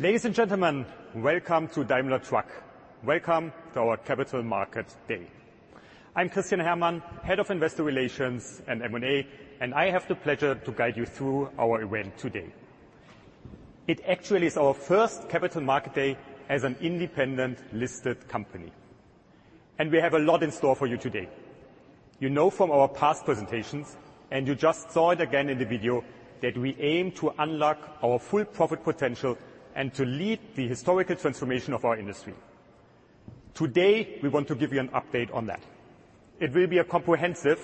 Ladies and gentlemen, welcome to Daimler Truck. Welcome to our Capital Market Day. I'm Christian Herrmann, Head of Investor Relations and M&A. I have the pleasure to guide you through our event today. It actually is our first Capital Market Day as an independent listed company. We have a lot in store for you today. You know from our past presentations, and you just saw it again in the video, that we aim to unlock our full profit potential and to lead the historical transformation of our industry. Today, we want to give you an update on that. It will be a comprehensive,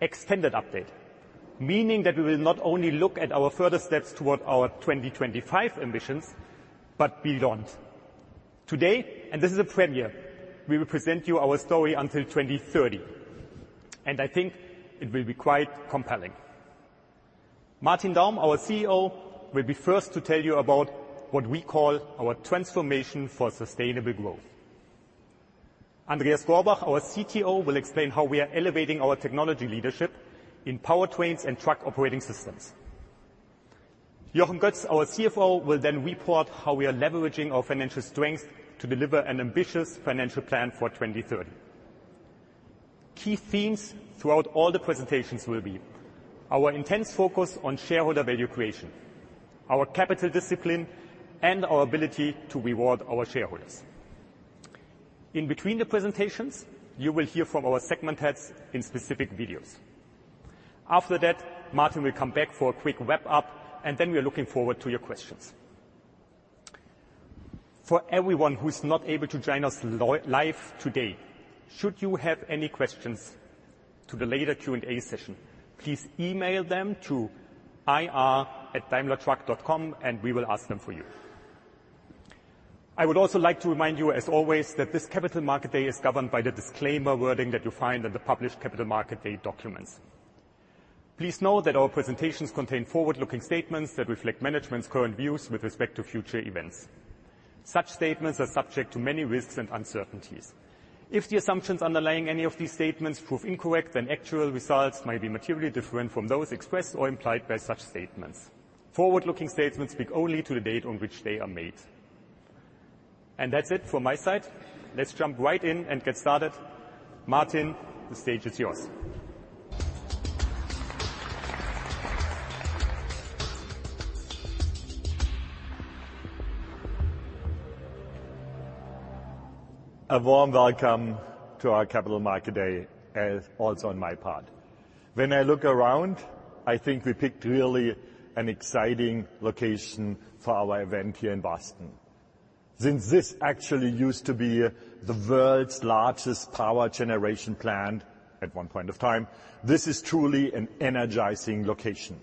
extended update, meaning that we will not only look at our further steps toward our 2025 ambitions, but beyond. Today, and this is a premiere, we will present you our story until 2030. I think it will be quite compelling. Martin Daum, our CEO, will be first to tell you about what we call our transformation for sustainable growth. Andreas Gorbach, our CTO, will explain how we are elevating our technology leadership in powertrains and truck operating systems. Jochen Goetz, our CFO, will report how we are leveraging our financial strength to deliver an ambitious financial plan for 2030. Key themes throughout all the presentations will be: our intense focus on shareholder value creation, our capital discipline, and our ability to reward our shareholders. In between the presentations, you will hear from our segment heads in specific videos. After that, Martin will come back for a quick wrap-up, we are looking forward to your questions. For everyone who is not able to join us live today, should you have any questions to the later Q&A session, please email them to ir@daimlertruck.com. We will ask them for you. I would also like to remind you, as always, that this Capital Market Day is governed by the disclaimer wording that you find in the published Capital Market Day documents. Please know that our presentations contain forward-looking statements that reflect management's current views with respect to future events. Such statements are subject to many risks and uncertainties. If the assumptions underlying any of these statements prove incorrect, then actual results may be materially different from those expressed or implied by such statements. Forward-looking statements speak only to the date on which they are made. That's it from my side. Let's jump right in and get started. Martin, the stage is yours. A warm welcome to our Capital Market Day, also on my part. When I look around, I think we picked really an exciting location for our event here in Boston. Since this actually used to be the world's largest power generation plant at one point of time, this is truly an energizing location.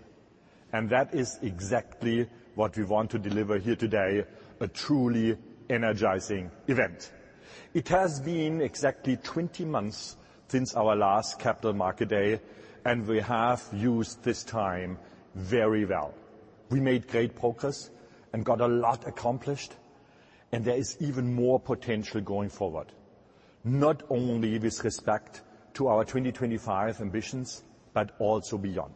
That is exactly what we want to deliver here today, a truly energizing event. It has been exactly 20 months since our last Capital Market Day. We have used this time very well. We made great progress and got a lot accomplished. There is even more potential going forward, not only with respect to our 2025 ambitions, but also beyond.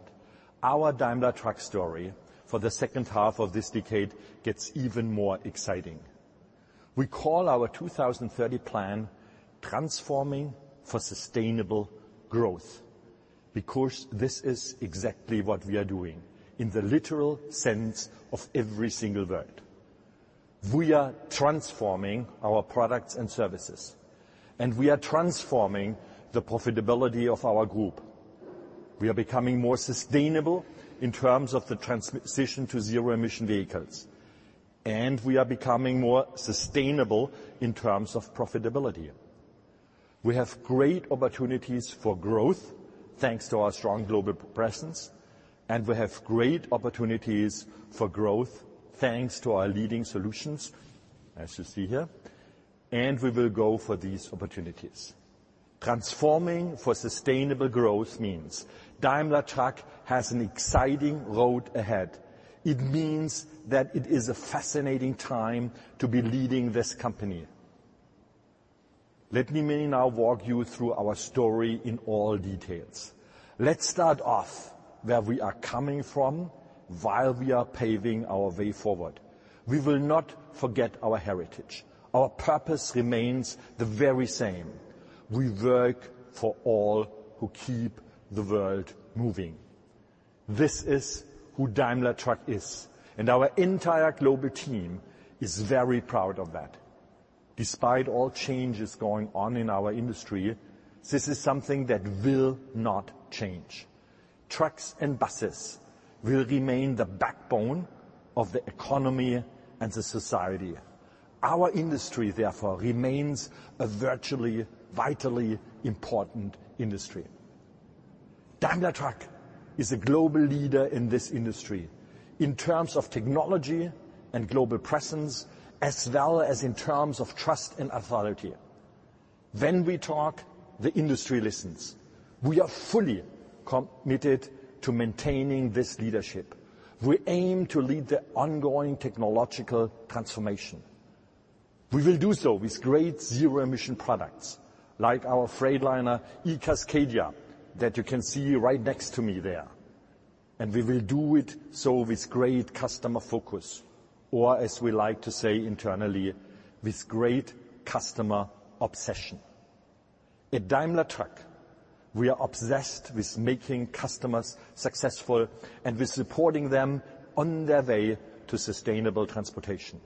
Our Daimler Truck story for the second half of this decade gets even more exciting. We call our 2030 Plan Transforming for Sustainable Growth because this is exactly what we are doing in the literal sense of every single word. We are transforming our products and services, and we are transforming the profitability of our group. We are becoming more sustainable in terms of the transition to zero-emission vehicles, and we are becoming more sustainable in terms of profitability. We have great opportunities for growth thanks to our strong global presence, and we have great opportunities for growth thanks to our leading solutions, as you see here, and we will go for these opportunities. Transforming for sustainable growth means Daimler Truck has an exciting road ahead. It means that it is a fascinating time to be leading this company. Let me now walk you through our story in all details. Let's start off where we are coming from while we are paving our way forward. We will not forget our heritage. Our purpose remains the very same: We work for all who keep the world moving. This is who Daimler Truck is, and our entire global team is very proud of that. Despite all changes going on in our industry, this is something that will not change. Trucks and buses will remain the backbone of the economy and the society. Our industry, therefore, remains a virtually vitally important industry. Daimler Truck is a global leader in this industry in terms of technology and global presence, as well as in terms of trust and authority. When we talk, the industry listens. We are fully committed to maintaining this leadership. We aim to lead the ongoing technological transformation.... We will do so with great zero-emission products, like our Freightliner eCascadia, that you can see right next to me there. We will do it so with great customer focus, or as we like to say internally, with great customer obsession. At Daimler Truck, we are obsessed with making customers successful and with supporting them on their way to sustainable transportation.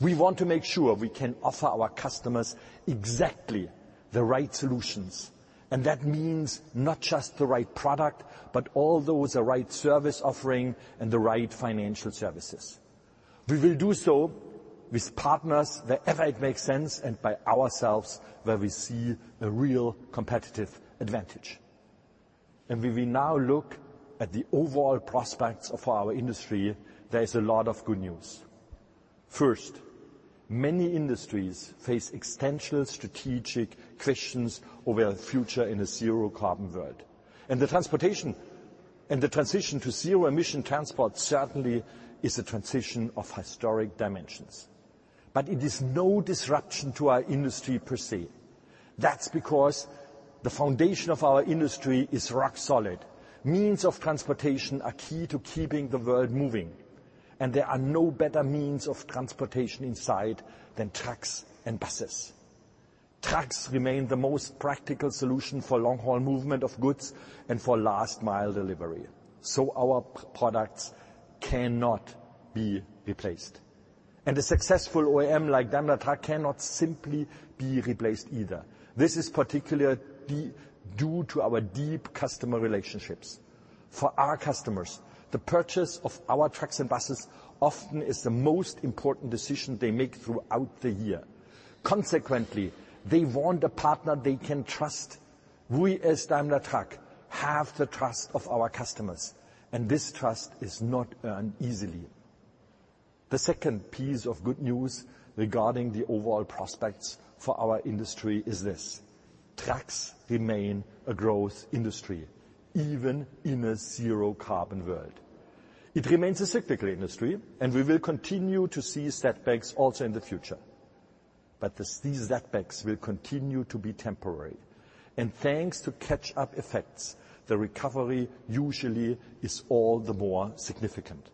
We want to make sure we can offer our customers exactly the right solutions, and that means not just the right product, but also with the right service offering and the right financial services. We will do so with partners wherever it makes sense, and by ourselves, where we see a real competitive advantage. When we now look at the overall prospects of our industry, there is a lot of good news. First, many industries face existential strategic questions over their future in a zero-carbon world, and the transition to zero-emission transport certainly is a transition of historic dimensions, but it is no disruption to our industry per se. That's because the foundation of our industry is rock solid. Means of transportation are key to keeping the world moving, and there are no better means of transportation in sight than trucks and buses. Trucks remain the most practical solution for long-haul movement of goods and for last-mile delivery, so our products cannot be replaced. A successful OEM like Daimler Truck cannot simply be replaced either. This is particularly due to our deep customer relationships. For our customers, the purchase of our trucks and buses often is the most important decision they make throughout the year. Consequently, they want a partner they can trust. We, as Daimler Truck, have the trust of our customers. This trust is not earned easily. The second piece of good news regarding the overall prospects for our industry is this: Trucks remain a growth industry, even in a zero-carbon world. It remains a cyclical industry. We will continue to see setbacks also in the future. These setbacks will continue to be temporary, and thanks to catch-up effects, the recovery usually is all the more significant.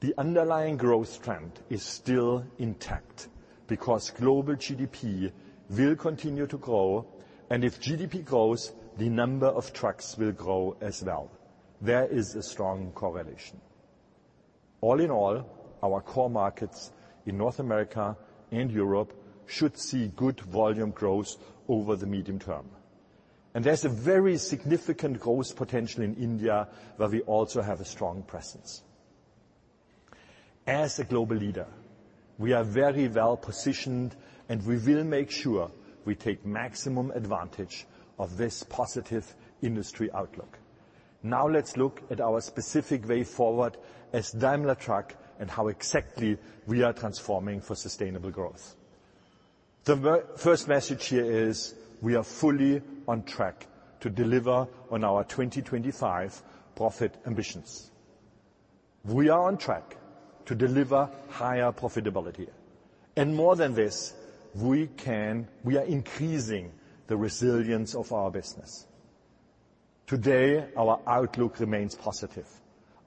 The underlying growth trend is still intact because global GDP will continue to grow, and if GDP grows, the number of trucks will grow as well. There is a strong correlation. All in all, our core markets in North America and Europe should see good volume growth over the medium term, and there's a very significant growth potential in India, where we also have a strong presence. As a global leader, we are very well positioned, and we will make sure we take maximum advantage of this positive industry outlook. Let's look at our specific way forward as Daimler Truck and how exactly we are transforming for sustainable growth. The first message here is we are fully on track to deliver on our 2025 profit ambitions. We are on track to deliver higher profitability, and more than this, we can. We are increasing the resilience of our business. Today, our outlook remains positive.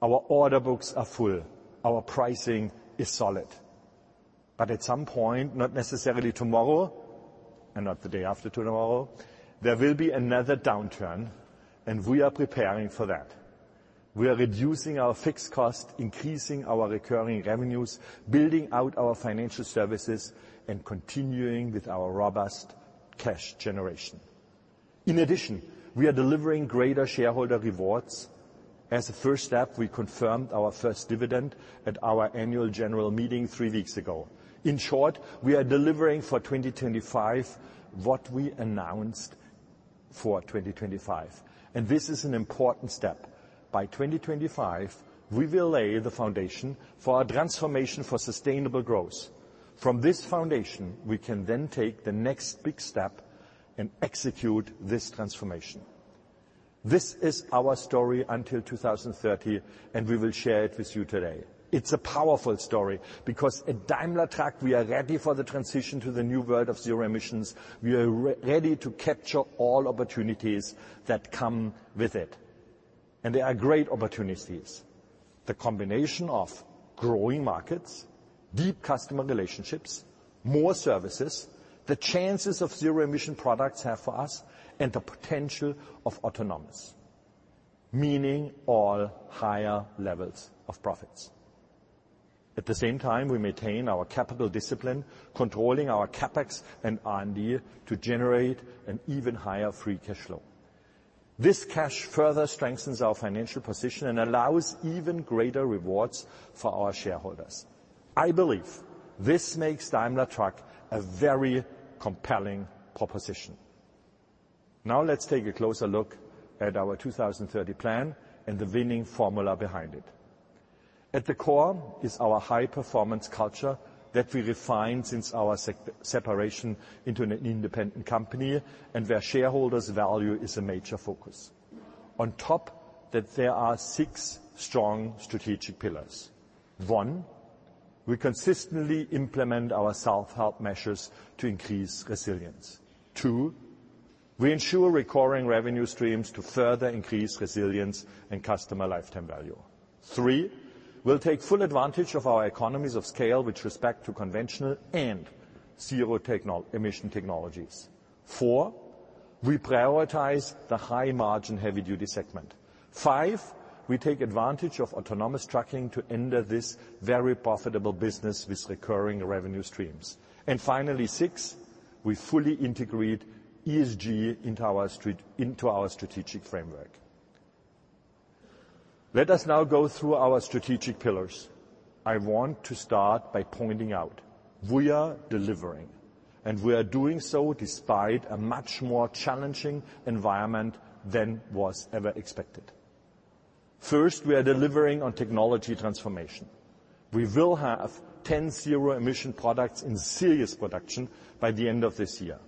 Our order books are full. Our pricing is solid. At some point, not necessarily tomorrow, and not the day after tomorrow, there will be another downturn, and we are preparing for that. We are reducing our fixed cost, increasing our recurring revenues, building out our financial services, and continuing with our robust cash generation. In addition, we are delivering greater shareholder rewards. As a first step, we confirmed our first dividend at our annual general meeting three weeks ago. In short, we are delivering for 2025 what we announced for 2025. This is an important step. By 2025, we will lay the foundation for our transformation for sustainable growth. From this foundation, we can then take the next big step and execute this transformation. This is our story until 2030. We will share it with you today. It's a powerful story because at Daimler Truck, we are ready for the transition to the new world of zero emissions. We are ready to capture all opportunities that come with it. They are great opportunities. The combination of growing markets, deep customer relationships, more services, the chances of zero-emission products have for us, and the potential of autonomous, meaning all higher levels of profits. At the same time, we maintain our capital discipline, controlling our CapEx and R&D to generate an even higher free cash flow. This cash further strengthens our financial position and allows even greater rewards for our shareholders. I believe this makes Daimler Truck a very compelling proposition. Let's take a closer look at our 2030 Plan and the winning formula behind it. At the core is our high-performance culture that we refined since our separation into an independent company, and where shareholders' value is a major focus. On top, that there are six strong strategic pillars. One, we consistently implement our self-help measures to increase resilience. Two, we ensure recurring revenue streams to further increase resilience and customer lifetime value. Three, we'll take full advantage of our economies of scale with respect to conventional and zero-emission technologies. Four, we prioritize the high-margin heavy-duty segment. Five, we take advantage of Autonomous Trucking to enter this very profitable business with recurring revenue streams. And finally, six, we fully integrate ESG into our strategic framework. Let us now go through our strategic pillars. I want to start by pointing out, we are delivering, and we are doing so despite a much more challenging environment than was ever expected. First, we are delivering on technology transformation. We will have 10 zero-emission products in serious production by the end of this year.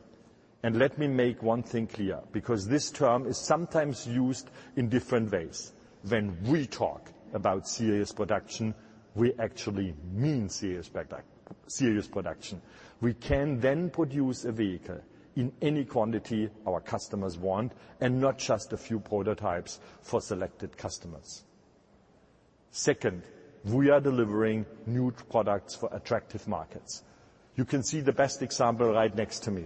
Let me make one thing clear, because this term is sometimes used in different ways: when we talk about serious production, we actually mean serious production. We can then produce a vehicle in any quantity our customers want, and not just a few prototypes for selected customers. Second, we are delivering new products for attractive markets. You can see the best example right next to me.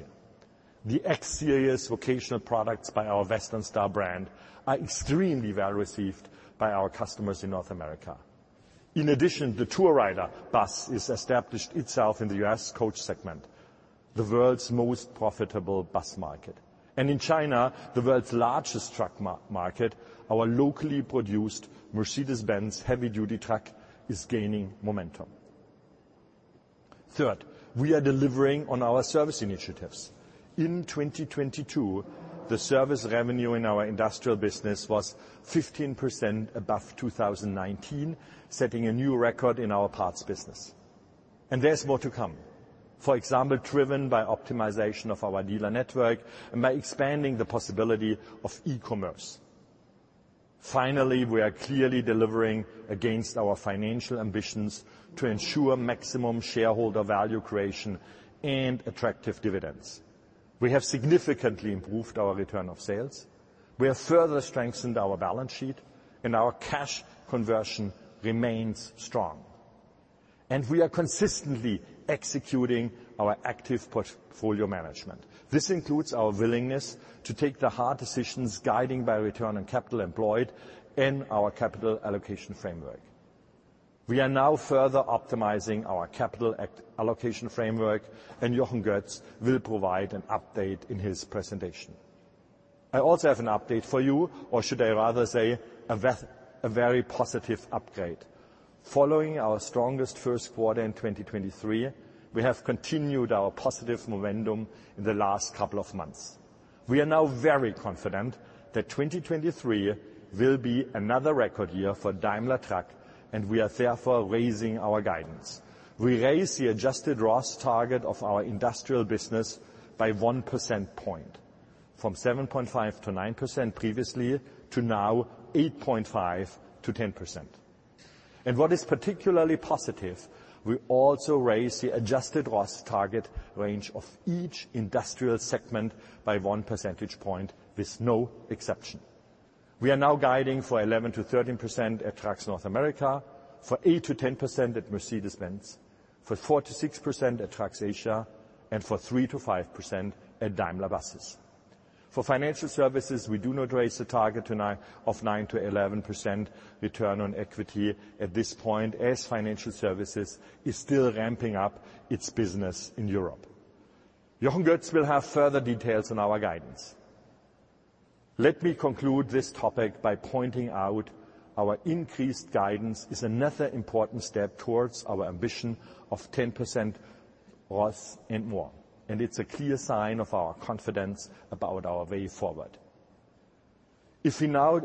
The X-Series vocational products by our Western Star brand are extremely well received by our customers in North America. In addition, the Tourrider bus has established itself in the U.S. Coach segment, the world's most profitable bus market. In China, the world's largest Truck market, our locally produced Mercedes-Benz heavy-duty truck is gaining momentum. Third, we are delivering on our service initiatives. In 2022, the service revenue in our industrial business was 15% above 2019, setting a new record in our parts business. There's more to come. For example, driven by optimization of our dealer network and by expanding the possibility of e-commerce. Finally, we are clearly delivering against our financial ambitions to ensure maximum shareholder value creation and attractive dividends. We have significantly improved our return on sales, we have further strengthened our balance sheet, our cash conversion remains strong, we are consistently executing our active portfolio management. This includes our willingness to take the hard decisions, guiding by return on capital employed in our capital allocation framework. We are now further optimizing our capital allocation framework, Jochen Goetz will provide an update in his presentation. I also have an update for you, or should I rather say, a very positive upgrade. Following our strongest first quarter in 2023, we have continued our positive momentum in the last couple of months. We are now very confident that 2023 will be another record year for Daimler Truck, and we are therefore raising our guidance. We raise the adjusted ROAS target of our industrial business by 1 percentage point, from 7.5%-9% previously, to now 8.5%-10%. What is particularly positive, we also raise the adjusted ROAS target range of each industrial segment by 1 percentage point, with no exception. We are now guiding for 11%-13% at Trucks North America, for 8%-10% at Mercedes-Benz, for 4%-6% at Trucks Asia, and for 3%-5% at Daimler Buses. For Financial Services, we do not raise the target of 9%-11% return on equity at this point, as Financial Services is still ramping up its business in Europe. Jochen Goetz will have further details on our guidance. Let me conclude this topic by pointing out our increased guidance is another important step towards our ambition of 10% ROAS and more, it's a clear sign of our confidence about our way forward. If we now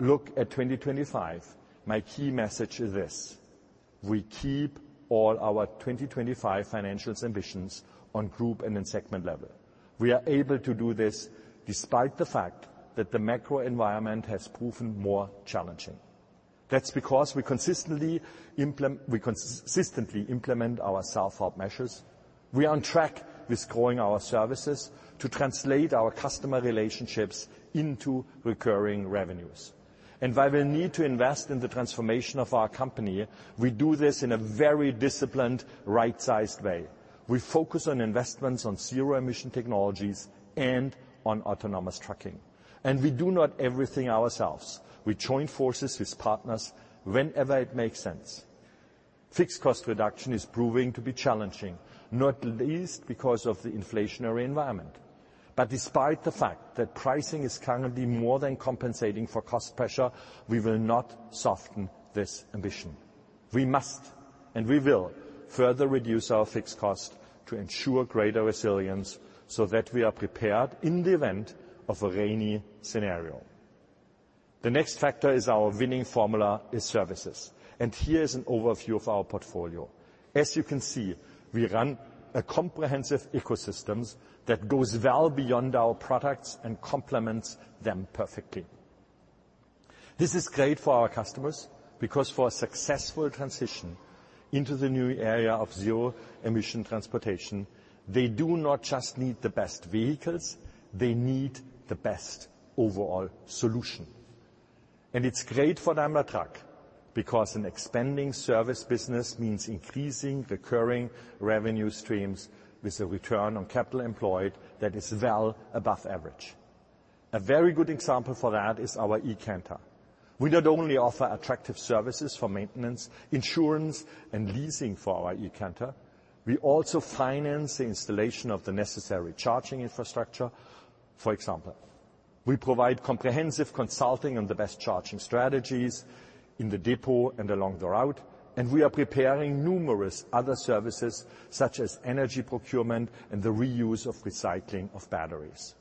look at 2025, my key message is this: we keep all our 2025 financials ambitions on group and in segment level. We are able to do this despite the fact that the macro environment has proven more challenging. That's because we consistently implement our self-help measures. We are on track with growing our services to translate our customer relationships into recurring revenues. While we need to invest in the transformation of our company, we do this in a very disciplined, right-sized way. We focus on investments on zero-emission technologies and on Autonomous Trucking. We do not everything ourselves. We join forces with partners whenever it makes sense. Fixed cost reduction is proving to be challenging, not least because of the inflationary environment. Despite the fact that pricing is currently more than compensating for cost pressure, we will not soften this ambition. We must, and we will, further reduce our fixed costs to ensure greater resilience so that we are prepared in the event of a rainy scenario. Here is an overview of our portfolio. As you can see, we run a comprehensive ecosystem that goes well beyond our products and complements them perfectly. This is great for our customers, because for a successful transition into the new area of zero-emission transportation, they do not just need the best vehicles, they need the best overall solution. It's great for Daimler Truck, because an expanding service business means increasing recurring revenue streams with a return on capital employed that is well above average. A very good example for that is our eCanter. We not only offer attractive services for maintenance, insurance, and leasing for our eCanter, we also finance the installation of the necessary charging infrastructure. For example, we provide comprehensive consulting on the best charging strategies in the depot and along the route, and we are preparing numerous other services, such as energy procurement and the reuse of recycling of batteries.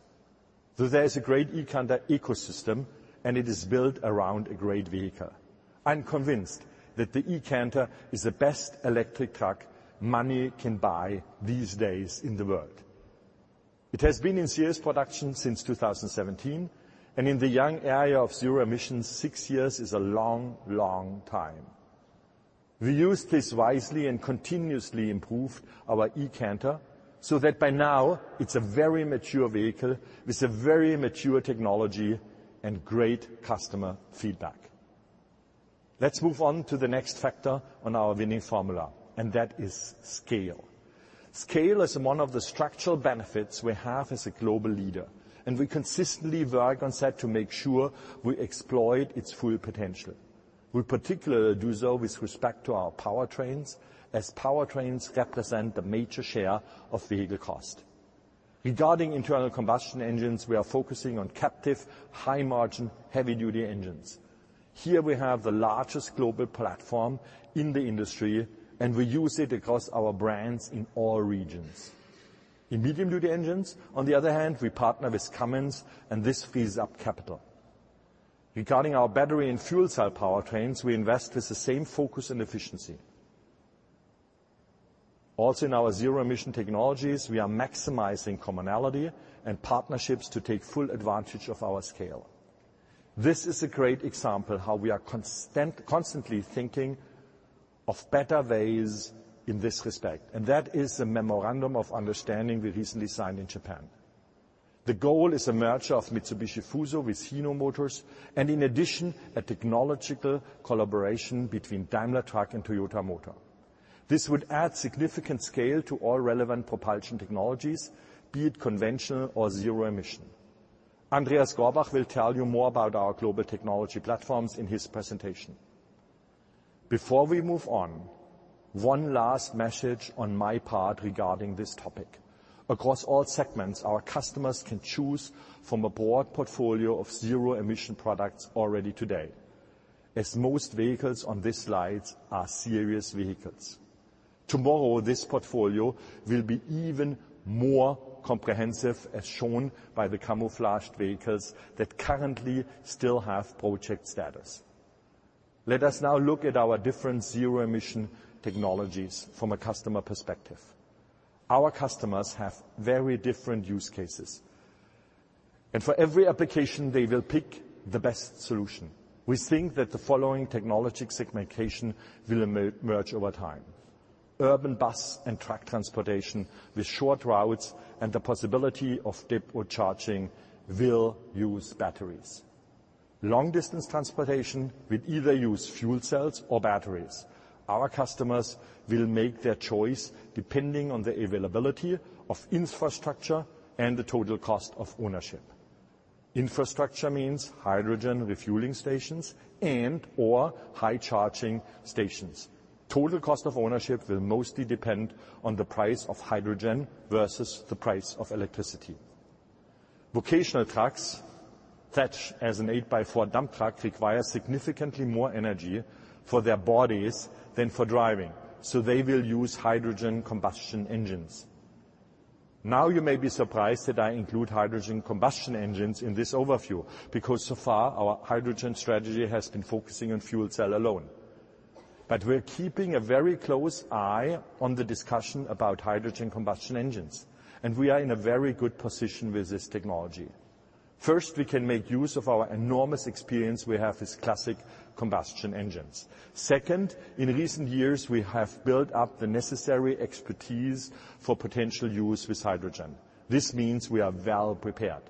There is a great eCanter ecosystem, and it is built around a great vehicle. I'm convinced that the eCanter is the best electric truck money can buy these days in the world. It has been in serious production since 2017, and in the young area of zero emissions, six years is a long, long time. We used this wisely and continuously improved our eCanter, so that by now it's a very mature vehicle with a very mature technology and great customer feedback. Let's move on to the next factor on our winning formula, and that is scale. Scale is one of the structural benefits we have as a global leader, and we consistently work on set to make sure we exploit its full potential. We particularly do so with respect to our powertrains, as powertrains represent the major share of vehicle cost. Regarding internal combustion engines, we are focusing on captive, high-margin, heavy-duty engines. Here we have the largest global platform in the industry, and we use it across our brands in all regions. In medium-duty engines, on the other hand, we partner with Cummins, and this frees up capital. Regarding our battery and fuel cell powertrains, we invest with the same focus and efficiency. Also, in our zero-emission technologies, we are maximizing commonality and partnerships to take full advantage of our scale. This is a great example how we are constantly thinking of better ways in this respect, that is the memorandum of understanding we recently signed in Japan. The goal is a merger of Mitsubishi Fuso with Hino Motors and, in addition, a technological collaboration between Daimler Truck and Toyota Motor. This would add significant scale to all relevant propulsion technologies, be it conventional or zero emission. Andreas Gorbach will tell you more about our global technology platforms in his presentation. Before we move on, one last message on my part regarding this topic: across all segments, our customers can choose from a broad portfolio of zero-emission products already today, as most vehicles on this slide are serious vehicles. Tomorrow, this portfolio will be even more comprehensive, as shown by the camouflaged vehicles that currently still have project status. Let us now look at our different zero-emission technologies from a customer perspective. Our customers have very different use cases, and for every application, they will pick the best solution. We think that the following technology segmentation will emerge over time. Urban bus and truck transportation with short routes and the possibility of depot charging will use batteries. Long-distance transportation will either use fuel cells or batteries. Our customers will make their choice depending on the availability of infrastructure and the total cost of ownership. Infrastructure means hydrogen refueling stations and/or high charging stations. Total cost of ownership will mostly depend on the price of hydrogen versus the price of electricity. Vocational trucks, such as an 8x4 dump truck, require significantly more energy for their bodies than for driving, so they will use hydrogen combustion engines. You may be surprised that I include hydrogen combustion engines in this overview, because so far, our hydrogen strategy has been focusing on fuel cell alone. We're keeping a very close eye on the discussion about hydrogen combustion engines, and we are in a very good position with this technology. First, we can make use of our enormous experience we have with classic combustion engines. Second, in recent years, we have built up the necessary expertise for potential use with hydrogen. This means we are well prepared.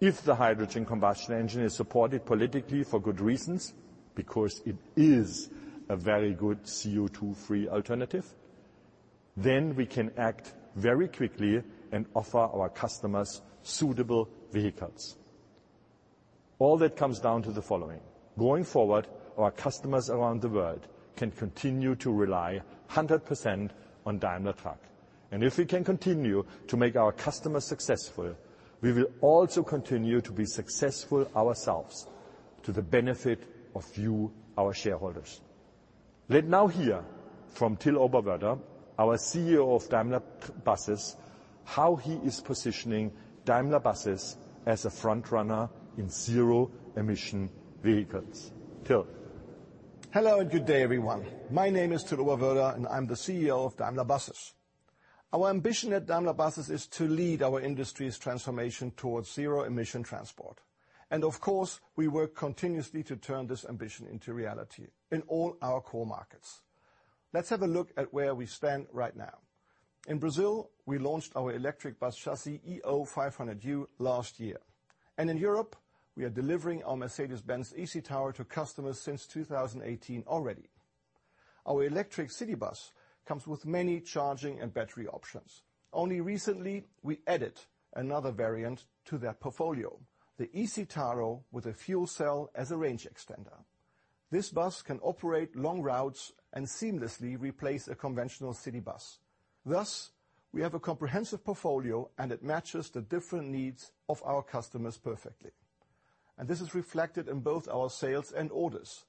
If the hydrogen combustion engine is supported politically for good reasons, because it is a very good CO₂-free alternative, we can act very quickly and offer our customers suitable vehicles. All that comes down to the following: Going forward, our customers around the world can continue to rely 100% on Daimler Truck, If we can continue to make our customers successful, we will also continue to be successful ourselves to the benefit of you, our shareholders. Let now hear from Till Oberwörder, our CEO of Daimler Buses, how he is positioning Daimler Buses as a frontrunner in zero-emission vehicles. Till? Hello, and good day, everyone. My name is Till Oberwörder, and I'm the CEO of Daimler Buses. Our ambition at Daimler Buses is to lead our industry's transformation towards zero emission transport, and of course, we work continuously to turn this ambition into reality in all our core markets. Let's have a look at where we stand right now. In Brazil, we launched our electric bus chassis, eO500U, last year, and in Europe, we are delivering our Mercedes-Benz eCitaro to customers since 2018 already. Our electric city bus comes with many charging and battery options. Only recently, we added another variant to that portfolio, the eCitaro, with a fuel cell as a range extender. This bus can operate long routes and seamlessly replace a conventional city bus. We have a comprehensive portfolio. It matches the different needs of our customers perfectly. This is reflected in both our sales and orders.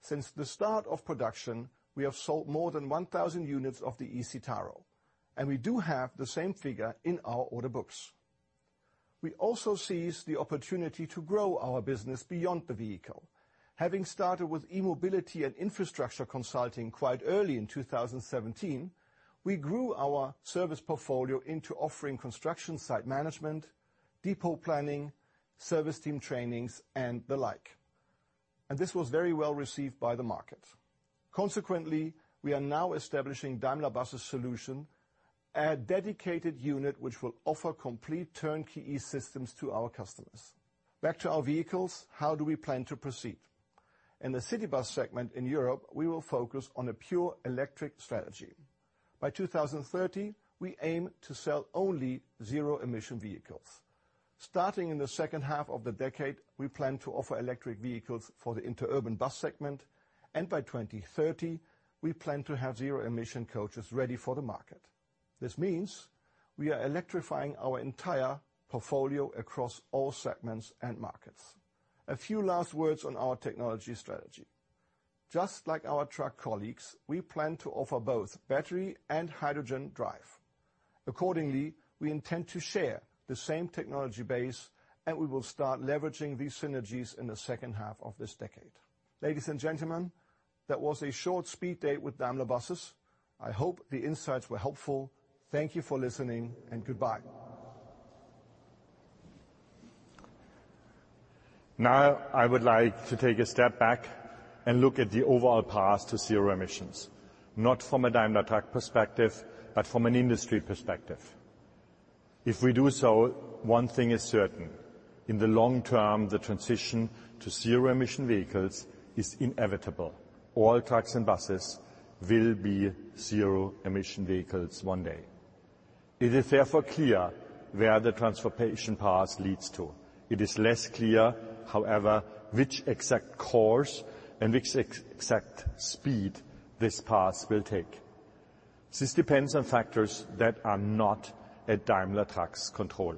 Since the start of production, we have sold more than 1,000 units of the eCitaro. We do have the same figure in our order books. We also seize the opportunity to grow our business beyond the vehicle. Having started with e-mobility and infrastructure consulting quite early in 2017, we grew our service portfolio into offering construction site management, depot planning, service team trainings, and the like. This was very well received by the market. Consequently, we are now establishing Daimler Buses Solutions, a dedicated unit which will offer complete turnkey e-systems to our customers. Back to our vehicles, how do we plan to proceed? In the city bus segment in Europe, we will focus on a pure electric strategy. By 2030, we aim to sell only zero-emission vehicles. Starting in the second half of the decade, we plan to offer electric vehicles for the interurban bus segment, and by 2030, we plan to have zero-emission coaches ready for the market. This means we are electrifying our entire portfolio across all segments and markets. A few last words on our technology strategy: just like our Truck colleagues, we plan to offer both battery and hydrogen drive. Accordingly, we intend to share the same technology base, and we will start leveraging these synergies in the second half of this decade. Ladies and gentlemen, that was a short speed date with Daimler Buses. I hope the insights were helpful. Thank you for listening, and goodbye. I would like to take a step back and look at the overall path to zero emissions, not from a Daimler Truck perspective, but from an industry perspective. If we do so, one thing is certain: in the long term, the transition to zero-emission vehicles is inevitable. All trucks and buses will be zero-emission vehicles one day. It is therefore clear where the transportation path leads to. It is less clear, however, which exact course and which exact speed this path will take. This depends on factors that are not at Daimler Truck's control.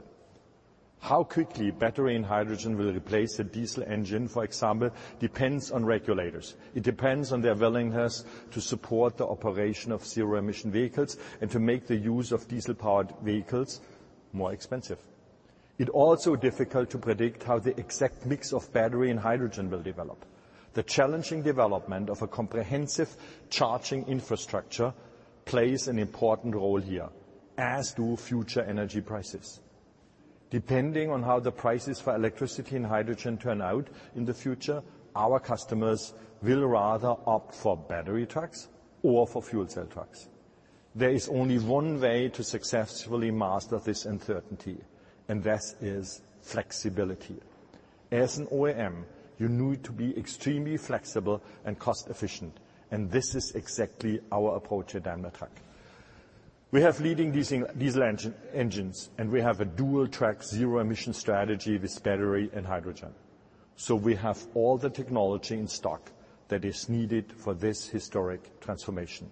How quickly battery and hydrogen will replace the diesel engine, for example, depends on regulators. It depends on their willingness to support the operation of zero-emission vehicles and to make the use of diesel-powered vehicles more expensive. It also difficult to predict how the exact mix of battery and hydrogen will develop. The challenging development of a comprehensive charging infrastructure plays an important role here, as do future energy prices. Depending on how the prices for electricity and hydrogen turn out in the future, our customers will rather opt for battery trucks or for fuel cell trucks. There is only one way to successfully master this uncertainty, and that is flexibility. As an OEM, you need to be extremely flexible and cost efficient, and this is exactly our approach at Daimler Truck. We have leading diesel engines, and we have a dual-track zero-emission strategy with battery and hydrogen. We have all the technology in stock that is needed for this historic transformation,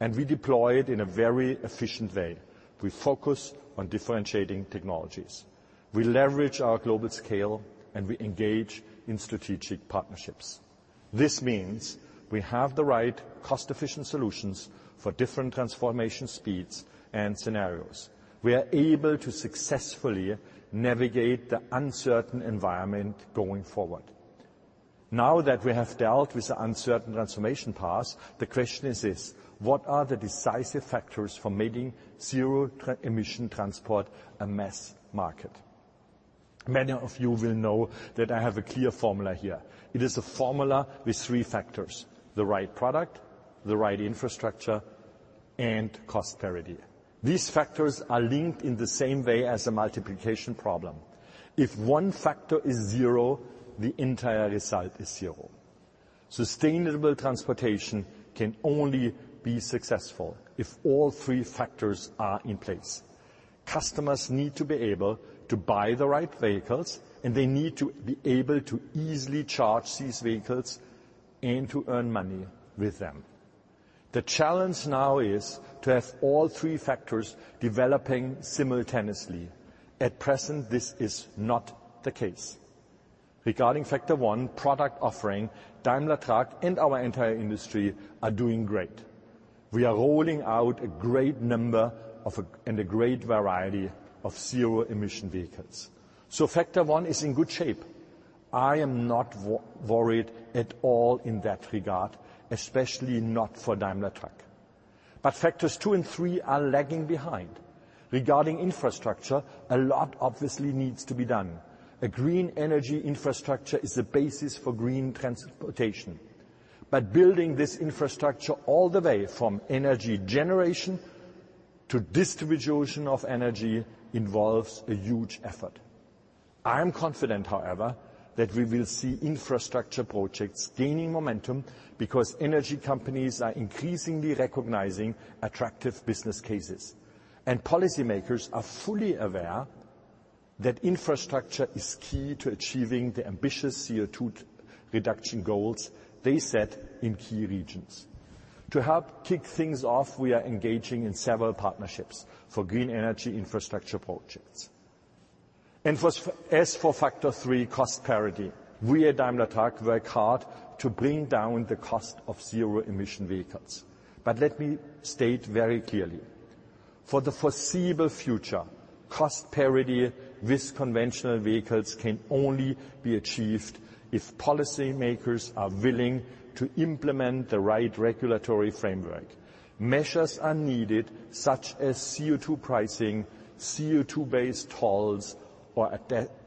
and we deploy it in a very efficient way. We focus on differentiating technologies, we leverage our global scale, and we engage in strategic partnerships. This means we have the right cost-efficient solutions for different transformation speeds and scenarios. We are able to successfully navigate the uncertain environment going forward. Now that we have dealt with the uncertain transformation path, the question is this: what are the decisive factors for making zero emission transport a mass market? Many of you will know that I have a clear formula here. It is a formula with three factors: the right product, the right infrastructure, and cost parity. These factors are linked in the same way as a multiplication problem. If one factor is zero, the entire result is zero. Sustainable transportation can only be successful if all three factors are in place. Customers need to be able to buy the right vehicles, and they need to be able to easily charge these vehicles and to earn money with them. The challenge now is to have all three factors developing simultaneously. At present, this is not the case. Regarding FACTOR 1, product offering, Daimler Truck and our entire industry are doing great. We are rolling out a great number of, and a great variety of zero-emission vehicles. FACTOR 1 is in good shape. I am not worried at all in that regard, especially not for Daimler Truck. FACTOR 2 and 3 are lagging behind. Regarding infrastructure, a lot obviously needs to be done. A green energy infrastructure is the basis for green transportation, but building this infrastructure all the way from energy generation to distribution of energy involves a huge effort. I am confident, however, that we will see infrastructure projects gaining momentum, because energy companies are increasingly recognizing attractive business cases, and policymakers are fully aware that infrastructure is key to achieving the ambitious CO₂ reduction goals they set in key regions. To help kick things off, we are engaging in several partnerships for green energy infrastructure projects. As for FACTOR 3, cost parity, we at Daimler Truck work hard to bring down the cost of zero-emission vehicles. Let me state very clearly, for the foreseeable future, cost parity with conventional vehicles can only be achieved if policymakers are willing to implement the right regulatory framework. Measures are needed, such as CO₂ pricing, CO₂-based tolls, or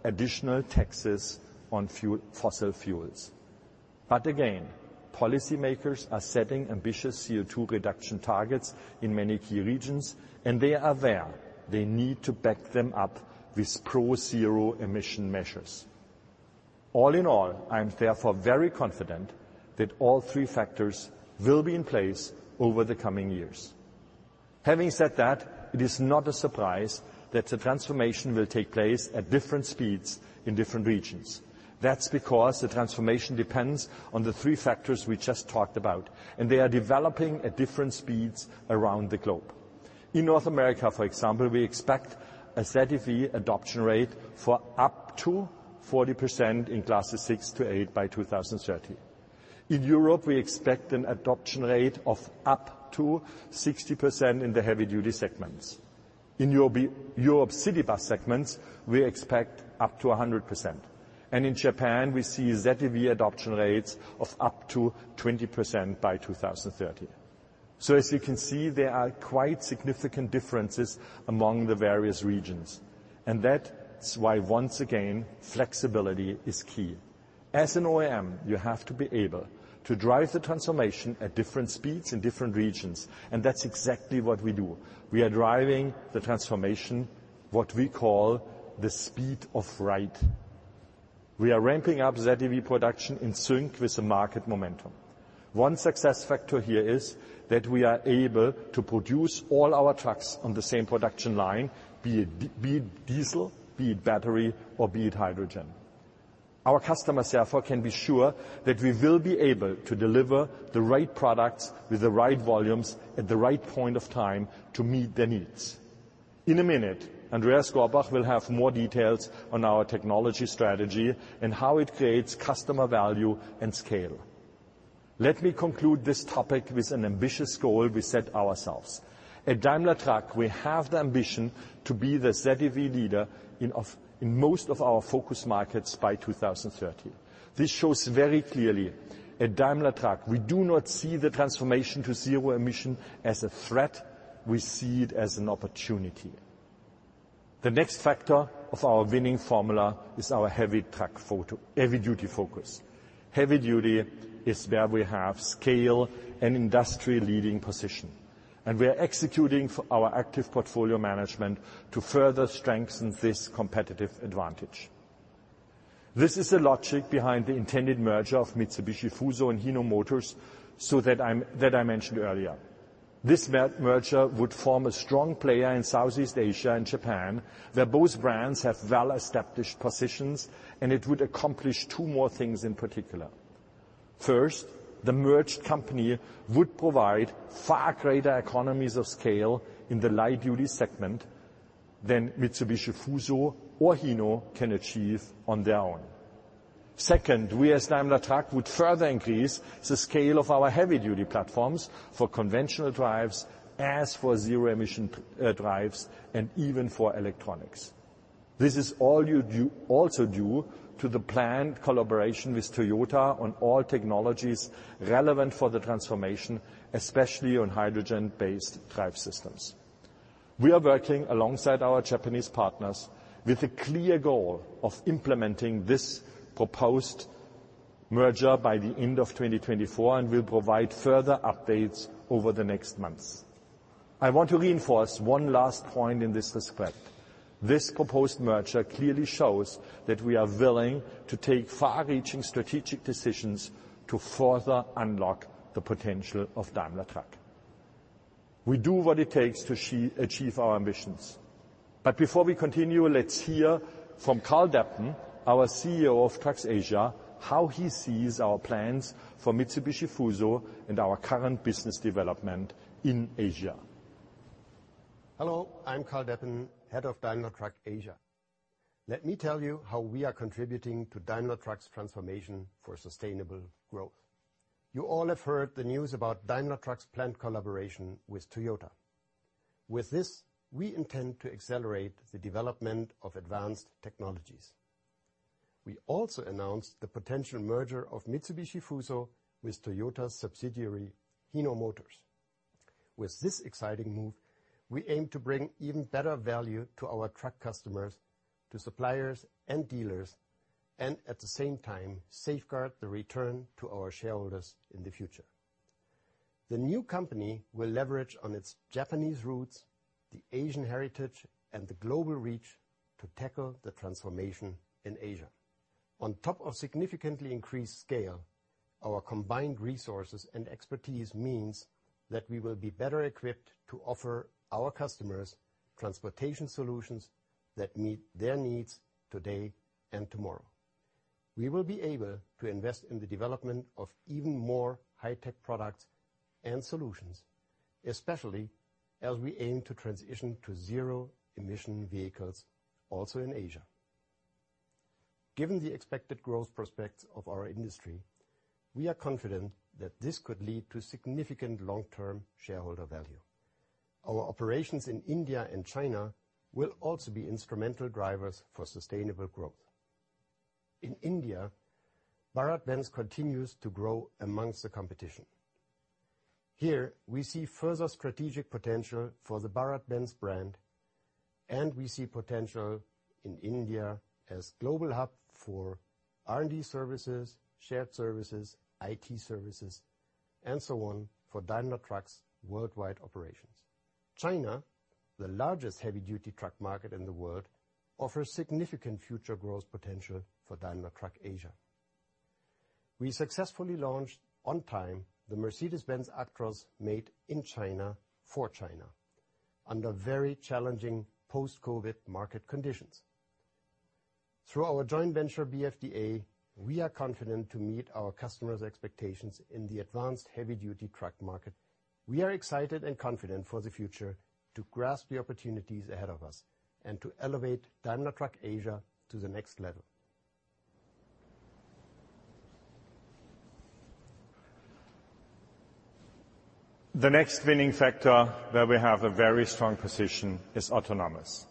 additional taxes on fossil fuels. Again, policymakers are setting ambitious CO₂ reduction targets in many key regions, and they are aware they need to back them up with pro-zero emission measures. All in all, I am therefore very confident that all three FACTORS will be in place over the coming years. Having said that, it is not a surprise that the transformation will take place at different speeds in different regions. That's because the transformation depends on the three FACTORS we just talked about, and they are developing at different speeds around the globe. In North America, for example, we expect a ZEV adoption rate for up to 40% in classes 6-8 by 2030. In Europe, we expect an adoption rate of up to 60% in the heavy-duty segments. In Euro VII, Europe city bus segments, we expect up to 100%, and in Japan, we see ZEV adoption rates of up to 20% by 2030. As you can see, there are quite significant differences among the various regions, and that's why, once again, flexibility is key. As an OEM, you have to be able to drive the transformation at different speeds in different regions, and that's exactly what we do. We are driving the transformation, what we call the speed of right. We are ramping up ZEV production in sync with the market momentum. One success factor here is that we are able to produce all our trucks on the same production line, be it diesel, be it battery, or be it hydrogen. Our customers, therefore, can be sure that we will be able to deliver the right products with the right volumes at the right point of time to meet their needs. In a minute, Andreas Gorbach will have more details on our technology strategy and how it creates customer value and scale. Let me conclude this topic with an ambitious goal we set ourselves. At Daimler Truck, we have the ambition to be the ZEV leader in most of our focus markets by 2030. This shows very clearly, at Daimler Truck, we do not see the transformation to zero emission as a threat, we see it as an opportunity. The next factor of our winning formula is our heavy-duty focus. Heavy-duty is where we have scale and industry-leading position. We are executing for our active portfolio management to further strengthen this competitive advantage. This is the logic behind the intended merger of Mitsubishi Fuso and Hino Motors. That I mentioned earlier. This merger would form a strong player in Southeast Asia and Japan, where both brands have well-established positions. It would accomplish two more things in particular. First, the merged company would provide far greater economies of scale in the light-duty segment than Mitsubishi Fuso or Hino can achieve on their own. Second, we as Daimler Truck, would further increase the scale of our heavy-duty platforms for conventional drives, as for zero-emission drives, and even for electronics. This is all you due, also due to the planned collaboration with Toyota on all technologies relevant for the transformation, especially on hydrogen-based drive systems. We are working alongside our Japanese partners with the clear goal of implementing this proposed merger by the end of 2024, and we'll provide further updates over the next months. I want to reinforce one last point in this respect. This proposed merger clearly shows that we are willing to take far-reaching strategic decisions to further unlock the potential of Daimler Truck. We do what it takes to achieve our ambitions. Before we continue, let's hear from Karl Deppen, our CEO of Trucks Asia, how he sees our plans for Mitsubishi Fuso and our current business development in Asia. Hello, I'm Karl Deppen, Head of Daimler Truck Asia. Let me tell you how we are contributing to Daimler Truck's transformation for sustainable growth. You all have heard the news about Daimler Truck's planned collaboration with Toyota. With this, we intend to accelerate the development of advanced technologies. We also announced the potential merger of Mitsubishi Fuso with Toyota's subsidiary, Hino Motors. With this exciting move, we aim to bring even better value to our truck customers, to suppliers and dealers, and at the same time, safeguard the return to our shareholders in the future. The new company will leverage on its Japanese roots, the Asian heritage, and the global reach to tackle the transformation in Asia. On top of significantly increased scale, our combined resources and expertise means that we will be better equipped to offer our customers transportation solutions that meet their needs today and tomorrow. We will be able to invest in the development of even more high-tech products and solutions, especially as we aim to transition to zero emission vehicles also in Asia. Given the expected growth prospects of our industry, we are confident that this could lead to significant long-term shareholder value. Our operations in India and China will also be instrumental drivers for sustainable growth. In India, BharatBenz continues to grow amongst the competition. Here, we see further strategic potential for the BharatBenz brand, and we see potential in India as global hub for R&D services, shared services, IT services, and so on, for Daimler Truck's worldwide operations. China, the largest heavy-duty truck market in the world, offers significant future growth potential for Daimler Truck Asia. We successfully launched on time, the Mercedes-Benz Actros made in China for China, under very challenging post-COVID market conditions. Through our joint venture, BFDA, we are confident to meet our customers' expectations in the advanced heavy-duty truck market. We are excited and confident for the future to grasp the opportunities ahead of us and to elevate Daimler Truck Asia to the next level. The next winning factor where we have a very strong position is autonomous.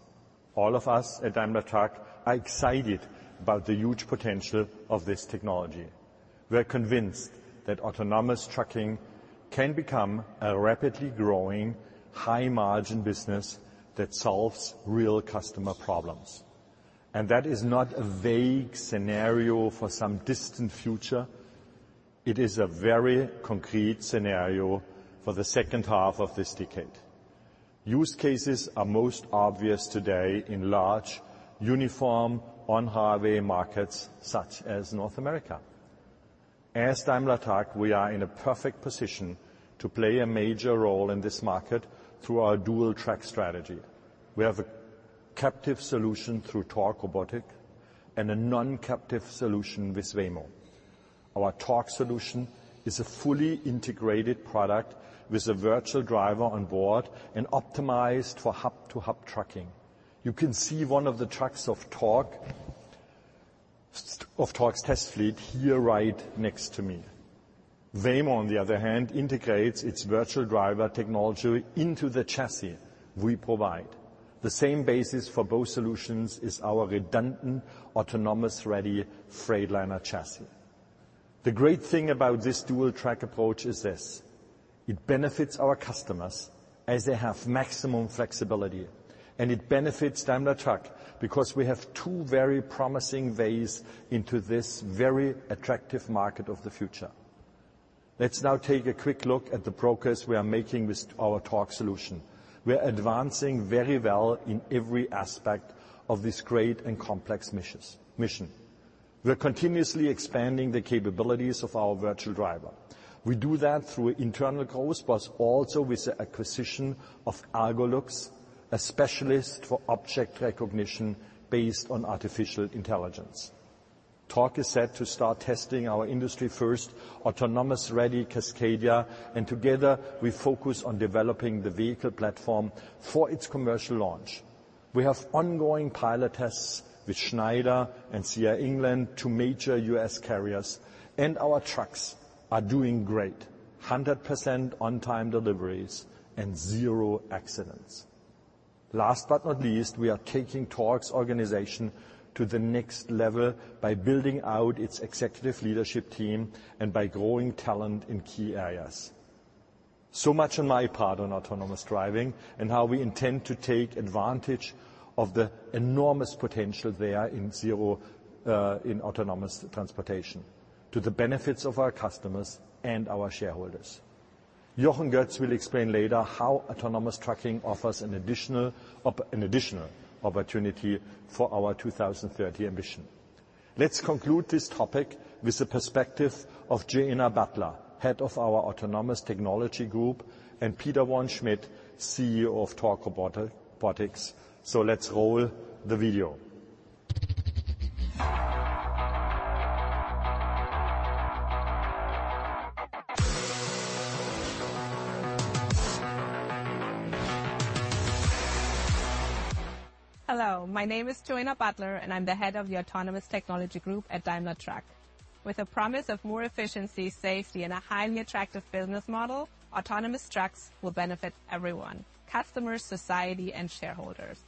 All of us at Daimler Truck are excited about the huge potential of this technology. We are convinced that Autonomous Trucking can become a rapidly growing, high-margin business that solves real customer problems, and that is not a vague scenario for some distant future, it is a very concrete scenario for the second half of this decade. Use cases are most obvious today in large, uniform, on-highway markets, such as North America. As Daimler Truck, we are in a perfect position to play a major role in this market through our dual track strategy. We have a captive solution through Torc Robotics and a non-captive solution with Waymo. Our Torc solution is a fully integrated product with a virtual driver on board and optimized for hub-to-hub trucking. You can see one of the trucks of Torc, of Torc's test fleet, here right next to me. Waymo, on the other hand, integrates its virtual driver technology into the chassis we provide. The same basis for both solutions is our redundant, autonomous-ready Freightliner Chassis. The great thing about this dual track approach is this: it benefits our customers, as they have maximum flexibility, and it benefits Daimler Truck because we have two very promising ways into this very attractive market of the future. Let's now take a quick look at the progress we are making with our Torc solution. We are advancing very well in every aspect of this great and complex mission. We are continuously expanding the capabilities of our virtual driver. We do that through internal growth, but also with the acquisition of Algolux, a specialist for object recognition based on artificial intelligence. Torc is set to start testing our industry-first, autonomous-ready Cascadia. Together, we focus on developing the vehicle platform for its commercial launch. We have ongoing pilot tests with Schneider and C.R. England, two major U.S. carriers. Our trucks are doing great: 100% on-time deliveries and zero accidents. Last but not least, we are taking Torc's organization to the next level by building out its executive leadership team and by growing talent in key areas. Much on my part on Autonomous Driving and how we intend to take advantage of the enormous potential there in zero in autonomous transportation, to the benefits of our customers and our shareholders. Jochen Goetz will explain later how Autonomous Trucking offers an additional opportunity for our 2030 ambition. Let's conclude this topic with the perspective of Joanna Buttler, Head of our Autonomous Technology Group, and Peter Vaughan Schmidt, CEO of Torc Robotics. Let's roll the video. Hello, my name is Joanna Buttler, I'm the Head of the Autonomous Technology Group at Daimler Truck. With a promise of more efficiency, safety, and a highly attractive business model, Autonomous Trucks will benefit everyone: customers, society, and shareholders.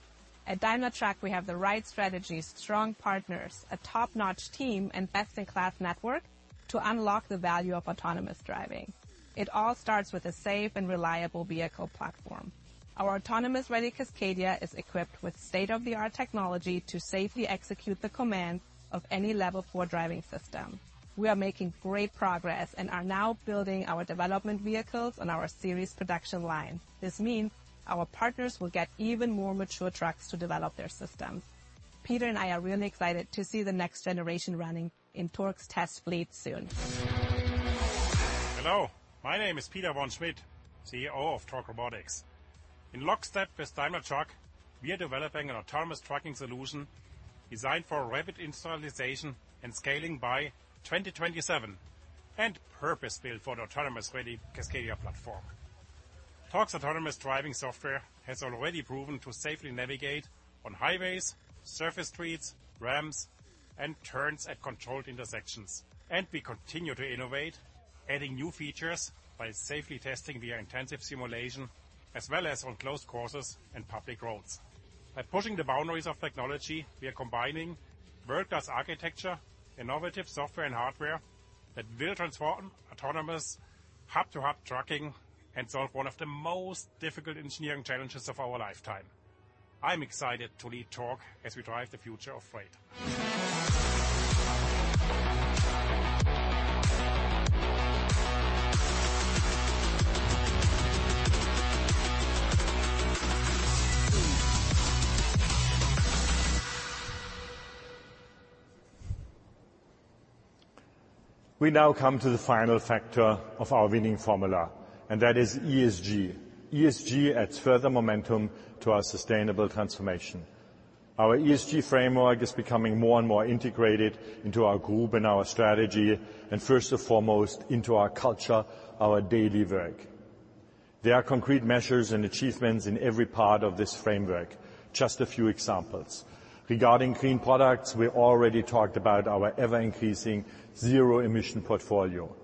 At Daimler Truck, we have the right strategies, strong partners, a top-notch team, and best-in-class network to unlock the value of Autonomous Driving. It all starts with a safe and reliable vehicle platform. Our autonomous-ready Cascadia is equipped with state-of-the-art technology to safely execute the command of any Level 4 driving system. We are making great progress and are now building our development vehicles on our series production line. This means our partners will get even more mature trucks to develop their systems. Peter and I are really excited to see the next generation running in Torc's test fleet soon. Hello, my name is Peter Vaughan Schmidt, CEO of Torc Robotics. In lockstep with Daimler Truck, we are developing an Autonomous Trucking solution designed for rapid installation and scaling by 2027, and purpose-built for the autonomous-ready Cascadia platform. Torc's Autonomous Driving software has already proven to safely navigate on highways, surface streets, ramps, and turns at controlled intersections. We continue to innovate, adding new features by safely testing via intensive simulation, as well as on closed courses and public roads. By pushing the boundaries of technology, we are combining world-class architecture, innovative software, and hardware that will transform autonomous hub-to-hub trucking and solve one of the most difficult engineering challenges of our lifetime. I'm excited to lead Torc as we drive the future of Freight. We now come to the final factor of our winning formula, that is ESG. ESG adds further momentum to our sustainable transformation. Our ESG framework is becoming more and more integrated into our group and our strategy, first and foremost, into our culture, our daily work. There are concrete measures and achievements in every part of this framework. Just a few examples: regarding clean products, we already talked about our ever-increasing zero emission portfolio.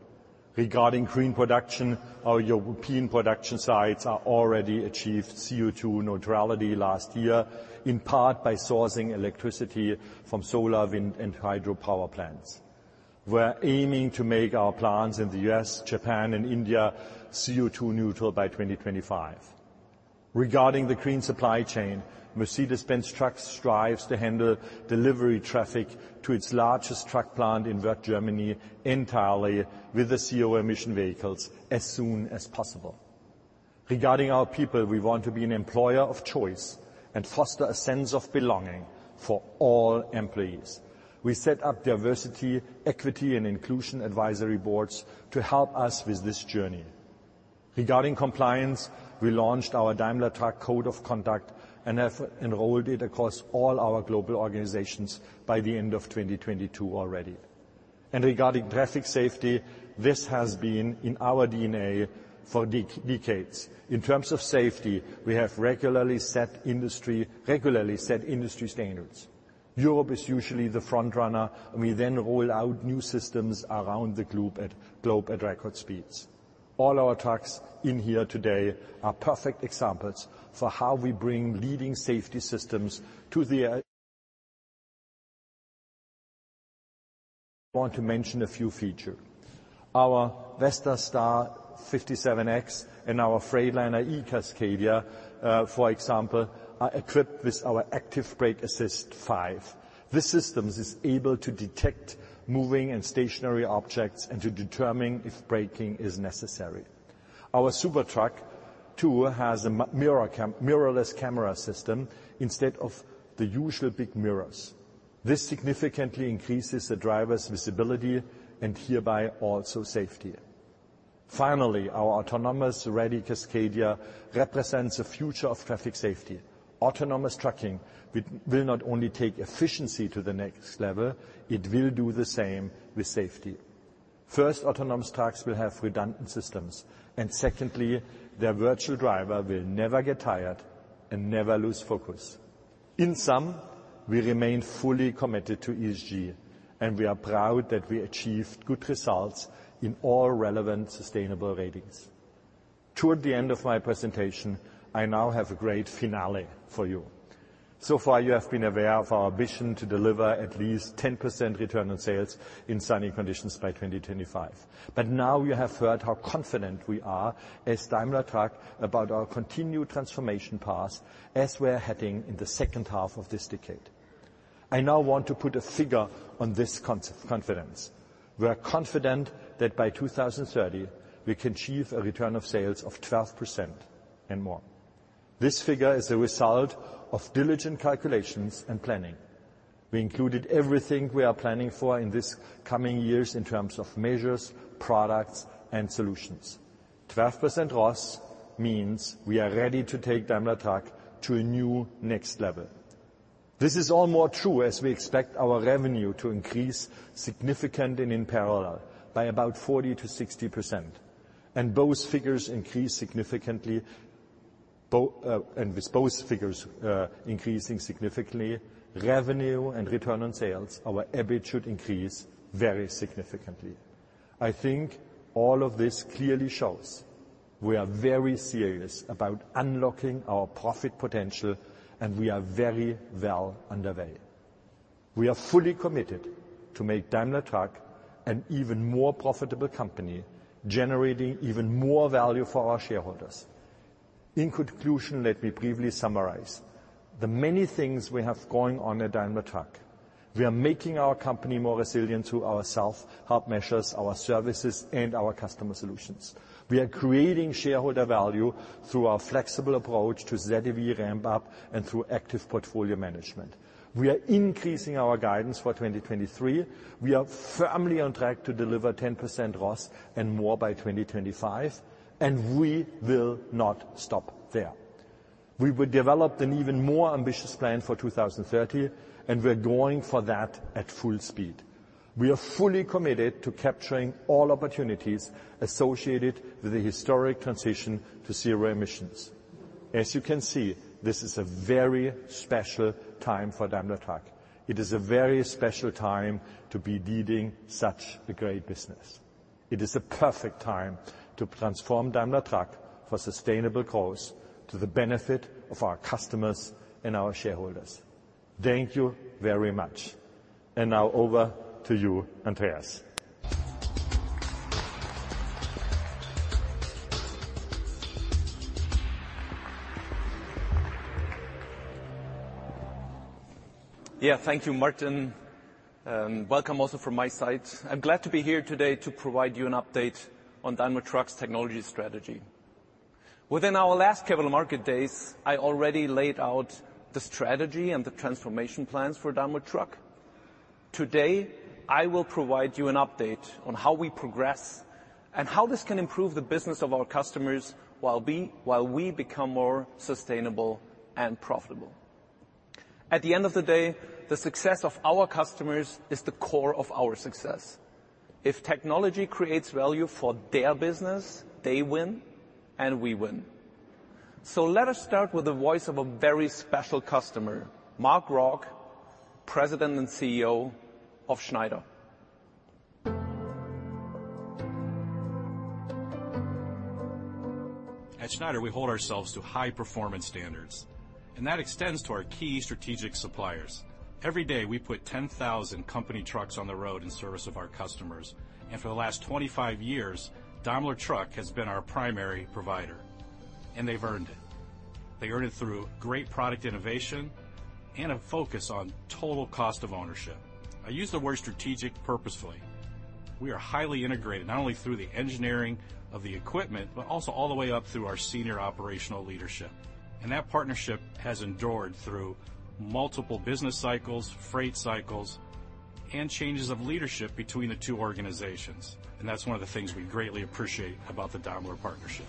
Regarding clean production, our European production sites are already achieved CO₂ neutrality last year, in part by sourcing electricity from solar, wind, and hydropower plants. We're aiming to make our plants in the U.S., Japan, and India, CO₂ neutral by 2025. Regarding the clean supply chain, Mercedes-Benz Trucks strives to handle delivery traffic to its largest truck plant in Wörth, Germany, entirely with the zero emission vehicles as soon as possible. Regarding our people, we want to be an employer of choice and foster a sense of belonging for all employees. We set up diversity, equity, and Inclusion Advisory Boards to help us with this journey. Regarding compliance, we launched our Daimler Truck Code of Conduct and have enrolled it across all our global organizations by the end of 2022 already. Regarding traffic safety, this has been in our DNA for decades. In terms of safety, we have regularly set industry standards. Europe is usually the front runner, and we then roll out new systems around the globe at record speeds. All our trucks in here today are perfect examples for how we bring leading safety systems to the. I want to mention a few feature. Our Western Star 57X and our Freightliner eCascadia, for example, are equipped with our Active Brake Assist 5. This systems is able to detect moving and stationary objects and to determine if braking is necessary. Our SuperTruck II has a MirrorCam, mirrorless camera system instead of the usual big mirrors. This significantly increases the driver's visibility and hereby also safety. Finally, our autonomous-ready Cascadia represents the future of traffic safety. Autonomous Trucking will not only take efficiency to the next level, it will do the same with safety. First, autonomous trucks will have redundant systems, and secondly, their virtual driver will never get tired and never lose focus. In sum, we remain fully committed to ESG, and we are proud that we achieved good results in all relevant sustainable ratings. Toward the end of my presentation, I now have a great finale for you. Far, you have been aware of our vision to deliver at least 10% return on sales in sunny conditions by 2025. Now you have heard how confident we are as Daimler Truck about our continued transformation path as we are heading in the second half of this decade. I now want to put a figure on this confidence. We are confident that by 2030, we can achieve a return of sales of 12% and more. This figure is a result of diligent calculations and planning. We included everything we are planning for in this coming years in terms of measures, products, and solutions. 12% ROS means we are ready to take Daimler Truck to a new next level. This is all more true as we expect our revenue to increase significantly and in parallel by about 40%-60%, and with both figures increasing significantly, revenue and return on sales, our EBIT, should increase very significantly. I think all of this clearly shows we are very serious about unlocking our profit potential, and we are very well underway. We are fully committed to make Daimler Truck an even more profitable company, generating even more value for our shareholders. In conclusion, let me briefly summarize the many things we have going on at Daimler Truck. We are making our company more resilient through our self-help measures, our services, and our customer solutions. We are creating shareholder value through our flexible approach to ZEV ramp-up and through active portfolio management. We are increasing our guidance for 2023. We are firmly on track to deliver 10% ROS and more by 2025. We will not stop there. We will develop an even more ambitious plan for 2030. We're going for that at full speed. We are fully committed to capturing all opportunities associated with the historic transition to zero emissions. As you can see, this is a very special time for Daimler Truck. It is a very special time to be leading such a great business. It is a perfect time to transform Daimler Truck for sustainable growth to the benefit of our customers and our shareholders. Thank you very much. Now over to you, Andreas. Yeah. Thank you, Martin, and welcome also from my side. I'm glad to be here today to provide you an update on Daimler Truck's technology strategy. Within our last Capital Market Days, I already laid out the strategy and the transformation plans for Daimler Truck. Today, I will provide you an update on how we progress and how this can improve the business of our customers, while we become more sustainable and profitable. At the end of the day, the success of our customers is the core of our success. If technology creates value for their business, they win, and we win. Let us start with the voice of a very special customer, Mark Rourke, President and CEO of Schneider. At Schneider, we hold ourselves to high performance standards, that extends to our key strategic suppliers. Every day, we put 10,000 company trucks on the road in service of our customers, for the last 25 years, Daimler Truck has been our primary provider, they've earned it. They earned it through great product innovation and a focus on total cost of ownership. I use the word strategic purposefully. We are highly integrated, not only through the engineering of the equipment, but also all the way up through our senior operational leadership, that partnership has endured through multiple business cycles, freight cycles, and changes of leadership between the two organizations. That's one of the things we greatly appreciate about the Daimler partnership.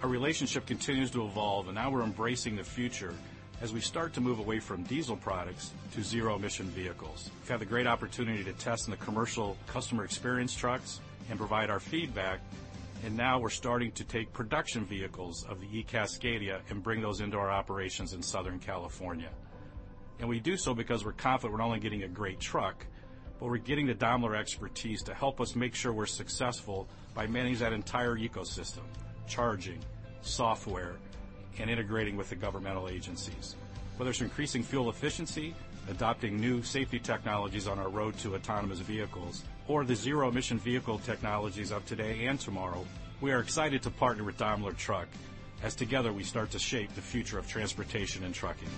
Our relationship continues to evolve, now we're embracing the future as we start to move away from diesel products to zero-emission vehicles. We've had the great opportunity to test in the commercial customer experience trucks and provide our feedback. Now we're starting to take production vehicles of the eCascadia and bring those into our operations in Southern California. We do so because we're confident we're not only getting a great truck, but we're getting the Daimler expertise to help us make sure we're successful by managing that entire ecosystem: charging, software, and integrating with the governmental agencies. Whether it's increasing fuel efficiency, adopting new safety technologies on our road to autonomous vehicles, or the zero-emission vehicle technologies of today and tomorrow, we are excited to partner with Daimler Truck as together we start to shape the future of transportation and trucking.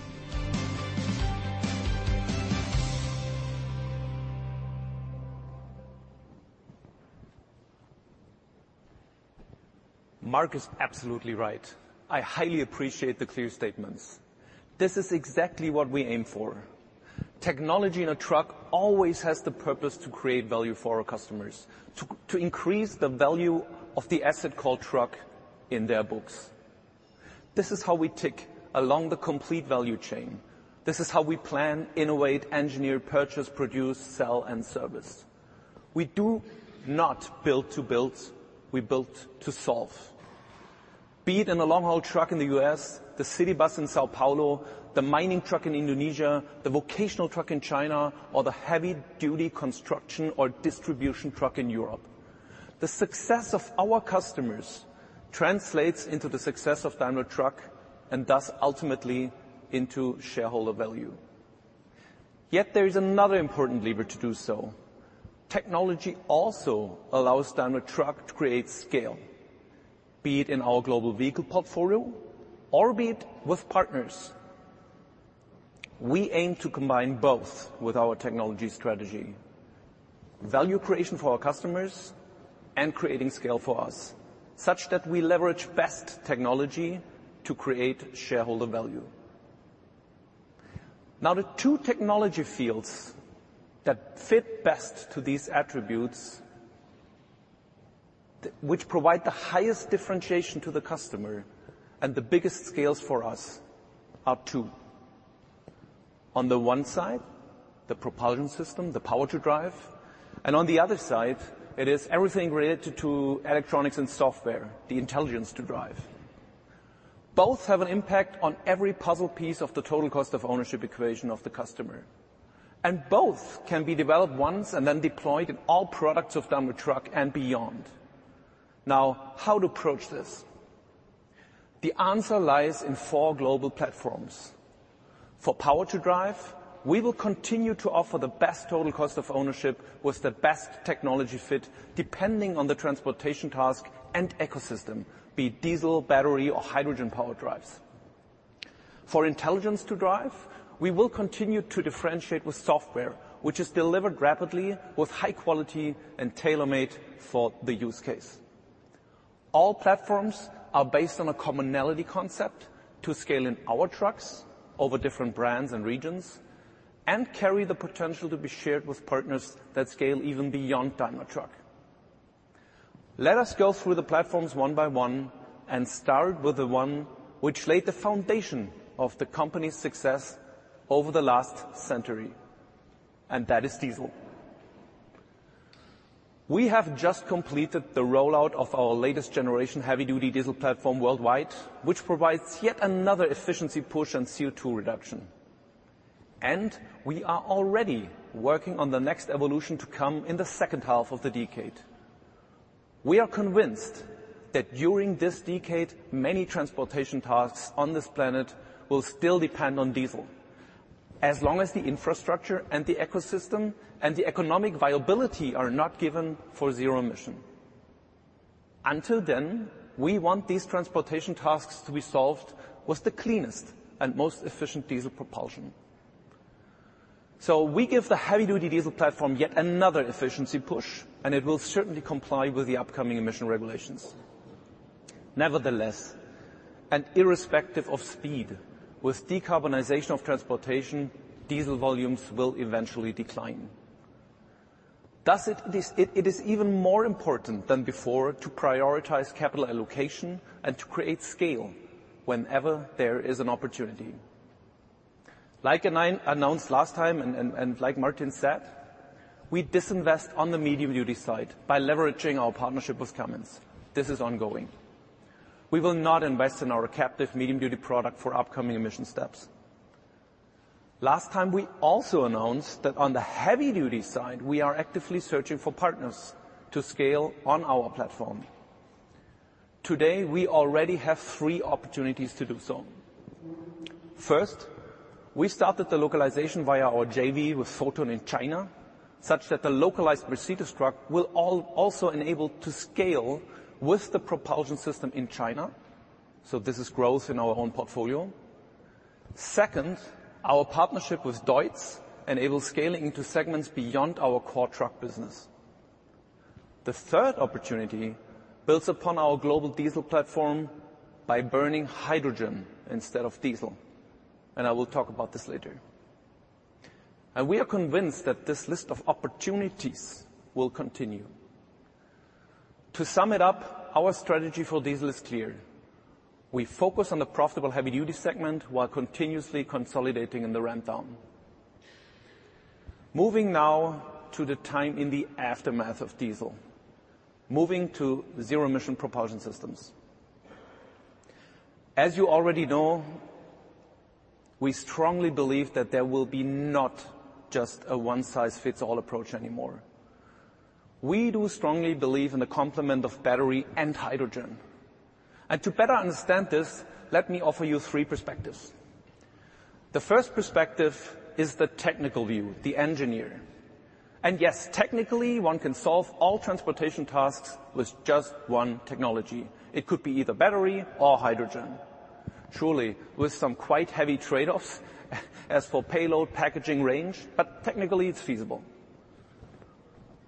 Mark is absolutely right. I highly appreciate the clear statements. This is exactly what we aim for. Technology in a truck always has the purpose to create value for our customers, to increase the value of the asset called truck in their books. This is how we tick along the complete value chain. This is how we plan, innovate, engineer, purchase, produce, sell, and service. We do not build to build, we build to solve. Be it in a long-haul truck in the U.S., the city bus in São Paulo, the mining truck in Indonesia, the vocational truck in China, or the heavy-duty construction or distribution truck in Europe, the success of our customers translates into the success of Daimler Truck, and thus ultimately into shareholder value. There is another important lever to do so. Technology also allows Daimler Truck to create scale, be it in our global vehicle portfolio or be it with partners. We aim to combine both with our technology strategy, value creation for our customers and creating scale for us, such that we leverage best technology to create shareholder value. The two technology fields that fit best to these attributes which provide the highest differentiation to the customer and the biggest scales for us are two: on the one side, the propulsion system, the power to drive, and on the other side, it is everything related to electronics and software, the intelligence to drive. Both have an impact on every puzzle piece of the total cost of ownership equation of the customer, and both can be developed once and then deployed in all products of Daimler Truck and beyond. How to approach this? The answer lies in four global platforms. For power to drive, we will continue to offer the best TCO with the best technology fit, depending on the transportation task and ecosystem, be it diesel, battery, or hydrogen power drives. For intelligence to drive, we will continue to differentiate with software, which is delivered rapidly with high quality and tailor-made for the use case. All platforms are based on a commonality concept to scale in our trucks over different brands and regions and carry the potential to be shared with partners that scale even beyond Daimler Truck. Let us go through the platforms one by one, Start with the one which laid the foundation of the company's success over the last century, and that is diesel. We have just completed the rollout of our latest generation heavy-duty diesel platform worldwide, which provides yet another efficiency push and CO₂ reduction, and we are already working on the next evolution to come in the second half of the decade. We are convinced that during this decade, many transportation tasks on this planet will still depend on diesel, as long as the infrastructure and the ecosystem and the economic viability are not given for zero emission. Until then, we want these transportation tasks to be solved with the cleanest and most efficient diesel propulsion. We give the heavy-duty diesel platform yet another efficiency push, and it will certainly comply with the upcoming emission regulations. Nevertheless, and irrespective of speed, with decarbonization of transportation, diesel volumes will eventually decline. It is even more important than before to prioritize capital allocation and to create scale whenever there is an opportunity. Like I announced last time and like Martin said, we disinvest on the medium-duty side by leveraging our partnership with Cummins. This is ongoing. We will not invest in our captive medium-duty product for upcoming emission steps. Last time, we also announced that on the heavy-duty side, we are actively searching for partners to scale on our platform. Today, we already have three opportunities to do so. First, we started the localization via our JV with Foton in China, such that the localized Mercedes Truck will also enable to scale with the propulsion system in China. This is growth in our own portfolio. Second, our partnership with DEUTZ enables scaling into segments beyond our core truck business. The third opportunity builds upon our global diesel platform by burning hydrogen instead of diesel. I will talk about this later. We are convinced that this list of opportunities will continue. To sum it up, our strategy for diesel is clear: We focus on the profitable heavy-duty segment while continuously consolidating in the ramp-down. Moving now to the time in the aftermath of diesel, moving to zero-emission propulsion systems. As you already know, we strongly believe that there will be not just a one-size-fits-all approach anymore. We do strongly believe in the complement of battery and hydrogen. To better understand this, let me offer you three perspectives. The 1st perspective is the technical view, the engineer. Yes, technically, one can solve all transportation tasks with just one technology. It could be either battery or hydrogen. Surely, with some quite heavy trade-offs, as for payload, packaging range, but technically it's feasible.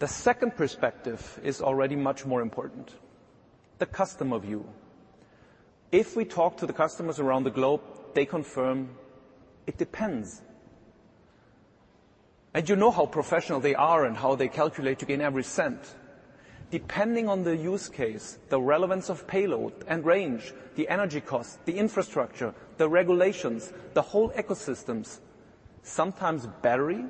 The second perspective is already much more important: the customer view. If we talk to the customers around the globe, they confirm it depends. You know how professional they are and how they calculate to gain every cent. Depending on the use case, the relevance of payload and range, the energy cost, the infrastructure, the regulations, the whole ecosystems, sometimes battery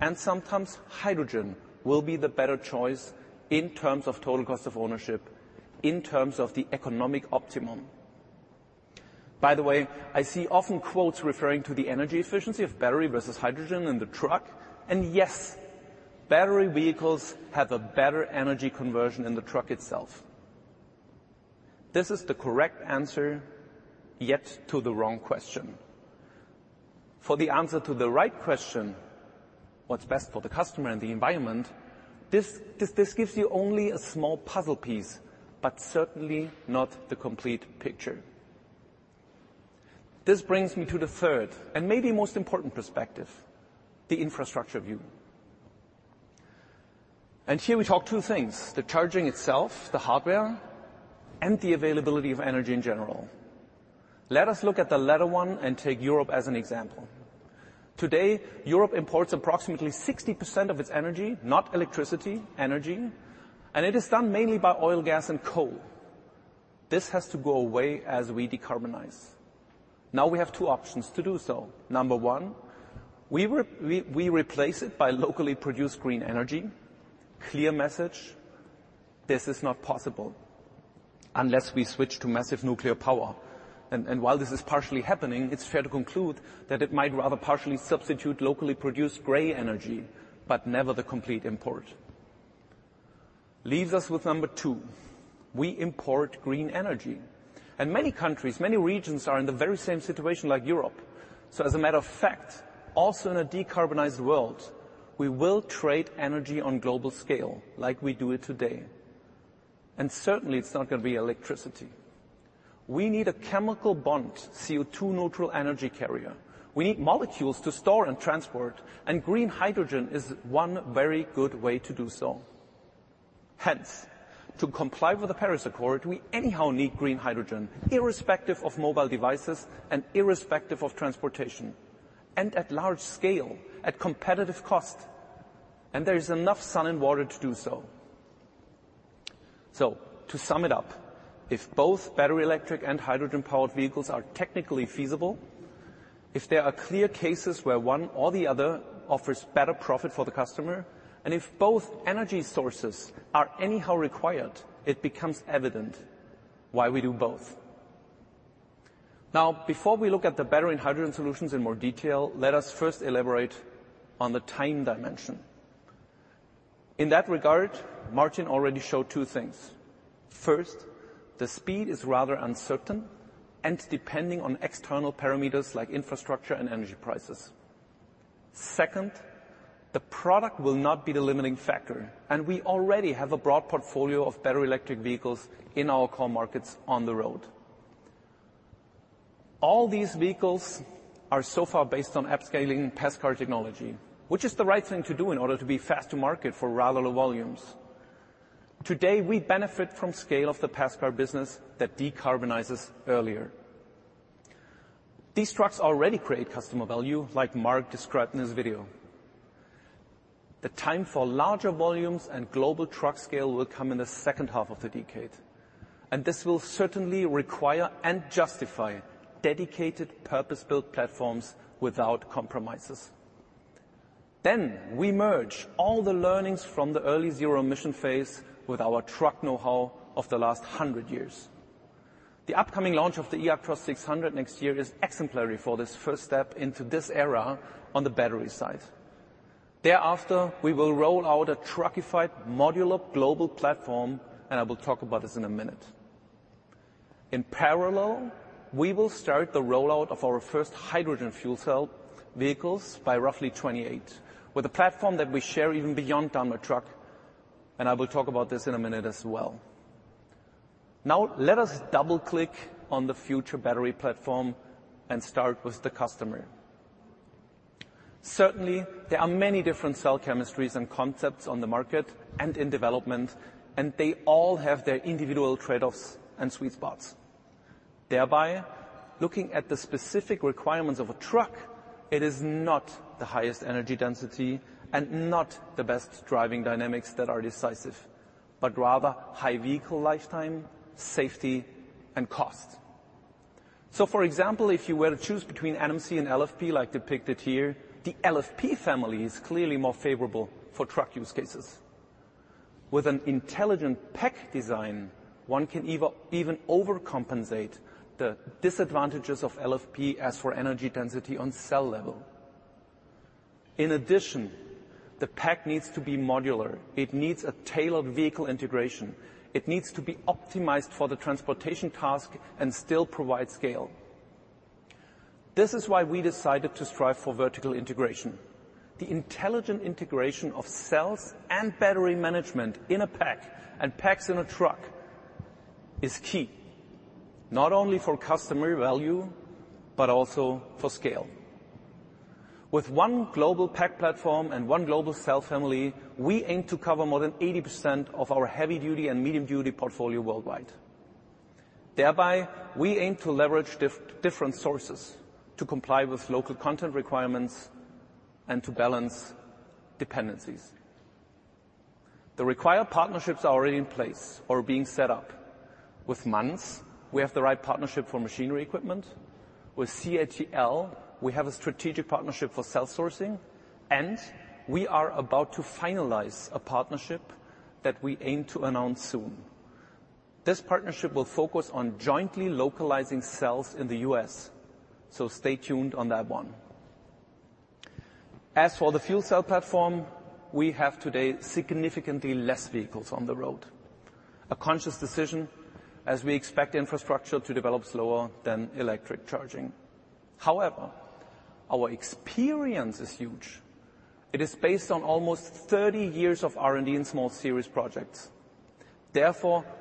and sometimes hydrogen will be the better choice in terms of total cost of ownership, in terms of the economic optimum. By the way, I see often quotes referring to the energy efficiency of battery versus hydrogen in the truck, and yes, battery vehicles have a better energy conversion in the truck itself. This is the correct answer, yet to the wrong question. For the answer to the right question, what's best for the customer and the environment, this gives you only a small puzzle piece, but certainly not the complete picture. This brings me to the third, and maybe most important perspective, the infrastructure view. Here we talk two things: the charging itself, the hardware, and the availability of energy in general. Let us look at the latter one and take Europe as an example. Today, Europe imports approximately 60% of its energy, not electricity, energy, and it is done mainly by oil, gas, and coal. This has to go away as we decarbonize. Now we have two options to do so. Number one, we replace it by locally produced green energy. Clear message, this is not possible unless we switch to massive nuclear power. While this is partially happening, it's fair to conclude that it might rather partially substitute locally produced gray energy, but never the complete import. Leaves us with number two, we import green energy. Many countries, many regions, are in the very same situation like Europe. As a matter of fact, also in a decarbonized world, we will trade energy on global scale like we do it today, and certainly it's not going to be electricity. We need a chemical bond, CO₂-neutral energy carrier. We need molecules to store and transport, and green hydrogen is one very good way to do so. Hence, to comply with the Paris Agreement, we anyhow need green hydrogen, irrespective of mobile devices and irrespective of transportation, and at large scale, at competitive cost, and there is enough sun and water to do so. To sum it up, if both battery electric and hydrogen-powered vehicles are technically feasible, if there are clear cases where one or the other offers better profit for the customer, and if both energy sources are anyhow required, it becomes evident why we do both. Now, before we look at the battery and hydrogen solutions in more detail, let us first elaborate on the time dimension. In that regard, Martin already showed two things. First, the speed is rather uncertain and depending on external parameters like infrastructure and energy prices. Second, the product will not be the limiting factor, and we already have a broad portfolio of battery electric vehicles in our core markets on the road. All these vehicles are so far based on upscaling past car technology, which is the right thing to do in order to be fast to market for rather low volumes. Today, we benefit from scale of the past car business that decarbonizes earlier. These trucks already create customer value, like Mark described in his video. The time for larger volumes and global truck scale will come in the second half of the decade. This will certainly require and justify dedicated, purpose-built platforms without compromises. We merge all the learnings from the early zero emission phase with our truck know-how of the last 100 years. The upcoming launch of the eActros 600 next year is exemplary for this first step into this era on the battery side. Thereafter, we will roll out a truckified modular global platform. I will talk about this in a minute. In parallel, we will start the rollout of our first hydrogen fuel cell vehicles by roughly 2028, with a platform that we share even beyond Daimler Truck, and I will talk about this in a minute as well. Let us double-click on the future battery platform and start with the customer. Certainly, there are many different cell chemistries and concepts on the market and in development, and they all have their individual trade-offs and sweet spots. Thereby, looking at the specific requirements of a truck, it is not the highest energy density and not the best driving dynamics that are decisive, but rather high vehicle lifetime, safety, and cost. For example, if you were to choose between NMC and LFP, like depicted here, the LFP family is clearly more favorable for truck use cases. With an intelligent pack design, one can even overcompensate the disadvantages of LFP as for energy density on cell level. In addition, the pack needs to be modular. It needs a tailored vehicle integration. It needs to be optimized for the transportation task and still provide scale. This is why we decided to strive for vertical integration. The intelligent integration of cells and battery management in a pack, and packs in a truck is key, not only for customer value, but also for scale. With one global pack platform and one global cell family, we aim to cover more than 80% of our heavy-duty and medium-duty portfolio worldwide. Thereby, we aim to leverage different sources to comply with local content requirements and to balance dependencies. The required partnerships are already in place or are being set up. With Manz AG, we have the right partnership for machinery equipment. With CATL, we have a strategic partnership for cell sourcing. We are about to finalize a partnership that we aim to announce soon. This partnership will focus on jointly localizing cells in the U.S. Stay tuned on that one. As for the fuel cell platform, we have today significantly less vehicles on the road. A conscious decision, as we expect infrastructure to develop slower than electric charging. Our experience is huge. It is based on almost 30 years of R&D in small series projects.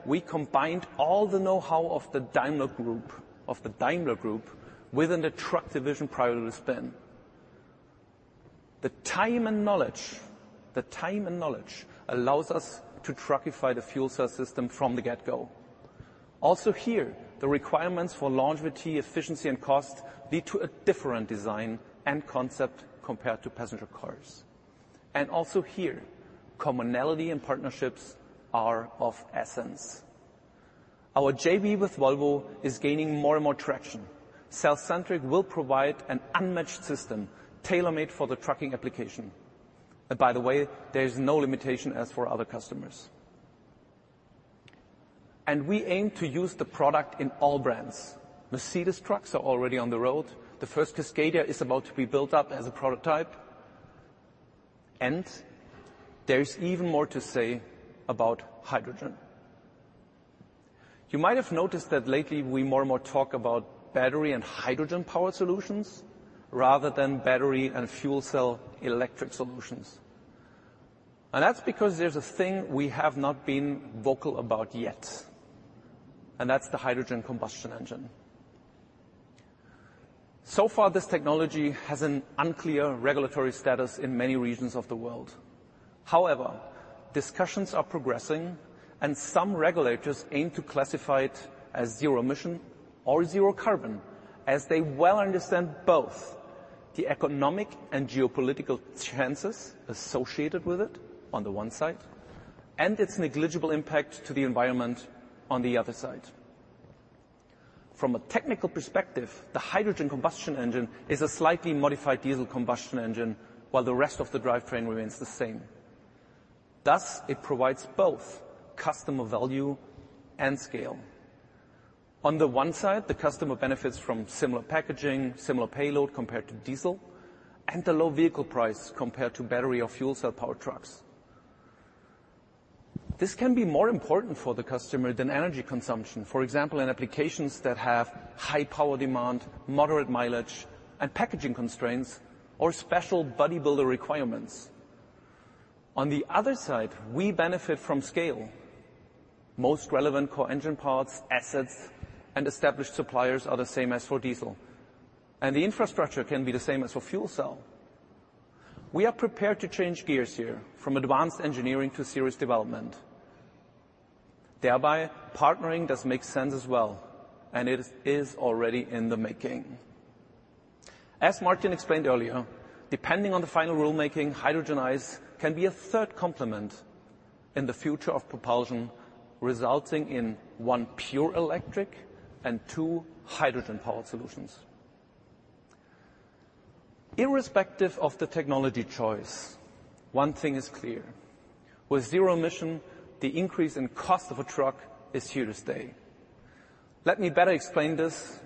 We combined all the know-how of the Daimler Truck within the Truck division product spin. The time and knowledge allows us to truckify the fuel cell system from the get-go. Here, the requirements for longevity, efficiency, and cost lead to a different design and concept compared to passenger cars. Also here, commonality and partnerships are of essence. Our JV with Volvo is gaining more and more traction. cellcentric will provide an unmatched system, tailor-made for the trucking application. By the way, there is no limitation as for other customers. We aim to use the product in all brands. Mercedes Trucks are already on the road. The first Cascadia is about to be built up as a prototype, and there is even more to say about hydrogen. You might have noticed that lately, we more and more talk about battery and hydrogen power solutions rather than battery and fuel cell electric solutions. That's because there's a thing we have not been vocal about yet, and that's the hydrogen combustion engine. So far, this technology has an unclear regulatory status in many regions of the world. Discussions are progressing, and some regulators aim to classify it as zero emission or zero carbon, as they well understand both the economic and geopolitical chances associated with it, on the one side, and its negligible impact to the environment on the other side. From a technical perspective, the hydrogen combustion engine is a slightly modified diesel combustion engine, while the rest of the drivetrain remains the same. It provides both customer value and scale. On the one side, the customer benefits from similar packaging, similar payload compared to diesel, and a low vehicle price compared to battery or fuel cell power trucks. This can be more important for the customer than energy consumption. For example, in applications that have high power demand, moderate mileage and packaging constraints or special bodybuilder requirements. On the other side, we benefit from scale. Most relevant core engine parts, assets, and established suppliers are the same as for diesel, and the infrastructure can be the same as for fuel cell. We are prepared to change gears here from advanced engineering to serious development. Thereby, partnering does make sense as well, and it is already in the making. As Martin explained earlier, depending on the final rulemaking, Hydrogen ICE can be a third complement in the future of propulsion, resulting in one, pure electric and two, hydrogen power solutions. Irrespective of the technology choice, one thing is clear: with zero emission, the increase in cost of a truck is here to stay. Let me better explain this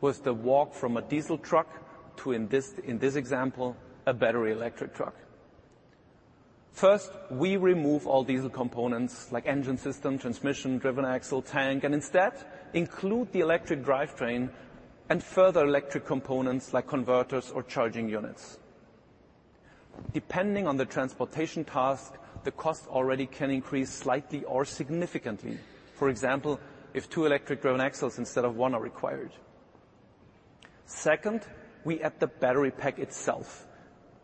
with the walk from a diesel truck to, in this example, a battery electric truck. We remove all diesel components like engine system, transmission, driven axle, tank, and instead include the electric drivetrain and further electric components like converters or charging units. Depending on the transportation task, the cost already can increase slightly or significantly. For example, if two electric driven axles instead of one are required. Second, we add the battery pack itself.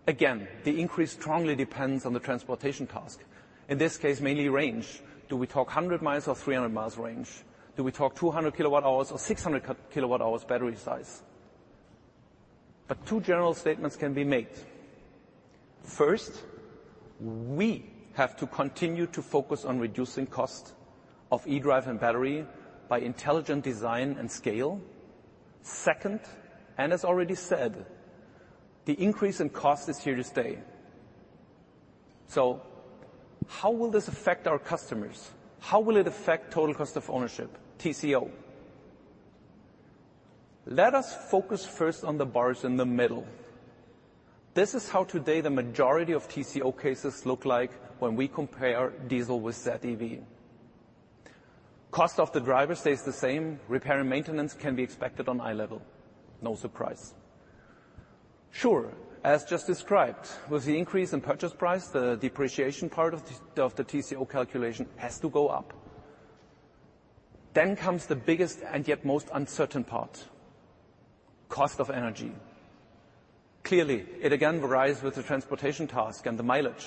Again, the increase strongly depends on the transportation task. In this case, mainly range. Do we talk 100 mi-300 mi range? Do we talk 200 kWh-600 kWh battery size? Two general statements can be made. We have to continue to focus on reducing cost of eDrive and battery by intelligent design and scale. And as already said, the increase in cost is here to stay. How will this affect our customers? How will it affect total cost of ownership, TCO? Let us focus first on the bars in the middle. This is how today the majority of TCO cases look like when we compare diesel with ZEV. Cost of the driver stays the same, repair and maintenance can be expected on eye-level. No surprise. Sure, as just described, with the increase in purchase price, the depreciation part of the TCO calculation has to go up. Comes the biggest and yet most uncertain part, cost of energy. Clearly, it again varies with the transportation task and the mileage,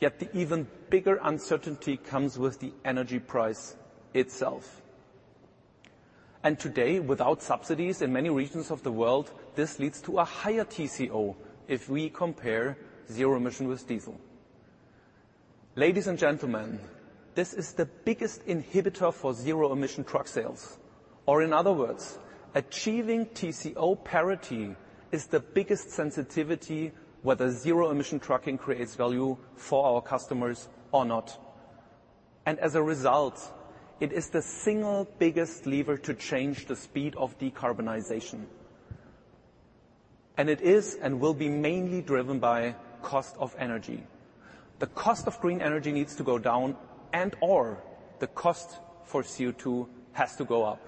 yet the even bigger uncertainty comes with the energy price itself. Today, without subsidies in many regions of the world, this leads to a higher TCO if we compare zero-emission with diesel. Ladies and gentlemen, this is the biggest inhibitor for zero-emission truck sales. In other words, achieving TCO parity is the biggest sensitivity, whether zero-emission trucking creates value for our customers or not. As a result, it is the single biggest lever to change the speed of decarbonization. It is, and will be mainly driven by cost of energy. The cost of green energy needs to go down, and/or the cost for CO₂ has to go up.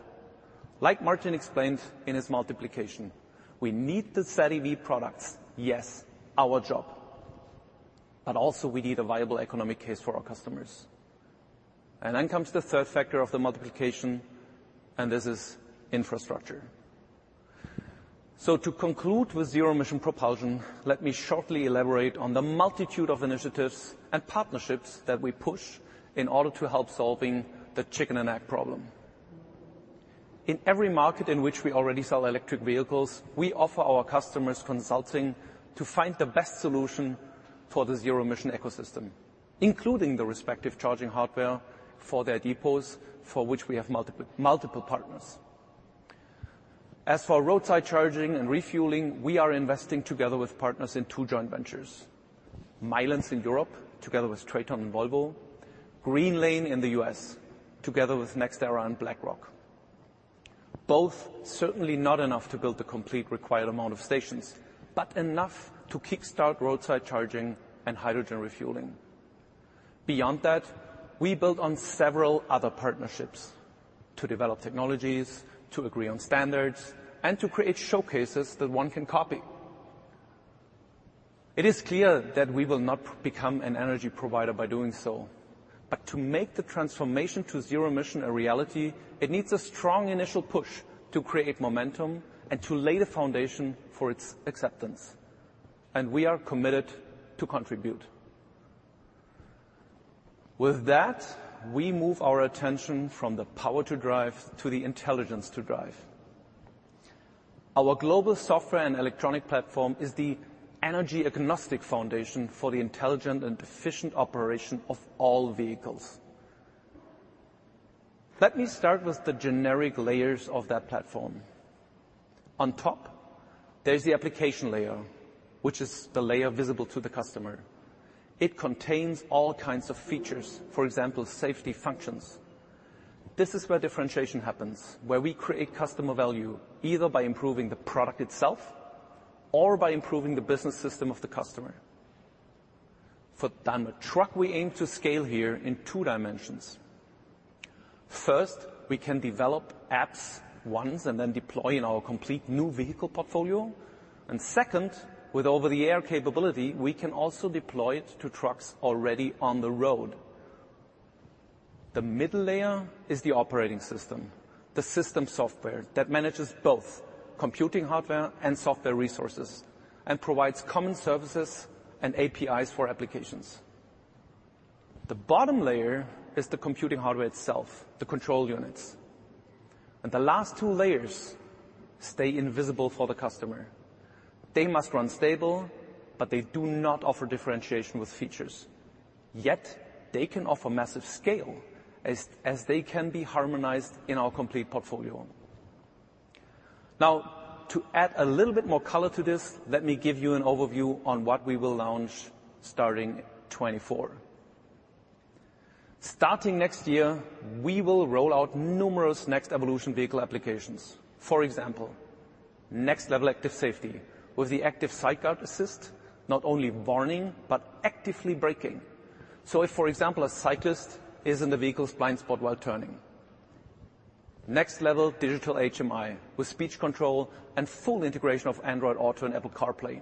Like Martin explained in his multiplication, we need the ZEV products, yes, our job, but also we need a viable economic case for our customers. Then comes the third factor of the multiplication, and this is infrastructure. To conclude with zero-emission propulsion, let me shortly elaborate on the multitude of initiatives and partnerships that we push in order to help solving the chicken and egg problem. In every market in which we already sell electric vehicles, we offer our customers consulting to find the best solution for the zero emission ecosystem, including the respective charging hardware for their depots, for which we have multiple partners. As for roadside charging and refueling, we are investing together with partners in two joint ventures: Milence in Europe, together with TRATON and Volvo, Greenlane in the U.S., together with NextEra and BlackRock. Both certainly not enough to build the complete required amount of stations, but enough to kickstart roadside charging and hydrogen refueling. Beyond that, we build on several other partnerships to develop technologies, to agree on standards, and to create showcases that one can copy. It is clear that we will not become an energy provider by doing so, but to make the transformation to zero emission a reality, it needs a strong initial push to create momentum and to lay the foundation for its acceptance, and we are committed to contribute. With that, we move our attention from the power to drive to the intelligence to drive. Our global software and electronic platform is the energy-agnostic foundation for the intelligent and efficient operation of all vehicles. Let me start with the generic layers of that platform. On top, there's the application layer, which is the layer visible to the customer. It contains all kinds of features, for example, safety functions. This is where differentiation happens, where we create customer value, either by improving the product itself or by improving the business system of the customer. For Daimler Truck, we aim to scale here in two dimensions. First, we can develop apps once and then deploy in our complete new vehicle portfolio. Second, with over-the-air capability, we can also deploy it to trucks already on the road. The middle layer is the operating system, the system software that manages both computing, hardware, and software resources, and provides common services and APIs for applications. The bottom layer is the computing hardware itself, the control units, and the last two layers stay invisible for the customer. They must run stable, they do not offer differentiation with features. They can offer massive scale as they can be harmonized in our complete portfolio. To add a little bit more color to this, let me give you an overview on what we will launch starting 2024. Starting next year, we will roll out numerous next evolution vehicle applications. For example, next level active safety with the Active Sideguard Assist, not only warning, but actively braking, so if, for example, a cyclist is in the vehicle's blind spot while turning. Next level digital HMI with speech control and full integration of Android Auto and Apple CarPlay.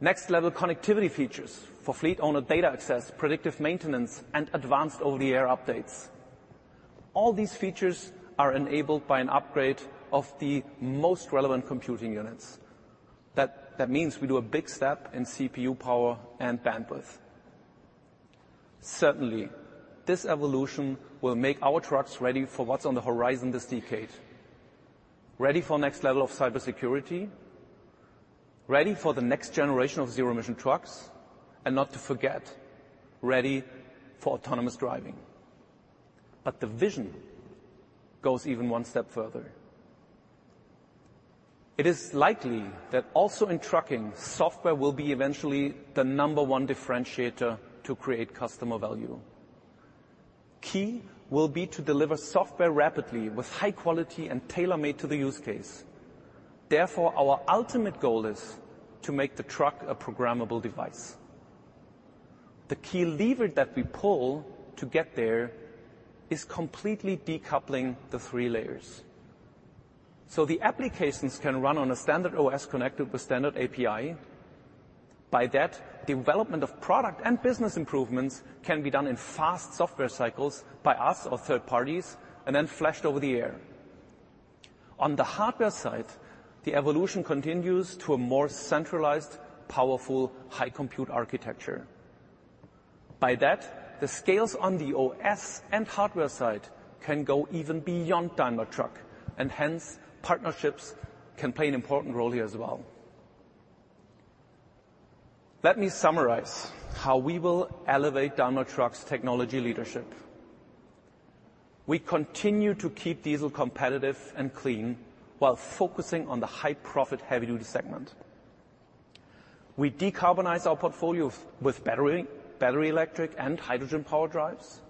Next level connectivity features for fleet owner data access, predictive maintenance, and advanced over-the-air updates. All these features are enabled by an upgrade of the most relevant computing units. That means we do a big step in CPU power and bandwidth. Certainly, this evolution will make our trucks ready for what's on the horizon this decade. Ready for next level of cybersecurity, ready for the next generation of zero-emission trucks, and not to forget, ready for Autonomous Driving. The vision goes even one step further. It is likely that also in trucking, software will be eventually the number one differentiator to create customer value. Key will be to deliver software rapidly with high quality and tailor-made to the use case. Therefore, our ultimate goal is to make the truck a programmable device. The key lever that we pull to get there is completely decoupling the three layers. The applications can run on a standard OS connected with standard API. By that, development of product and business improvements can be done in fast software cycles by us or third parties and then flashed over-the-air. On the hardware side, the evolution continues to a more centralized, powerful, high compute architecture. By that, the scales on the OS and hardware side can go even beyond Daimler Truck. Hence, partnerships can play an important role here as well. Let me summarize how we will elevate Daimler Truck's technology leadership. We continue to keep diesel competitive and clean while focusing on the high profit, heavy-duty segment. We decarbonize our portfolio with battery electric and hydrogen power drives.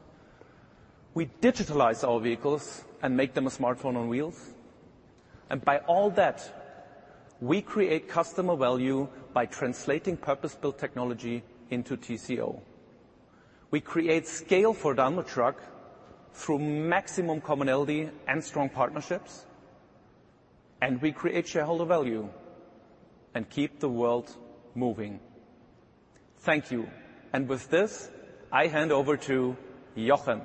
We digitalize our vehicles and make them a smartphone on wheels, and by all that, we create customer value by translating purpose-built technology into TCO. We create scale for Daimler Truck through maximum commonality and strong partnerships, and we create shareholder value and keep the world moving. Thank you. With this, I hand over to Jochen.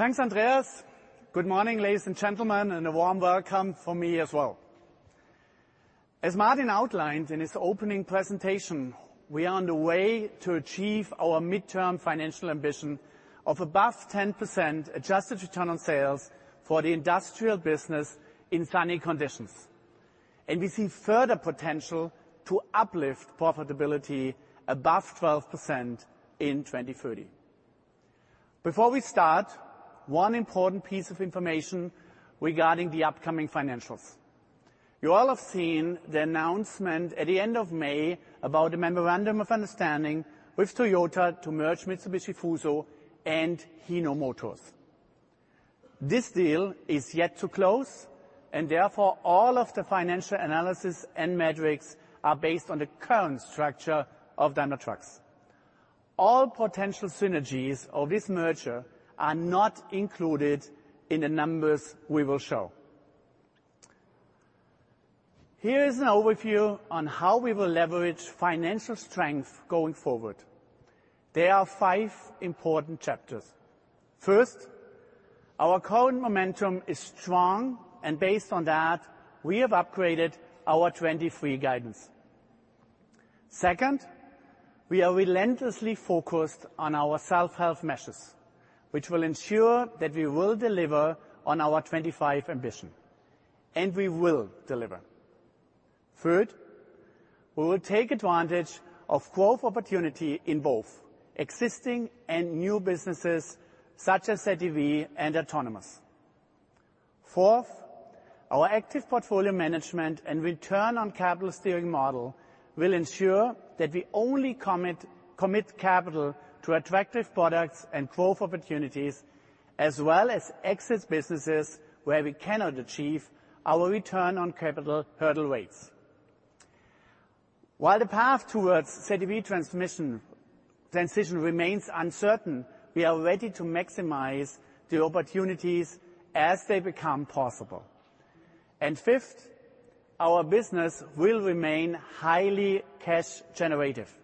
Thanks, Andreas. Good morning, ladies and gentlemen, and a warm welcome from me as well. As Martin outlined in his opening presentation, we are on the way to achieve our midterm financial ambition of above 10% adjusted return on sales for the industrial business in sunny conditions. We see further potential to uplift profitability above 12% in 2030. Before we start, one important piece of information regarding the upcoming financials. You all have seen the announcement at the end of May about a memorandum of understanding with Toyota to merge Mitsubishi Fuso and Hino Motors. This deal is yet to close. Therefore, all of the financial analysis and metrics are based on the current structure of Daimler Truck. All potential synergies of this merger are not included in the numbers we will show. Here is an overview on how we will leverage financial strength going forward. There are five important chapters. First, our current momentum is strong, and based on that, we have upgraded our 2023 guidance. Second, we are relentlessly focused on our self-help measures, which will ensure that we will deliver on our 2025 ambition, and we will deliver. Third, we will take advantage of growth opportunity in both existing and new businesses, such as ZEV and Autonomous. Fourth, our active portfolio management and return on capital steering model will ensure that we only commit capital to attractive products and growth opportunities, as well as exit businesses where we cannot achieve our return on capital hurdle rates. While the path towards ZEV transition remains uncertain, we are ready to maximize the opportunities as they become possible. Fifth, our business will remain highly cash generative,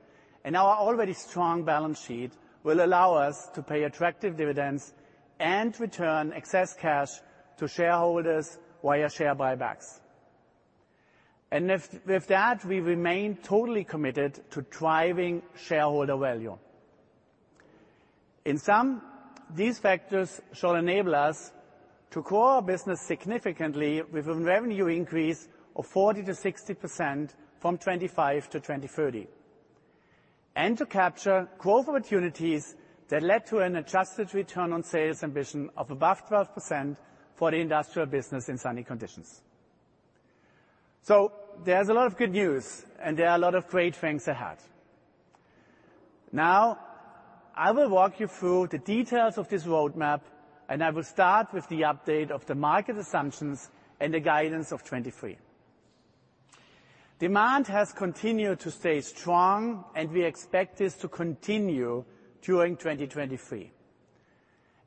and our already strong balance sheet will allow us to pay attractive dividends and return excess cash to shareholders via share buybacks. If with that, we remain totally committed to driving shareholder value. In sum, these factors shall enable us to grow our business significantly with a revenue increase of 40%-60% from 2025-2030, and to capture growth opportunities that led to an adjusted return on sales ambition of above 12% for the industrial business in sunny conditions. There's a lot of good news, and there are a lot of great things ahead. Now, I will walk you through the details of this roadmap. I will start with the update of the market assumptions and the guidance of 2023. Demand has continued to stay strong and we expect this to continue during 2023.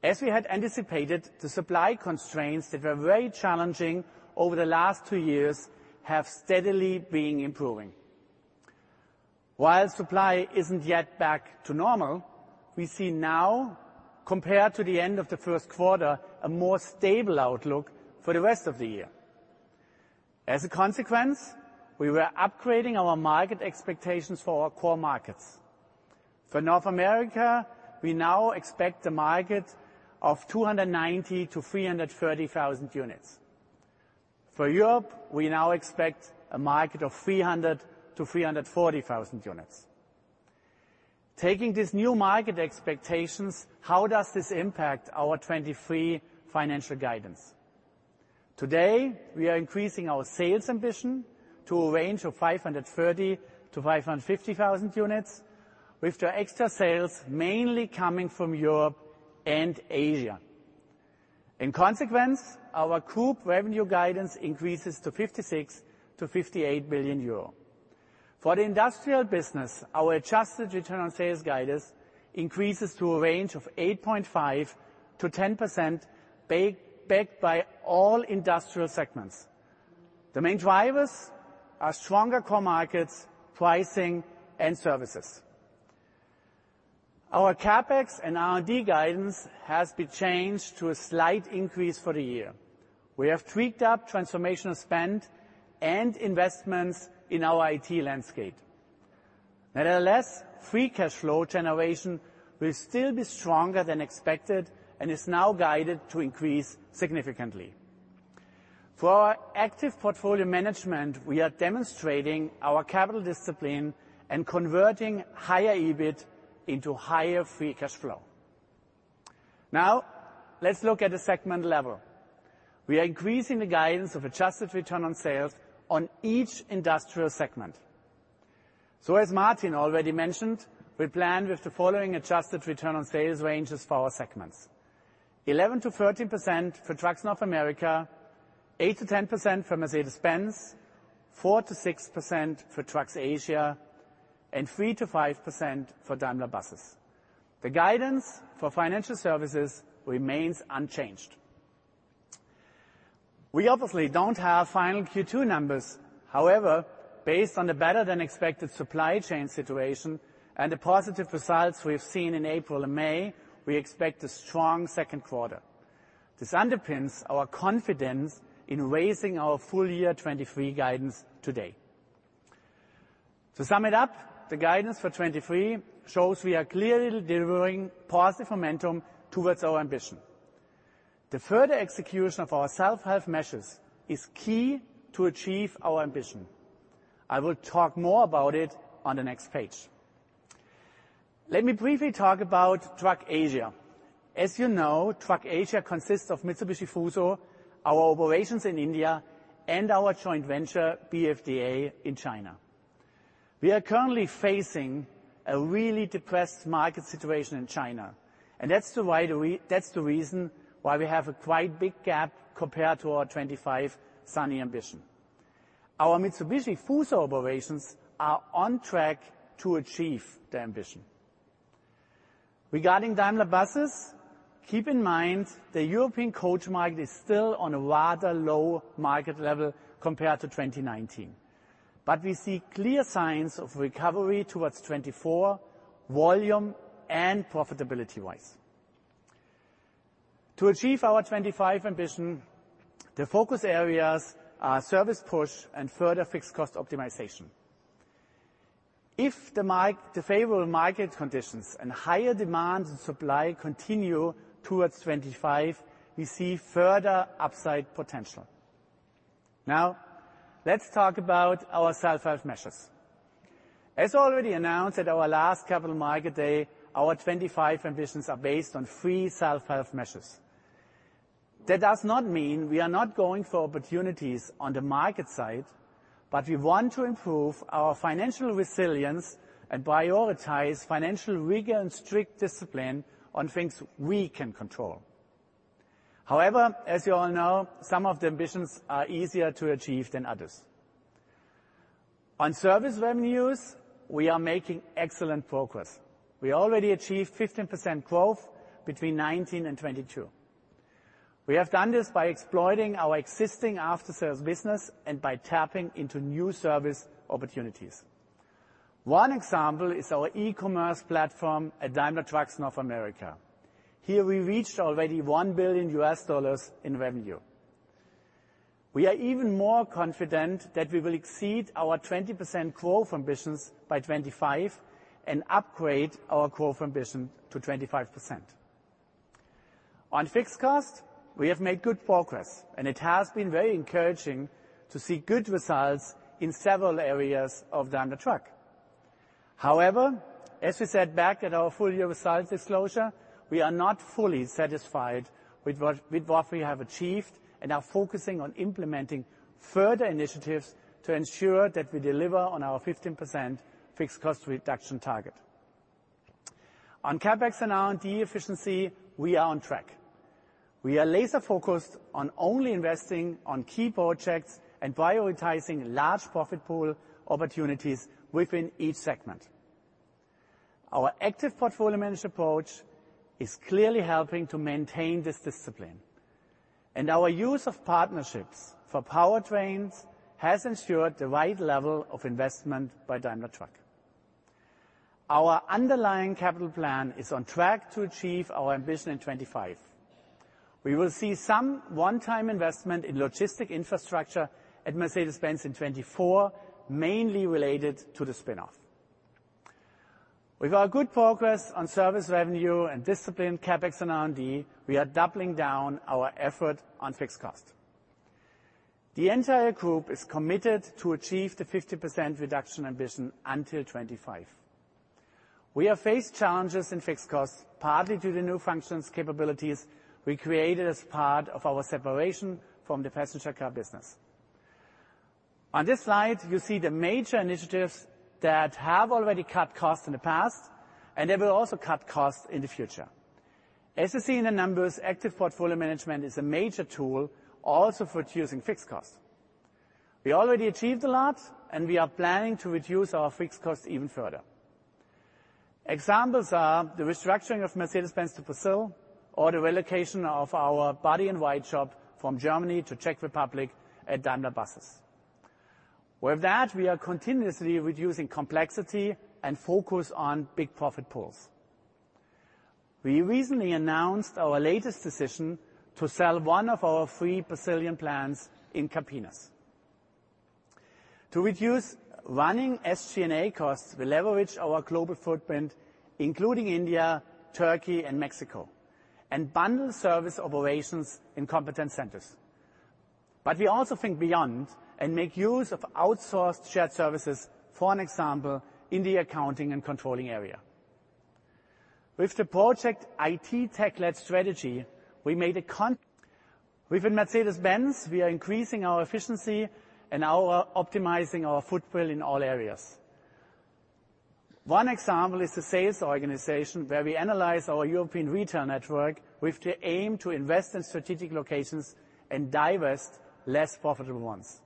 As we had anticipated, the supply constraints that were very challenging oter the last two years have steadily been improving. While supply isn't yet back to normal, we see now, compared to the end of the first quarter, a more stable outlook for the rest of the year. As a consequence, we were upgrading our market expectations for our core markets. For North America, we now expect a market of 290,000-330,000 units. For Europe, we now expect a market of 300,000-340,000 units. Taking these new market expectations, how does this impact our 2023 financial guidance? Today, we are increasing our sales ambition to a range of 530,000-550,000 units, with the extra sales mainly coming from Europe and Asia. In consequence, our group revenue guidance increases to 56 billion-58 billion euro. For the industrial business, our adjusted return on sales guidance increases to a range of 8.5%-10%, backed by all industrial segments. The main drivers are stronger core markets, pricing, and services. Our CapEx and R&D guidance has been changed to a slight increase for the year. We have tweaked up transformational spend and investments in our IT landscape. Nevertheless, free cash flow generation will still be stronger than expected and is now guided to increase significantly. Through our active portfolio management, we are demonstrating our capital discipline and converting higher EBIT into higher free cash flow. Let's look at the segment level. We are increasing the guidance of adjusted return on sales on each industrial segment. As Martin already mentioned, we plan with the following adjusted return on sales ranges for our segments: 11%-13% for Trucks North America, 8%-10% for Mercedes-Benz, 4%-6% for Trucks Asia, and 3%-5% for Daimler Buses. The guidance for Financial Services remains unchanged. We obviously don't have final Q2 numbers. Based on the better-than-expected supply chain situation and the positive results we have seen in April and May, we expect a strong second quarter. This underpins our confidence in raising our full year 2023 guidance today. To sum it up, the guidance for 2023 shows we are clearly delivering positive momentum towards our ambition. The further execution of our self-help measures is key to achieve our ambition. I will talk more about it on the next page. Let me briefly talk about Truck Asia. As you know, Truck Asia consists of Mitsubishi Fuso, our operations in India, and our joint venture, BFDA, in China. We are currently facing a really depressed market situation in China, and that's the reason why we have a quite big gap compared to our 2025 sunny ambition. Our Mitsubishi Fuso operations are on track to achieve the ambition. Regarding Daimler Buses, keep in mind, the European coach market is still on a rather low market level compared to 2019. We see clear signs of recovery towards 2024, volume and profitability-wise. To achieve our 2025 ambition, the focus areas are service push and further fixed cost optimization. If the favorable market conditions and higher demands and supply continue towards 2025, we see further upside potential. Let's talk about our self-help measures. As already announced at our last Capital Market Day, our 2025 ambitions are based on three self-help measures. That does not mean we are not going for opportunities on the market side, but we want to improve our financial resilience and prioritize financial rigor and strict discipline on things we can control. However, as you all know, some of the ambitions are easier to achieve than others. On service revenues, we are making excellent progress. We already achieved 15% growth between 2019 and 2022. We have done this by exploiting our existing after-sales business and by tapping into new service opportunities. One example is our e-commerce platform at Daimler Truck North America. Here, we reached already $1 billion in revenue. We are even more confident that we will exceed our 20% growth ambitions by 2025 and upgrade our growth ambition to 25%. On fixed cost, we have made good progress, and it has been very encouraging to see good results in several areas of Daimler Truck. However, as we said back at our full year results disclosure, we are not fully satisfied with what we have achieved and are focusing on implementing further initiatives to ensure that we deliver on our 15% fixed cost reduction target. On CapEx and R&D efficiency, we are on track. We are laser-focused on only investing on key projects and prioritizing large profit pool opportunities within each segment. Our active portfolio management approach is clearly helping to maintain this discipline, and our use of partnerships for powertrains has ensured the right level of investment by Daimler Truck. Our underlying capital plan is on track to achieve our ambition in 2025. We will see some one-time investment in logistic infrastructure at Mercedes-Benz in 2024, mainly related to the spin-off. With our good progress on service revenue and discipline, CapEx and R&D, we are doubling down our effort on fixed cost. The entire group is committed to achieve the 50% reduction ambition until 2025. We have faced challenges in fixed costs, partly due to the new functions capabilities we created as part of our separation from the passenger car business. On this slide, you see the major initiatives that have already cut costs in the past. They will also cut costs in the future. As you see in the numbers, active portfolio management is a major tool also for reducing fixed cost. We already achieved a lot, we are planning to reduce our fixed cost even further. Examples are the restructuring of Mercedes-Benz do Brasil or the relocation of our body and white shop from Germany to Czech Republic at Daimler Buses. With that, we are continuously reducing complexity and focus on big profit pools. We recently announced our latest decision to sell one of our three Brazilian plants in Campinas. To reduce running SG&A costs, we leverage our global footprint, including India, Turkey, and Mexico, and bundle service operations in competence centers. We also think beyond and make use of outsourced shared services, for an example, in the accounting and controlling area. With the project tech-led strategy, we made a con-- within Mercedes-Benz, we are increasing our efficiency and optimizing our footprint in all areas. One example is the sales organization, where we analyze our European retail network with the aim to invest in strategic locations and divest less profitable ones.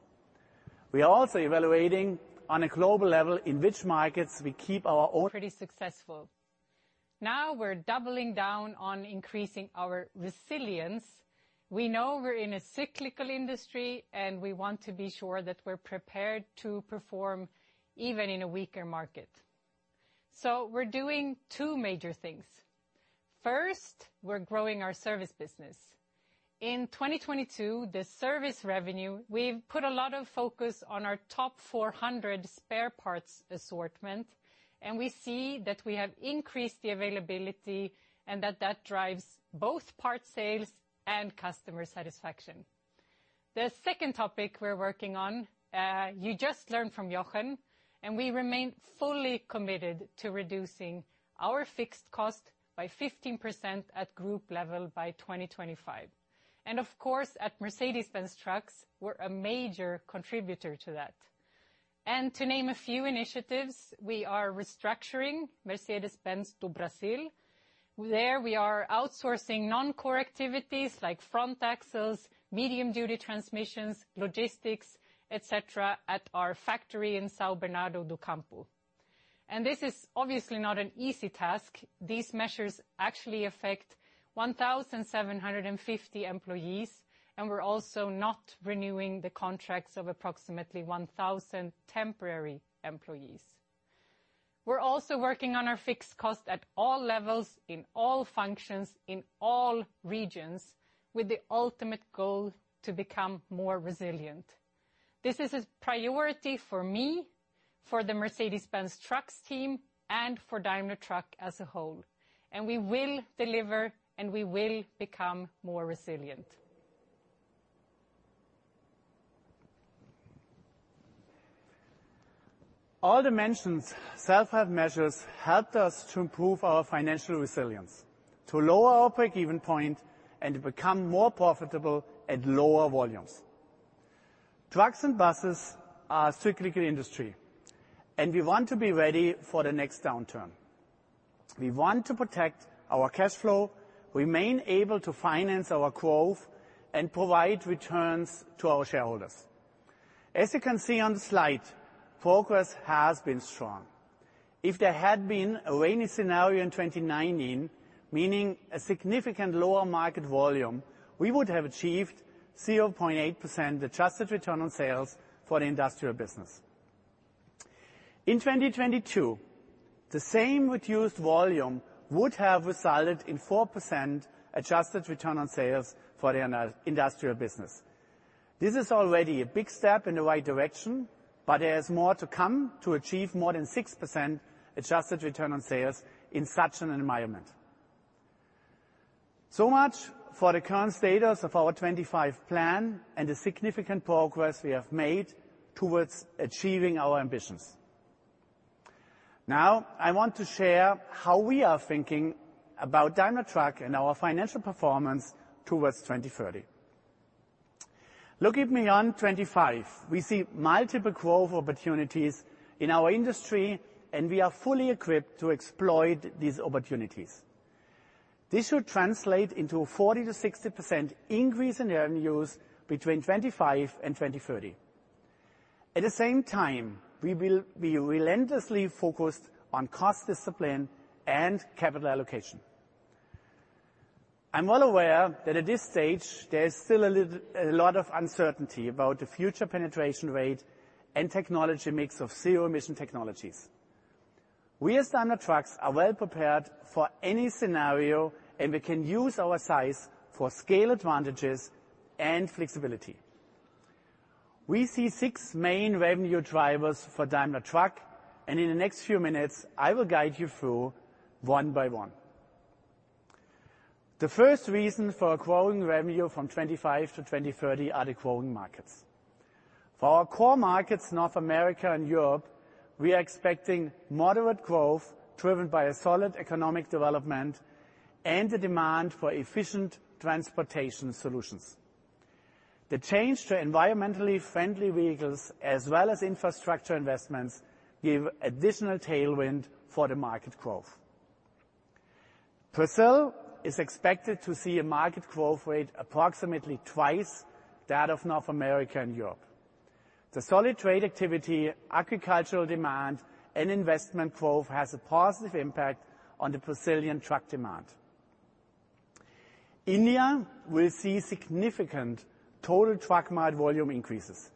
We are also evaluating on a global level in which markets we keep our own- Pretty successful. Now we're doubling down on increasing our resilience. We know we're in a cyclical industry. We want to be sure that we're prepared to perform even in a weaker market. We're doing two major things. First, we're growing our service business. In 2022, the service revenue, we've put a lot of focus on our top 400 spare parts assortment, and we see that we have increased the availability and that drives both parts sales and customer satisfaction. The second topic we're working on, you just learned from Jochen. We remain fully committed to reducing our fixed cost by 15% at group level by 2025. Of course, at Mercedes-Benz Trucks, we're a major contributor to that. To name a few initiatives, we are restructuring Mercedes-Benz do Brasil. There, we are outsourcing non-core activities like front axles, medium-duty transmissions, logistics, et cetera, at our factory in São Bernardo do Campo. This is obviously not an easy task. These measures actually affect 1,750 employees, and we're also not renewing the contracts of approximately 1,000 temporary employees. We're also working on our fixed cost at all levels, in all functions, in all regions, with the ultimate goal to become more resilient. This is a priority for me, for the Mercedes-Benz Trucks Team, and for Daimler Truck as a whole. We will deliver. We will become more resilient. All dimensions, self-help measures helped us to improve our financial resilience, to lower our break-even point and become more profitable at lower volumes. Trucks and Buses are a cyclical industry. We want to be ready for the next downturn. We want to protect our cash flow, remain able to finance our growth, and provide returns to our shareholders. As you can see on the slide, progress has been strong. If there had been a rainy scenario in 2019, meaning a significant lower market volume, we would have achieved 0.8% adjusted return on sales for the industrial business. In 2022, the same reduced volume would have resulted in 4% adjusted return on sales for the industrial business. This is already a big step in the right direction, there is more to come to achieve more than 6% adjusted return on sales in such an environment. Much for the current status of our 2025 Plan and the significant progress we have made towards achieving our ambitions. Now, I want to share how we are thinking about Daimler Truck and our financial performance towards 2030. Looking beyond 2025, we see multiple growth opportunities in our industry, and we are fully equipped to exploit these opportunities. This should translate into a 40%-60% increase in revenues between 2025 and 2030. At the same time, we will be relentlessly focused on cost discipline and capital allocation. I'm well aware that at this stage, there is still a lot of uncertainty about the future penetration rate and technology mix of zero-emission technologies. We as Daimler Truck are well prepared for any scenario, and we can use our size for scale advantages and flexibility. We see six main revenue drivers for Daimler Truck, and in the next few minutes, I will guide you through one by one. The first reason for a growing revenue from 2025-2030 are the growing markets. For our core markets, North America and Europe, we are expecting moderate growth, driven by a solid economic development and the demand for efficient transportation solutions. The change to environmentally friendly vehicles as well as infrastructure investments give additional tailwind for the market growth. Brazil is expected to see a market growth rate approximately twice that of North America and Europe. The solid trade activity, agricultural demand, and investment growth has a positive impact on the Brazilian truck demand. India will see significant total truck market volume increases.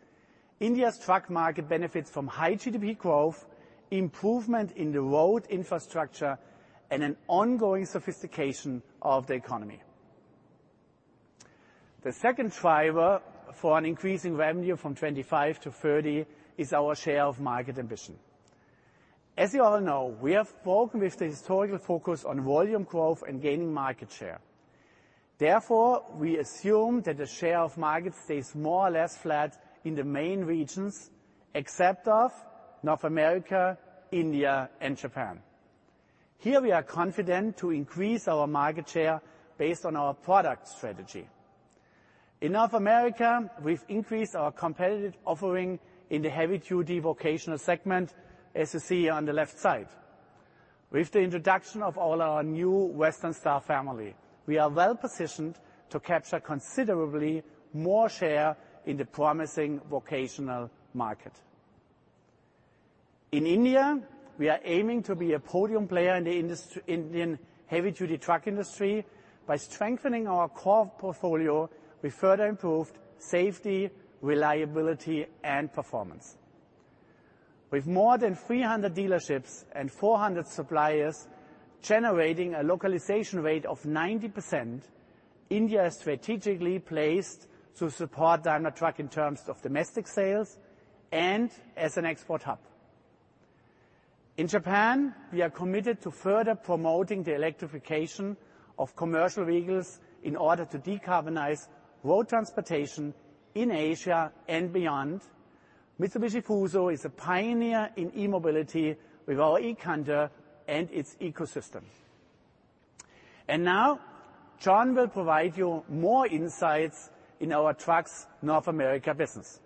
India's truck market benefits from high GDP growth, improvement in the road infrastructure, and an ongoing sophistication of the economy. The second driver for an increasing revenue from 2025-2030 is our share of market ambition. As you all know, we have worked with the historical focus on volume growth and gaining market share. Therefore, we assume that the share of market stays more or less flat in the main regions, except of North America, India, and Japan. Here, we are confident to increase our market share based on our product strategy. In North America, we've increased our competitive offering in the heavy-duty vocational segment, as you see on the left side. With the introduction of all our new Western Star family, we are well positioned to capture considerably more share in the promising vocational market. In India, we are aiming to be a podium player in the Indian heavy-duty truck industry by strengthening our core portfolio with further improved safety, reliability, and performance. With more than 300 dealerships and 400 suppliers generating a localization rate of 90%, India is strategically placed to support Daimler Truck in terms of domestic sales and as an export hub. In Japan, we are committed to further promoting the electrification of commercial vehicles in order to decarbonize road transportation in Asia and beyond. Mitsubishi Fuso is a pioneer in e-mobility with our eCanter and its ecosystem. Now, John will provide you more insights in our Trucks North America business.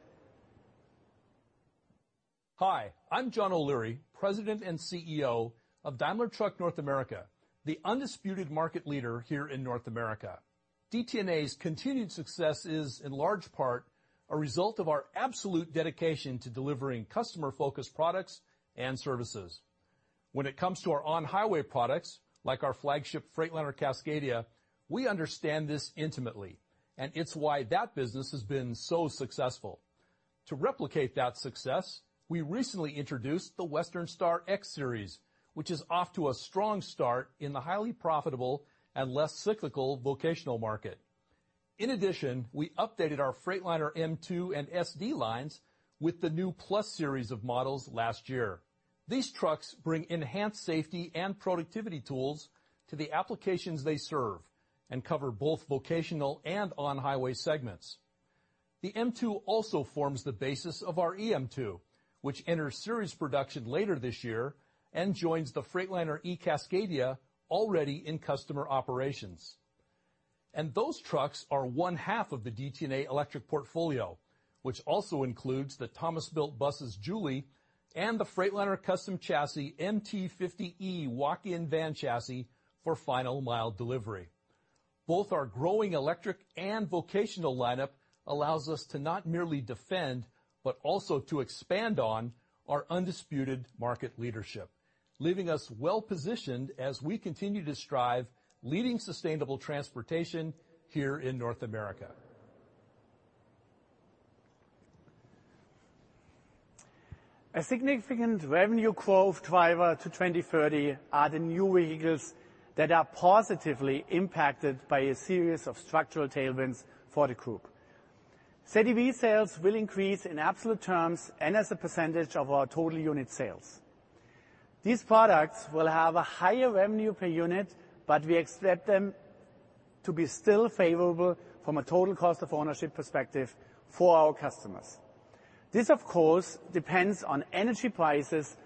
Hi, I'm John O'Leary, President and CEO of Daimler Truck North America, the undisputed market leader here in North America. DTNA's continued success is, in large part, a result of our absolute dedication to delivering customer-focused products and services. When it comes to our on-highway products, like our flagship Freightliner eCascadia, we understand this intimately, and it's why that business has been so successful. To replicate that success, we recently introduced the Western Star X-Series, which is off to a strong start in the highly profitable and less cyclical vocational market. In addition, we updated our Freightliner M2 and SD lines with the new Plus Series of models last year. These trucks bring enhanced safety and productivity tools to the applications they serve and cover both vocational and on-highway segments. The M2 also forms the basis of our eM2, which enters series production later this year and joins the Freightliner eCascadia already in customer operations. Those trucks are one half of the DTNA electric portfolio, which also includes the Thomas Built Buses Jouley, and the Freightliner Custom Chassis MT50e walk-in van chassis for final mile delivery. Both our growing electric and vocational lineup allows us to not merely defend, but also to expand on our undisputed market leadership, leaving us well positioned as we continue to strive, leading sustainable transportation here in North America. A significant revenue growth driver to 2030 are the new vehicles that are positively impacted by a series of structural tailwinds for the group. ZEV sales will increase in absolute terms and as a percentage of our total unit sales. These products will have a higher revenue per unit, but we expect them to be still favorable from a total cost of ownership perspective for our customers. This, of course, depends on energy prices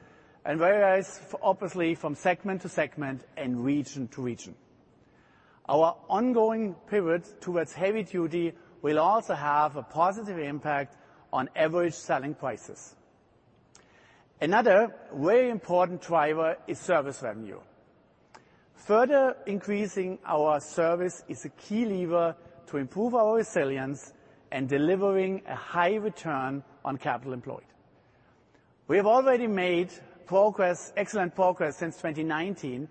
and varies obviously from segment to segment and region to region. Our ongoing pivot towards heavy duty will also have a positive impact on average selling prices. Another very important driver is service revenue. Further increasing our service is a key lever to improve our resilience and delivering a high return on capital employed. We have already made progress, excellent progress since 2019,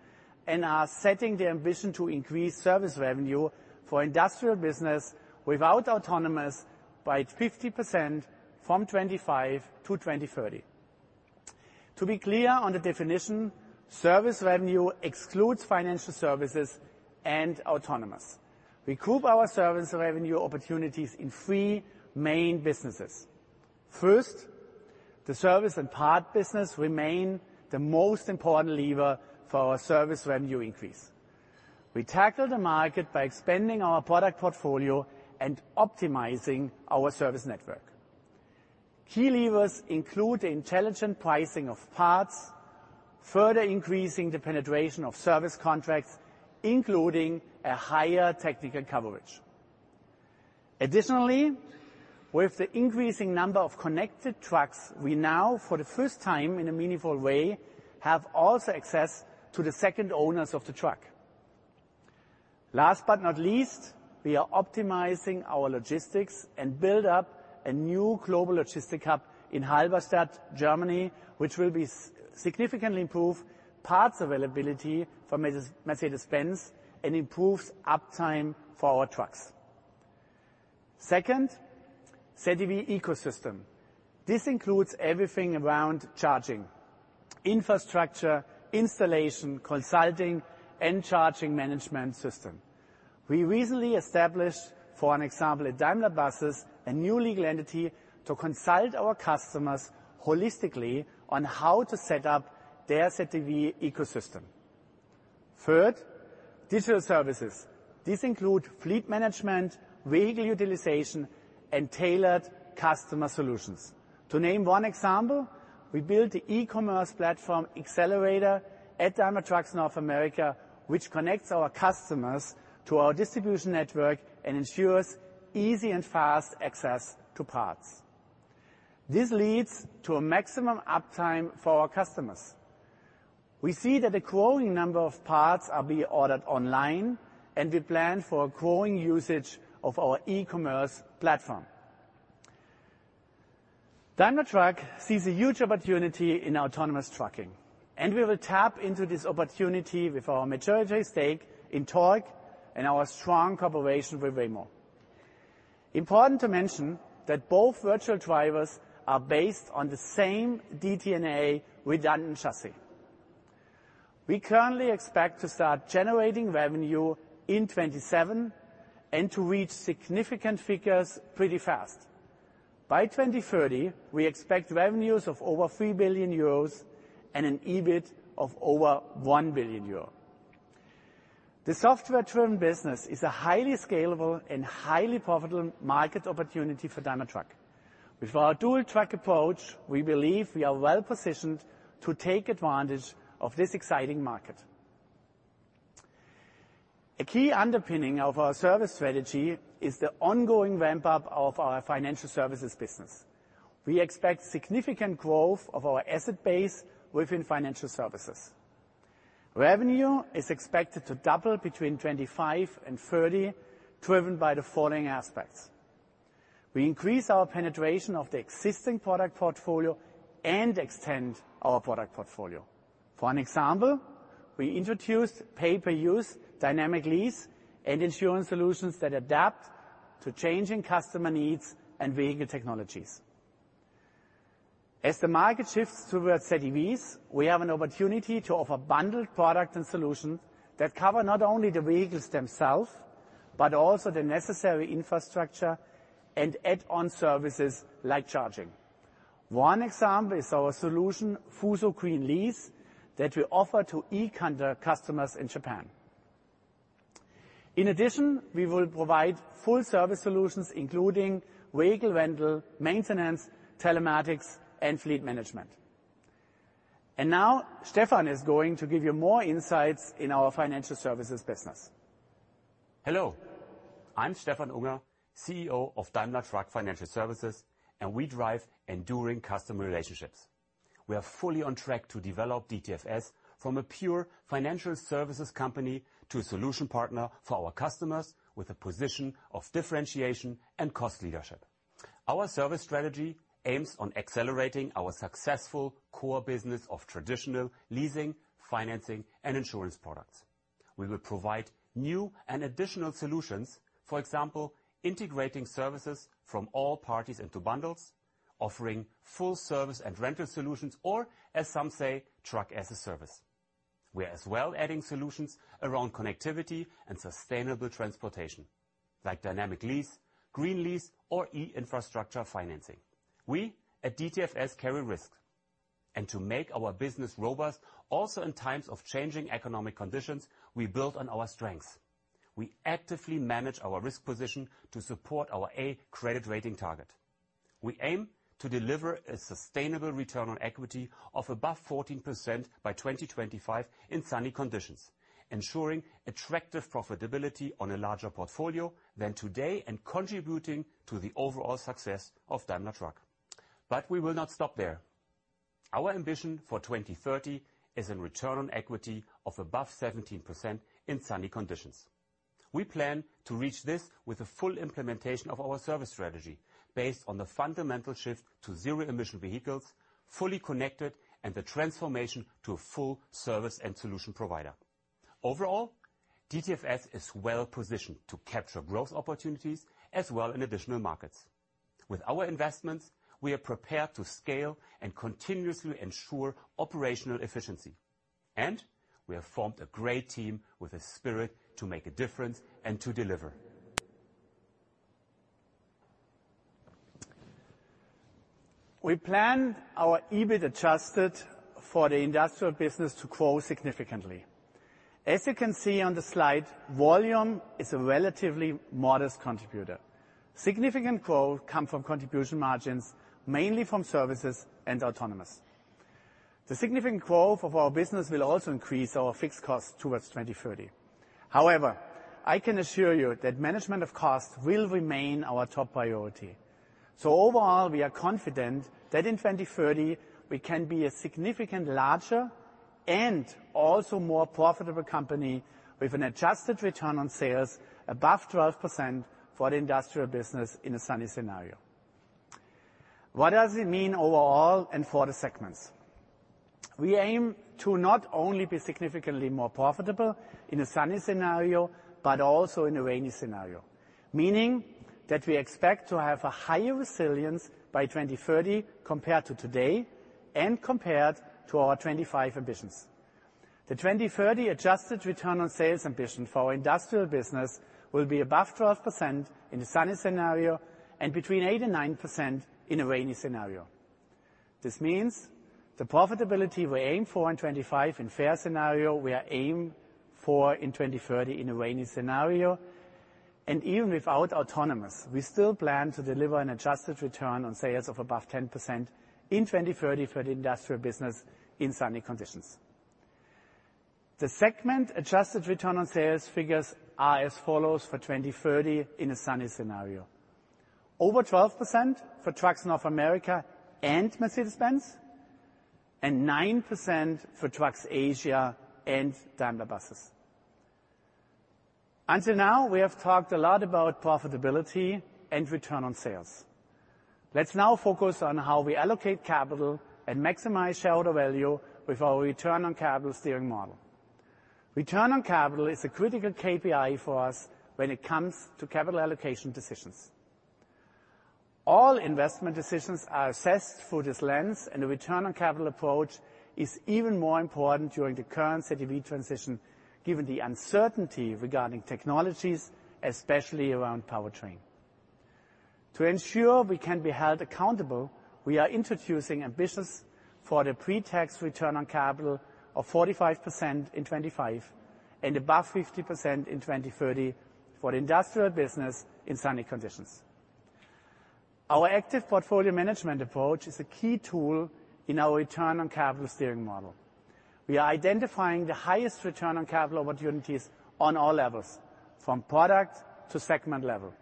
and are setting the ambition to increase service revenue for industrial business without autonomous by 50% from 2025-2030. To be clear on the definition, service revenue excludes financial services and autonomous. We group our service revenue opportunities in three main businesses. First, the service and part business remain the most important lever for our service revenue increase. We tackle the market by expanding our product portfolio and optimizing our service network. Key levers include the intelligent pricing of parts, further increasing the penetration of service contracts, including a higher technical coverage. Additionally, with the increasing number of connected trucks, we now, for the first time in a meaningful way, have also access to the second owners of the truck. Last but not least, we are optimizing our logistics and building up a new global logistic hub in Halberstadt, Germany, which will significantly improve parts availability for Mercedes-Benz and improves uptime for our trucks. Second, ZEV ecosystem. This includes everything around charging, infrastructure, installation, consulting, and charging management system. We recently established, for an example, at Daimler Buses, a new legal entity to consult our customers holistically on how to set up their ZEV ecosystem. Third, digital services. These include fleet management, vehicle utilization, and tailored customer solutions. To name one example, we built the e-commerce platform Excelerator at Daimler Truck North America, which connects our customers to our distribution network and ensures easy and fast access to parts. This leads to a maximum uptime for our customers. We see that a growing number of parts are being ordered online. We plan for a growing usage of our e-commerce platform. Daimler Truck sees a huge opportunity in Autonomous Trucking. We will tap into this opportunity with our majority stake in Torc and our strong cooperation with Waymo. Important to mention, that both virtual drivers are based on the same DTNA redundant chassis. We currently expect to start generating revenue in 2027 and to reach significant figures pretty fast. By 2030, we expect revenues of over 3 billion euros and an EBIT of over 1 billion euros. The software-driven business is a highly scalable and highly profitable market opportunity for Daimler Truck. With our dual-track approach, we believe we are well positioned to take advantage of this exciting market. A key underpinning of our service strategy is the ongoing ramp-up of our financial services business. We expect significant growth of our asset base within Financial Services. Revenue is expected to double between 2025 and 2030, driven by the following aspects: We increase our penetration of the existing product portfolio and extend our product portfolio. For an example, we introduced pay-per-use dynamic lease and insurance solutions that adapt to changing customer needs and vehicle technologies. As the market sifts towards ZEVs, we have an opportunity to offer bundled product and solutions that cover not only the vehicles themselves, but also the necessary infrastructure and add-on services like charging. One example is our solution, FUSO Green Lease, that we offer to eCanter customers in Japan. In addition, we will provide full service solutions, including vehicle rental, maintenance, telematics, and fleet management. Now Stephan is going to give you more insights in our financial services business. Hello, I'm Stephan Unger, CEO of Daimler Truck Financial Services, and we drive enduring customer relationships. We are fully on track to develop DTFS from a pure financial services company to a solution partner for our customers, with a position of differentiation and cost leadership. Our service strategy aims on accelerating our successful core business of traditional leasing, financing, and insurance products. We will provide new and additional solutions, for example, integrating services from all parties into bundles, offering full service and rental solutions, or, as some say, Truck-as-a-Service. We are as well adding solutions around connectivity and sustainable transportation, like Dynamic Lease, Green Lease, or e-infrastructure financing. We at DTFS carry risk, and to make our business robust, also in times of changing economic conditions, we build on our strengths. We actively manage our risk position to support our A credit rating target. We aim to deliver a sustainable return on equity of above 14% by 2025 in sunny conditions, ensuring attractive profitability on a larger portfolio than today and contributing to the overall success of Daimler Truck. We will not stop there. Our ambition for 2030 is a return on equity of above 17% in sunny conditions. We plan to reach this with a full implementation of our service strategy, based on the fundamental shift to zero-emission vehicles, fully connected, and the transformation to a full service and solution provider. Overall, DTFS is well positioned to capture growth opportunities, as well in additional markets. With our investments, we are prepared to scale and continuously ensure operational efficiency, and we have formed a great team with a spirit to make a difference and to deliver. We plan our EBIT adjusted for the industrial business to grow significantly. As you can see on the slide, volume is a relatively modest contributor. Significant growth come from contribution margins, mainly from Services and Autonomous. The significant growth of our business will also increase our fixed costs towards 2030. However, I can assure you that management of costs will remain our top priority. Overall, we are confident that in 2030, we can be a significant, larger, and also more profitable company, with an adjusted return on sales above 12% for the industrial business in a sunny scenario. What does it mean overall and for the segments? We aim to not only be significantly more profitable in a sunny scenario, but also in a rainy scenario, meaning that we expect to have a higher resilience by 2030 compared to today and compared to our 2025 ambitions. The 2030 adjusted return on sales ambition for our industrial business will be above 12% in the sunny scenario and between 8% and 9% in a rainy scenario. This means the profitability we aim for in 2025 in fair scenario, we are aim for in 2030 in a rainy scenario, and even without Autonomous, we still plan to deliver an adjusted return on sales of above 10% in 2030 for the industrial business in sunny conditions. The segment adjusted return on sales figures are as follows for 2030 in a sunny scenario: over 12% for Trucks North America and Mercedes-Benz, and 9% for Trucks Asia and Daimler Buses. Until now, we have talked a lot about profitability and return on sales. Let's now focus on how we allocate capital and maximize shareholder value with our return on capital steering model. Return on capital is a critical KPI for us when it comes to capital allocation decisions. All investment decisions are assessed through this lens, and the return on capital approach is even more important during the current ZEV transition, given the uncertainty regarding technologies, especially around powertrain. To ensure we can be held accountable, we are introducing ambitions for the pre-tax return on capital of 45% in 2025, and above 50% in 2030 for the industrial business in sunny conditions. Our active portfolio management approach is a key tool in our return on capital steering model. We are identifying the highest return on capital opportunities on all levels, from product to segment level.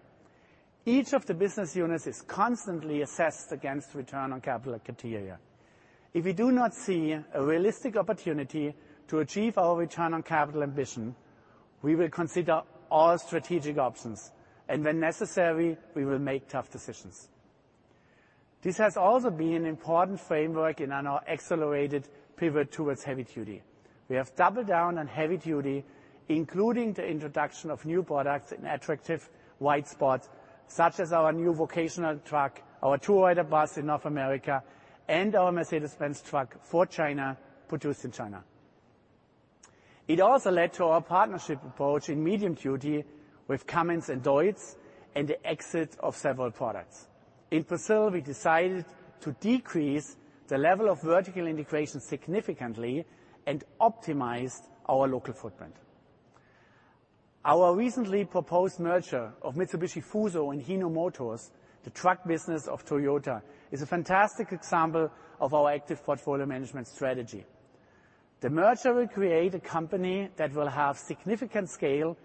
Each of the business units is constantly assessed against return on capital criteria. If we do not see a realistic opportunity to achieve our return on capital ambition, we will consider all strategic options, and when necessary, we will make tough decisions. This has also been an important framework in our accelerated pivot towards heavy-duty. We have doubled down on heavy-duty, including the introduction of new products in attractive white spots, such as our new vocational truck, our Tourrider bus in North America, and our Mercedes-Benz Truck for China, produced in China. It also led to our partnership approach in medium duty with Cummins and DEUTZ, and the exit of several products. In Brazil, we decided to decrease the level of vertical integration significantly and optimize our local footprint. Our recently proposed merger of Mitsubishi Fuso and Hino Motors, the truck business of Toyota, is a fantastic example of our active portfolio management strategy. The merger will create a company that will have significant scale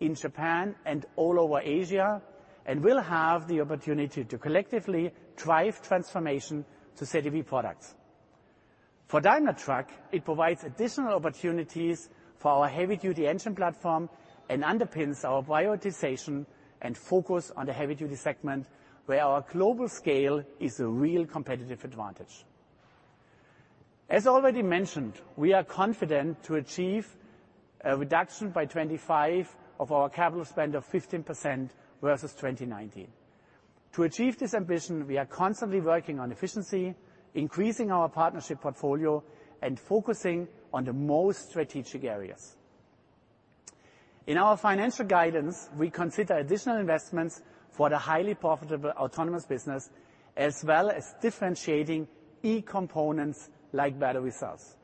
in Japan and all over Asia, and will have the opportunity to collectively drive transformation to ZEV products. For Daimler Truck, it provides additional opportunities for our heavy-duty engine platform and underpins our prioritization and focus on the heavy-duty segment, where our global scale is a real competitive advantage. As already mentioned, we are confident to achieve a reduction by 2025 of our capital spend of 15% versus 2019. To achieve this ambition, we are constantly working on efficiency, increasing our partnership portfolio, and focusing on the most strategic areas. In our financial guidance, we consider additional investments for the highly profitable Autonomous business, as well as differentiating e-components like battery cells.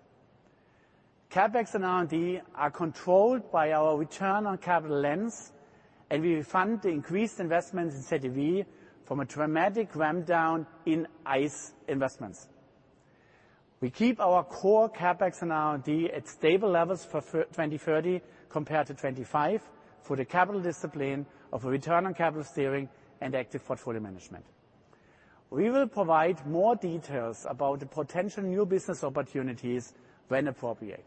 CapEx and R&D are controlled by our return on capital lens, and we fund the increased investments in ZEV from a dramatic ramp down in ICE investments. We keep our core CapEx and R&D at stable levels for 2030 compared to 2025, for the capital discipline of a return on capital steering and active portfolio management. We will provide more details about the potential new business opportunities when appropriate.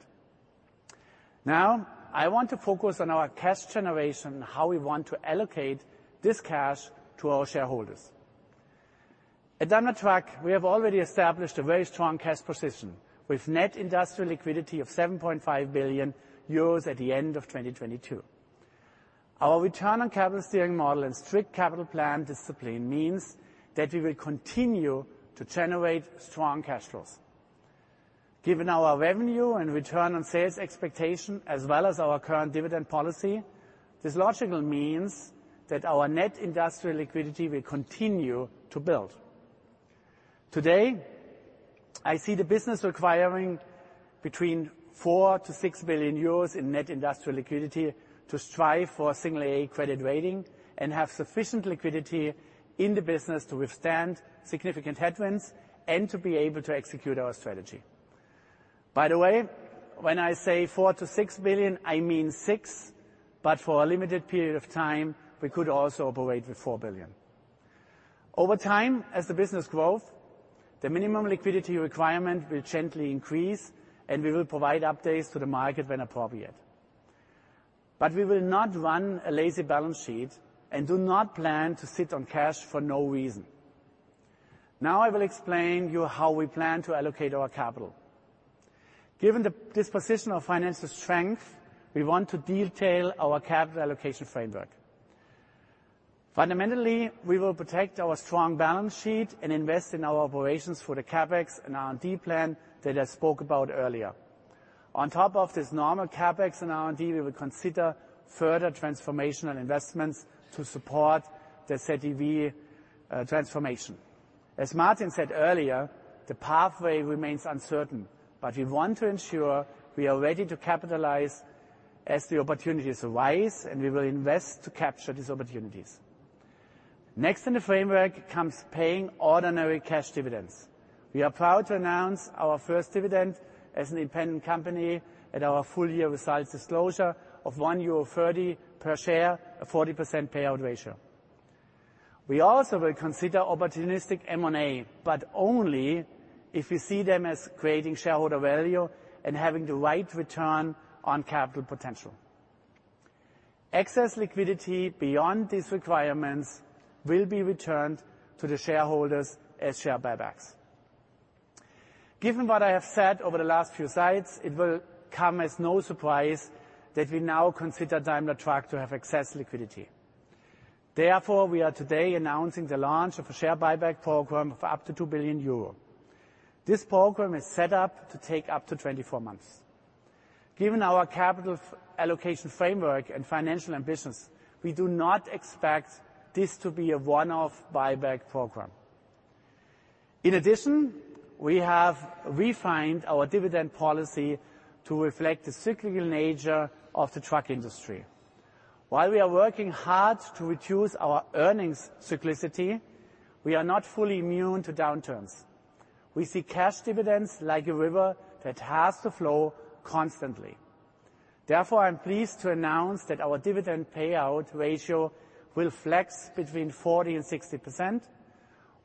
Now, I want to focus on our cash generation, and how we want to allocate this cash to our shareholders. At Daimler Truck, we have already established a very strong cash position, with net industrial liquidity of 7.5 billion euros at the end of 2022. Our return on capital steering model and strict capital plan discipline means that we will continue to generate strong cash flows. Given our revenue and return on sales expectation, as well as our current dividend policy, this logically means that our net industrial liquidity will continue to build. Today, I see the business requiring between 4 billion-6 billion euros in net industrial liquidity to strive for a single A credit rating and have sufficient liquidity in the business to withstand significant headwinds and to be able to execute our strategy. By the way, when I say 4 billion-6 billion, I mean 6 billion, but for a limited period of time, we could also operate with 4 billion. Over time, as the business grows, the minimum liquidity requirement will gently increase, and we will provide updates to the market when appropriate. We will not run a lazy balance sheet and do not plan to sit on cash for no reason. Now I will explain you how we plan to allocate our capital. Given this position of financial strength, we want to detail our capital allocation framework. Fundamentally, we will protect our strong balance sheet and invest in our operations for the CapEx and R&D plan that I spoke about earlier. On top of this normal CapEx and R&D, we will consider further transformational investments to support the ZEV transformation. As Martin said earlier, the pathway remains uncertain, but we want to ensure we are ready to capitalize as the opportunities arise, and we will invest to capture these opportunities. Next in the framework comes paying ordinary cash dividends. We are proud to announce our first dividend as an independent company at our full year results disclosure of 1.30 euro per share, a 40% payout ratio. We also will consider opportunistic M&A, but only if we see them as creating shareholder value and having the right return on capital potential. Excess liquidity beyond these requirements will be returned to the shareholders as share buybacks. Given what I have said over the last few slides, it will come as no surprise that we now consider Daimler Truck to have excess liquidity. Therefore, we are today announcing the launch of a share buyback program of up to 2 billion euro. This program is set up to take up to 24 months. Given our capital allocation framework and financial ambitions, we do not expect this to be a one-off buyback program. We have refined our dividend policy to reflect the cyclical nature of the truck industry. While we are working hard to reduce our earnings cyclicity, we are not fully immune to downturns. We see cash dividends like a river that has to flow constantly. I am pleased to announce that our dividend payout ratio will flex between 40% and 60%.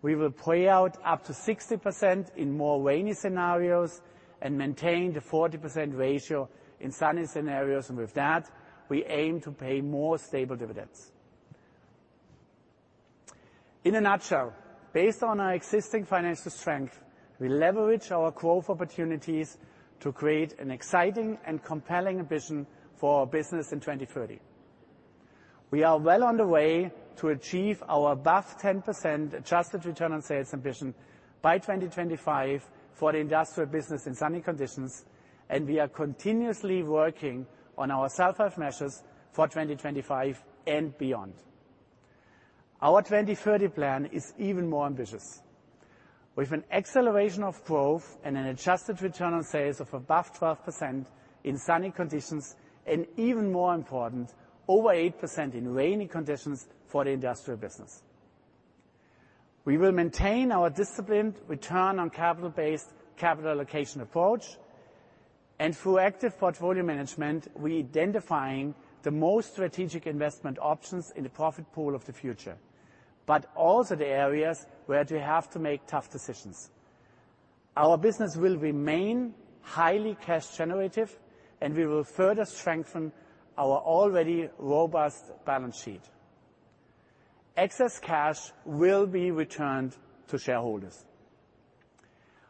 We will pay out up to 60% in more rainy scenarios and maintain the 40% ratio in sunny scenarios, we aim to pay more stable dividends. In a nutshell, based on our existing financial strength, we leverage our growth opportunities to create an exciting and compelling vision for our business in 2030. We are well on the way to achieve our above 10% adjusted return on sales ambition by 2025 for the industrial business in sunny conditions, and we are continuously working on our sell-off measures for 2025 and beyond. Our 2030 Plan is even more ambitious. With an acceleration of growth and an adjusted return on sales of above 12% in sunny conditions, and even more important, over 8% in rainy conditions for the industrial business. We will maintain our disciplined return on capital-based capital allocation approach. Through active portfolio management, we identifying the most strategic investment options in the profit pool of the future, but also the areas where we have to make tough decisions. Our business will remain highly cash generative, and we will further strengthen our already robust balance sheet. Excess cash will be returned to shareholders.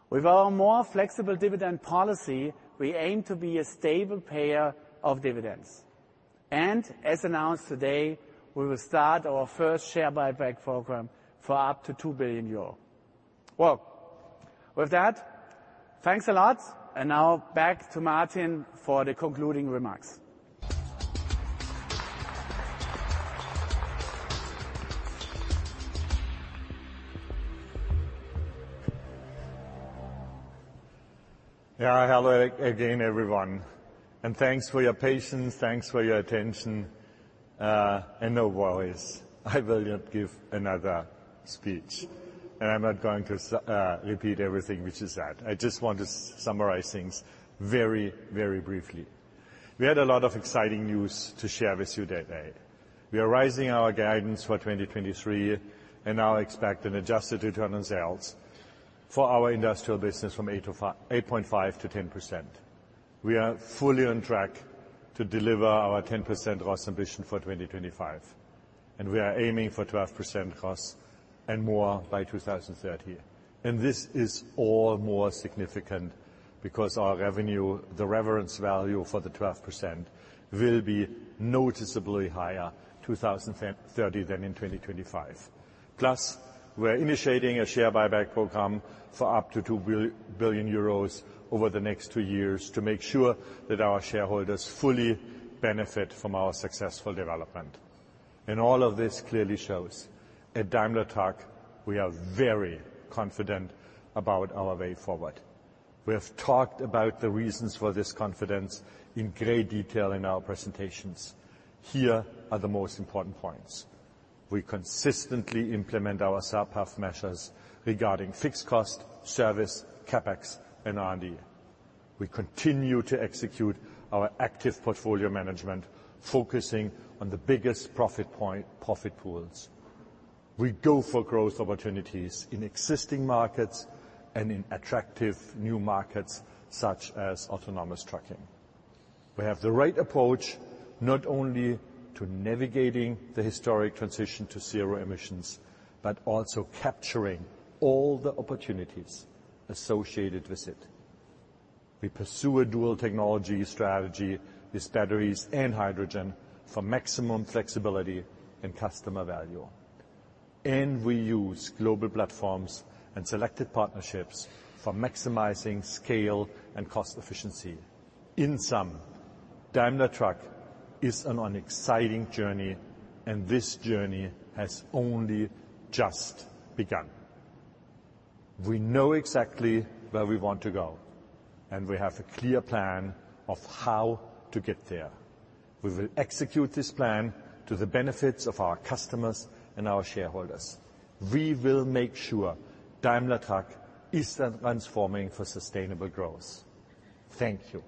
With our more flexible dividend policy, we aim to be a stable payer of dividends, and as announced today, we will start our first share buyback program for up to 2 billion euro. Well, with that, thanks a lot, and now back to Martin for the concluding remarks. Yeah, hello again, everyone, and thanks for your patience. Thanks for your attention, and no worries, I will not give another speech. I'm not going to repeat everything which is said. I just want to summarize things very briefly. We had a lot of exciting news to share with you today. We are raising our guidance for 2023 and now expect an adjusted return on sales for our industrial business from 8.5%-10%. We are fully on track to deliver our 10% ROS ambition for 2025. We are aiming for 12% costs and more by 2030. This is all more significant because our revenue, the reference value for the 12%, will be noticeably higher 2030 than in 2025. We are initiating a share buyback program for up to 2 billion euros over the next two years to make sure that our shareholders fully benefit from our successful development. All of this clearly shows at Daimler Truck, we are very confident about our way forward. We have talked about the reasons for this confidence in great detail in our presentations. Here are the most important points: We consistently implement our path measures regarding fixed cost, service, CapEx, and R&D. We continue to execute our active portfolio management, focusing on the biggest profit pools. We go for growth opportunities in existing markets and in attractive new markets, such as Autonomous Trucking. We have the right approach, not only to navigating the historic transition to zero emissions, but also capturing all the opportunities associated with it. We pursue a dual technology strategy with batteries and hydrogen for maximum flexibility and customer value. We use global platforms and selected partnerships for maximizing scale and cost efficiency. In sum, Daimler Truck is on an exciting journey, and this journey has only just begun. We know exactly where we want to go, and we have a clear plan of how to get there. We will execute this plan to the benefits of our customers and our shareholders. We will make sure Daimler Truck is transforming for sustainable growth. Thank you.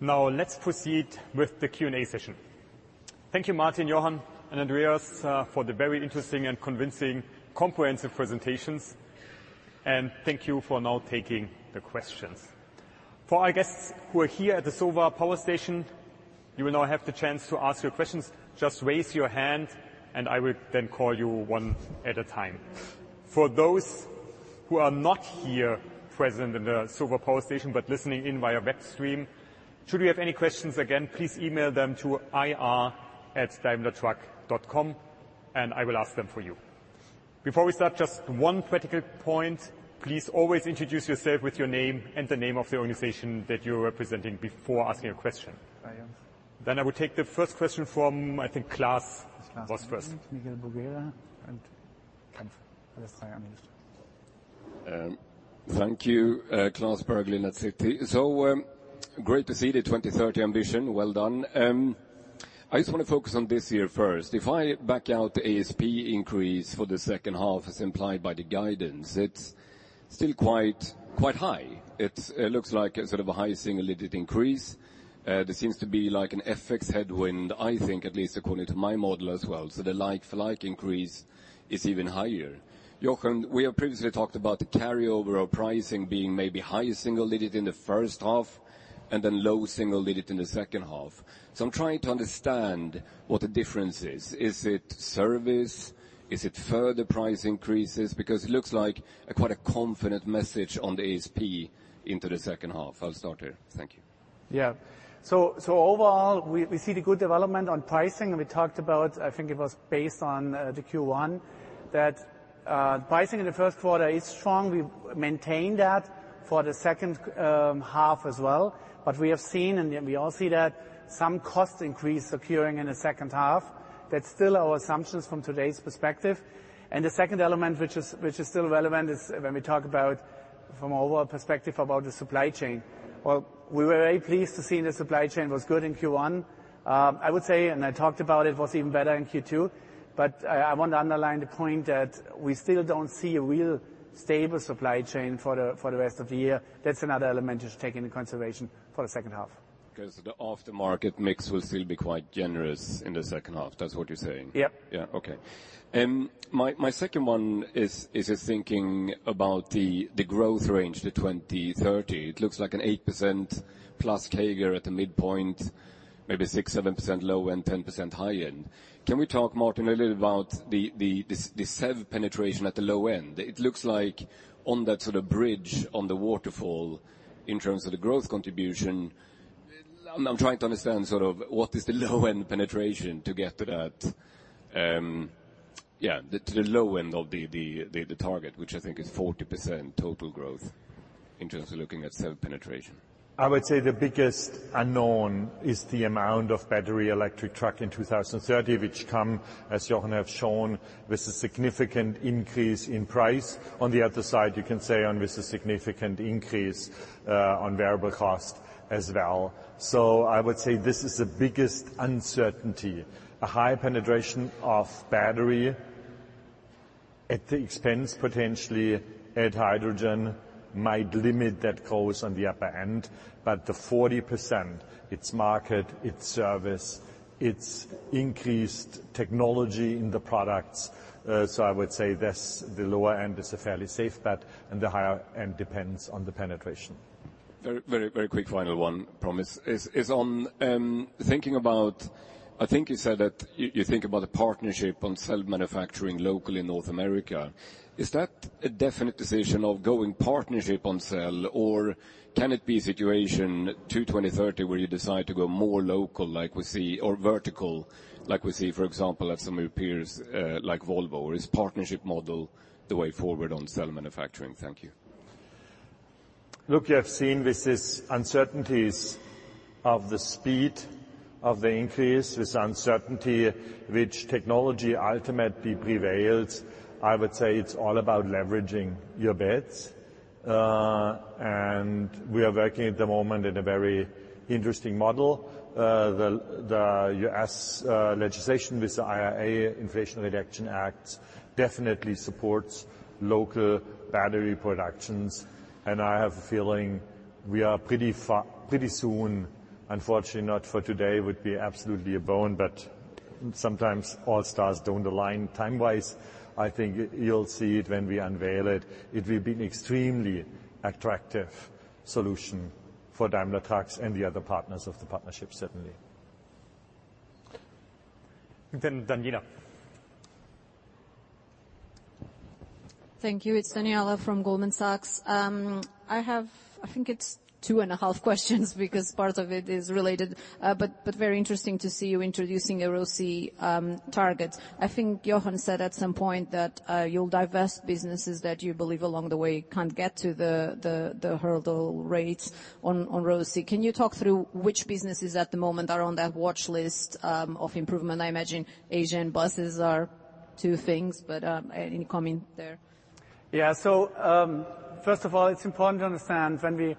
Let's proceed with the Q&A session. Thank you, Martin, Jochen, and Andreas, for the very interesting and convincing comprehensive presentations. Thank you for now taking the questions. For our guests who are here at the SoWa Power Station, you will now have the chance to ask your questions. Just raise your hand, and I will then call you one at a time. For those who are not here present in the SoWa Power Station, but listening in via web stream, should we have any questions, again, please email them to ir@daimlertruck.com, and I will ask them for you. Before we start, just one practical point. Please always introduce yourself with your name and the name of the organization that you're representing before asking a question. I will take the first question from, I think, Klas was first. Bergelind. Thank you. Klas Bergelind, with Citi. Great to see the 2030 ambition. Well done. I just want to focus on this year first. If I back out the ASP increase for the second half, as implied by the guidance, it's still quite high. It looks like a sort of a high single-digit increase. There seems to be like an FX headwind, I think, at least according to my model as well, so the like-for-like increase is even higher. Jochen, we have previously talked about the carryover of pricing being maybe high single digit in the first half and then low single digit in the second half. I'm trying to understand what the difference is. Is it service? Is it further price increases? Because it looks like quite a confident message on the ASP into the second half. I'll start there. Thank you. Overall, we see the good development on pricing. We talked about, I think it was based on the Q1, that pricing in the first quarter is strong. We maintain that for the second half as well. We have seen, and we all see that some cost increase appearing in the second half, that's still our assumptions from today's perspective. The second element, which is still relevant, is when we talk about from an overall perspective about the supply chain. Well, we were very pleased to see the supply chain was good in Q1. I would say, and I talked about it, was even better in Q2, but I want to underline the point that we still don't see a real stable supply chain for the rest of the year. That's another element to take into consideration for the second half. The off-the-market mix will still be quite generous in the second half. That's what you're saying? Yep. Okay. my second one is just thinking about the growth range to 2030. It looks like an 8%+ CAGR at the midpoint, maybe 6%-7% low and 10% high end. Can we talk, Martin, a little about the cell penetration at the low end? It looks like on that sort of bridge, on the waterfall, in terms of the growth contribution... I'm trying to understand sort of what is the low-end penetration to get to that, to the low end of the target, which I think is 40% total growth in terms of looking at cell penetration. I would say the biggest unknown is the amount of battery-electric truck in 2030, which come, as Jochen Goetz have shown, with a significant increase in price. On the other side, you can say, with a significant increase on variable cost as well. I would say this is the biggest uncertainty. A high penetration of battery at the expense, potentially, at hydrogen, might limit that growth on the upper end. The 40%, it's market, it's service, it's increased technology in the products. I would say the lower end is a fairly safe bet, and the higher end depends on the penetration. Very, very, very quick final one, promise. Is on thinking about. I think you said that you think about a partnership on cell manufacturing locally in North America. Is that a definite decision of going partnership on cell, or can it be a situation to 2030, where you decide to go more local, like we see, or vertical, like we see, for example, at some of your peers, like Volvo? Or is partnership model the way forward on cell manufacturing? Thank you. Look, you have seen with this uncertainties of the speed of the increase, this uncertainty which technology ultimately prevails, I would say it's all about leveraging your bets. We are working at the moment in a very interesting model. The U.S. legislation with the IRA, Inflation Reduction Act, definitely supports local battery productions, and I have a feeling we are pretty soon, unfortunately, not for today, would be absolutely a bone, but sometimes all stars don't align time-wise. I think you'll see it when we unveil it. It will be an extremely attractive solution for Daimler Truck and the other partners of the partnership, certainly. Nina. Thank you. It's Daniela from Goldman Sachs. I have, I think it's two and a half questions, because part of it is related. Very interesting to see you introducing a ROCE target. I think Jochen said at some point that you'll divest businesses that you believe along the way can't get to the hurdle rates on ROCE. Can you talk through which businesses at the moment are on that watch list of improvement? I imagine Asian buses are two things, but any comment there? First of all, it's important to understand when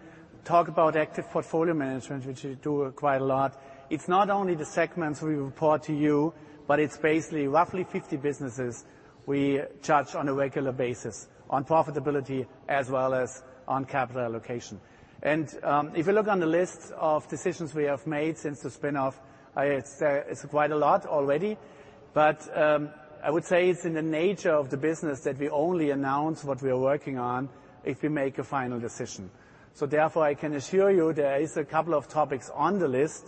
we talk about active portfolio management, which we do quite a lot, it's not only the segments we report to you, but it's basically roughly 50 businesses we judge on a regular basis on profitability as well as on capital allocation. If you look on the list of decisions we have made since the spin-off, it's quite a lot already, but I would say it's in the nature of the business that we only announce what we are working on if we make a final decision. Therefore, I can assure you there is a couple of topics on the list,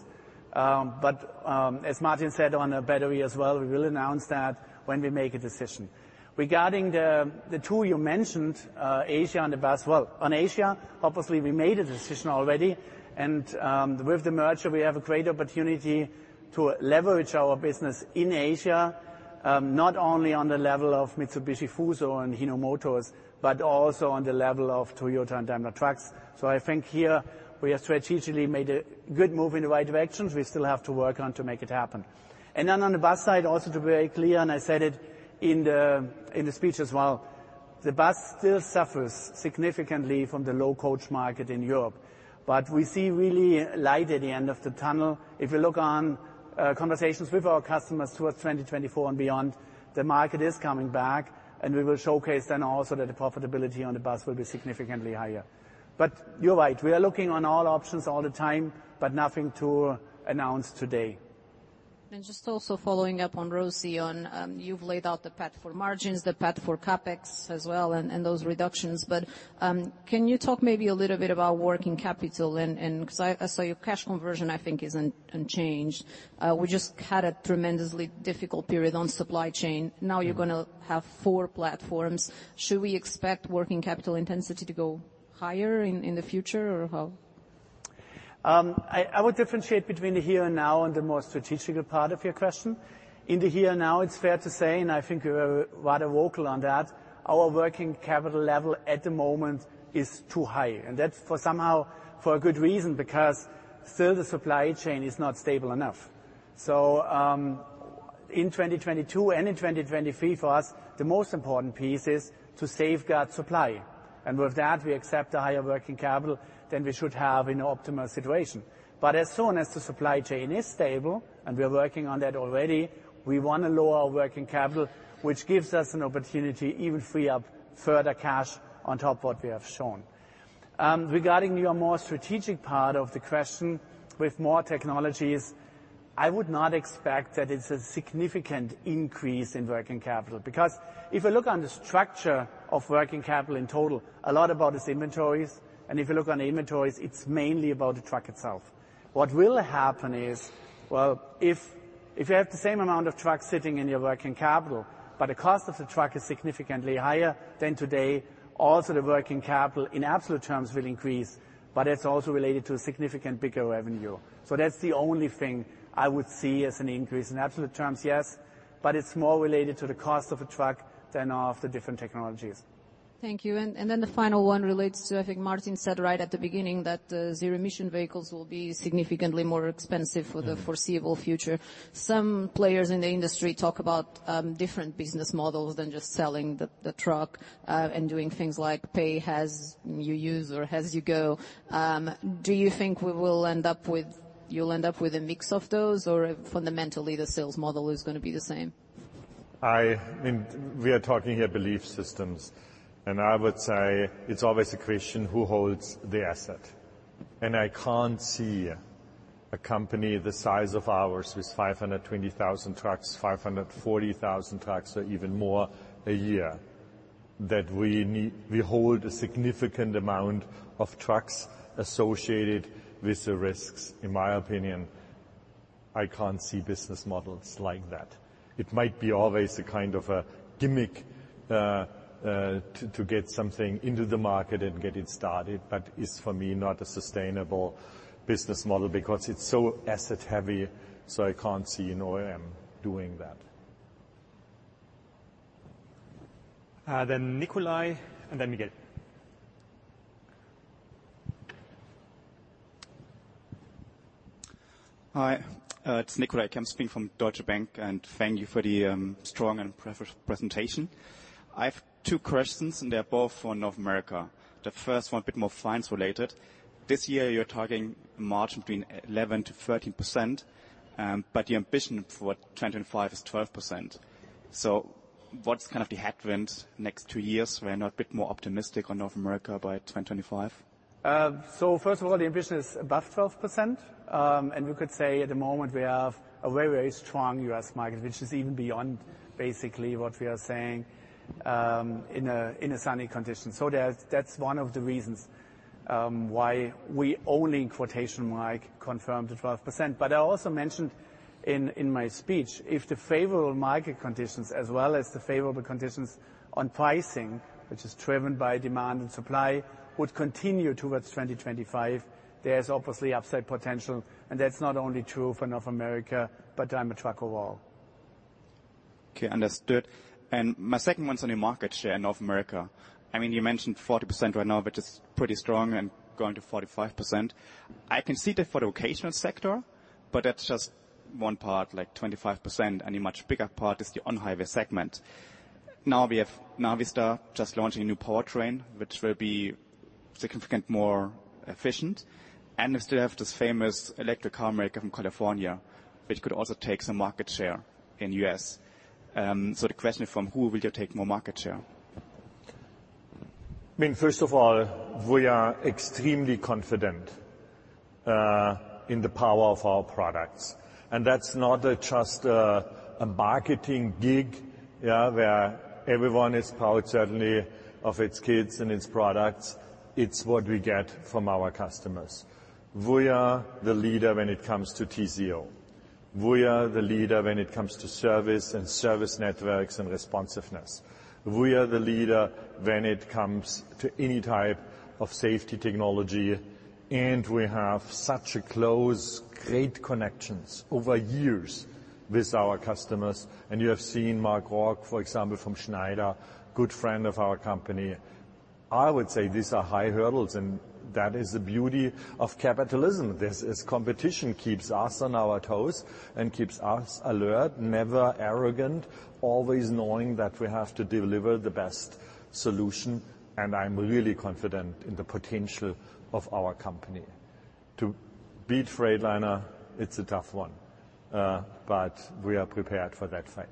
but as Martin said on the battery as well, we will announce that when we make a decision. Regarding the two you mentioned, Asia and the bus, well, on Asia, obviously we made a decision already, and with the merger, we have a great opportunity to leverage our business in Asia, not only on the level of Mitsubishi Fuso and Hino Motors, but also on the level of Toyota and Daimler Trucks. I think here we have strategically made a good move in the right direction. We still have to work on to make it happen. Then on the bus side, also, to be very clear, and I said it in the speech as well, the bus still suffers significantly from the low coach market in Europe, but we see really light at the end of the tunnel. If you look on, conversations with our customers towards 2024 and beyond, the market is coming back, and we will showcase then also that the profitability on the bus will be significantly higher. You're right, we are looking on all options all the time, but nothing to announce today. Just also following up on ROCE on, you've laid out the path for margins, the path for CapEx as well, and those reductions. Can you talk maybe a little bit about working capital? I saw your cash conversion, I think, is unchanged. We just had a tremendously difficult period on supply chain. Now you're gonna have four platforms. Should we expect working capital intensity to go higher in the future, or how? I would differentiate between the here and now and the more strategical part of your question. In the here and now, it's fair to say, and I think we were rather vocal on that, our working capital level at the moment is too high, and that's for somehow for a good reason, because still the supply chain is not stable enough. In 2022 and in 2023, for us, the most important piece is to safeguard supply, and with that, we accept a higher working capital than we should have in an optimal situation. As soon as the supply chain is stable, and we are working on that already, we want to lower our working capital, which gives us an opportunity, even free up further cash on top what we have shown. Regarding your more strategic part of the question, with more technologies, I would not expect that it's a significant increase in working capital, because if you look on the structure of working capital in total, a lot about is inventories, and if you look on the inventories, it's mainly about the truck itself. What will happen is, if you have the same amount of trucks sitting in your working capital, but the cost of the truck is significantly higher than today, also the working capital in absolute terms will increase, but it's also related to a significant bigger revenue. That's the only thing I would see as an increase. In absolute terms, yes, but it's more related to the cost of a truck than of the different technologies. Thank you. The final one relates to, I think Martin said right at the beginning, that the zero-emission vehicles will be significantly more expensive for the foreseeable future. Mm-hmm. Some players in the industry talk about different business models than just selling the truck and doing things like pay as you use or as you go. Do you think you'll end up with a mix of those, or fundamentally the sales model is going to be the same? We are talking here belief systems, and I would say it's always a question who holds the asset? I can't see a company the size of ours, with 520,000 trucks, 540,000 trucks or even more a year, that we hold a significant amount of trucks associated with the risks. In my opinion, I can't see business models like that. It might be always a kind of a gimmick, to get something into the market and get it started, but it's, for me, not a sustainable business model because it's so asset heavy, so I can't see OEM doing that. Nicolai and then Miguel. Hi, it's Nicolai Kempf from Deutsche Bank. Thank you for the strong and preferred presentation. I have two questions. They're both for North America. The first one, a bit more fines related. This year, you're targeting margin between 11%-13%. Your ambition for 2025 is 12%. What's kind of the headwind next two years? We're not a bit more optimistic on North America by 2025? First of all, the ambition is above 12%. We could say at the moment we have a very, very strong U.S. market, which is even beyond basically what we are saying in a sunny condition. That's one of the reasons why we only "confirm" to 12%. I also mentioned in my speech, if the favorable market conditions as well as the favorable conditions on pricing, which is driven by demand and supply, would continue towards 2025, there's obviously upside potential, and that's not only true for North America, but Daimler Truck overall. Okay, understood. My second one's on your market share in North America. I mean, you mentioned 40% right now, which is pretty strong, and going to 45%. I can see that for the occasional sector, but that's just one part, like 25%, and a much bigger part is the on-highway segment. We have Navistar just launching a new powertrain, which will be significant, more efficient, and we still have this famous electric car maker from California, which could also take some market share in U.S. The question is, from who will you take more market share? I mean, first of all, we are extremely confident in the power of our products, and that's not just a marketing gig, yeah, where everyone is proud, certainly, of its kids and its products. It's what we get from our customers. We are the leader when it comes to TCO. We are the leader when it comes to service and service networks and responsiveness. We are the leader when it comes to any type of safety technology, and we have such a close, great connections over years with our customers. You have seen Mark Rourke, for example, from Schneider, good friend of our company. I would say these are high hurdles, and that is the beauty of capitalism. This competition keeps us on our toes and keeps us alert, never arrogant, always knowing that we have to deliver the best solution, and I'm really confident in the potential of our company. To beat Freightliner, it's a tough one, but we are prepared for that fight.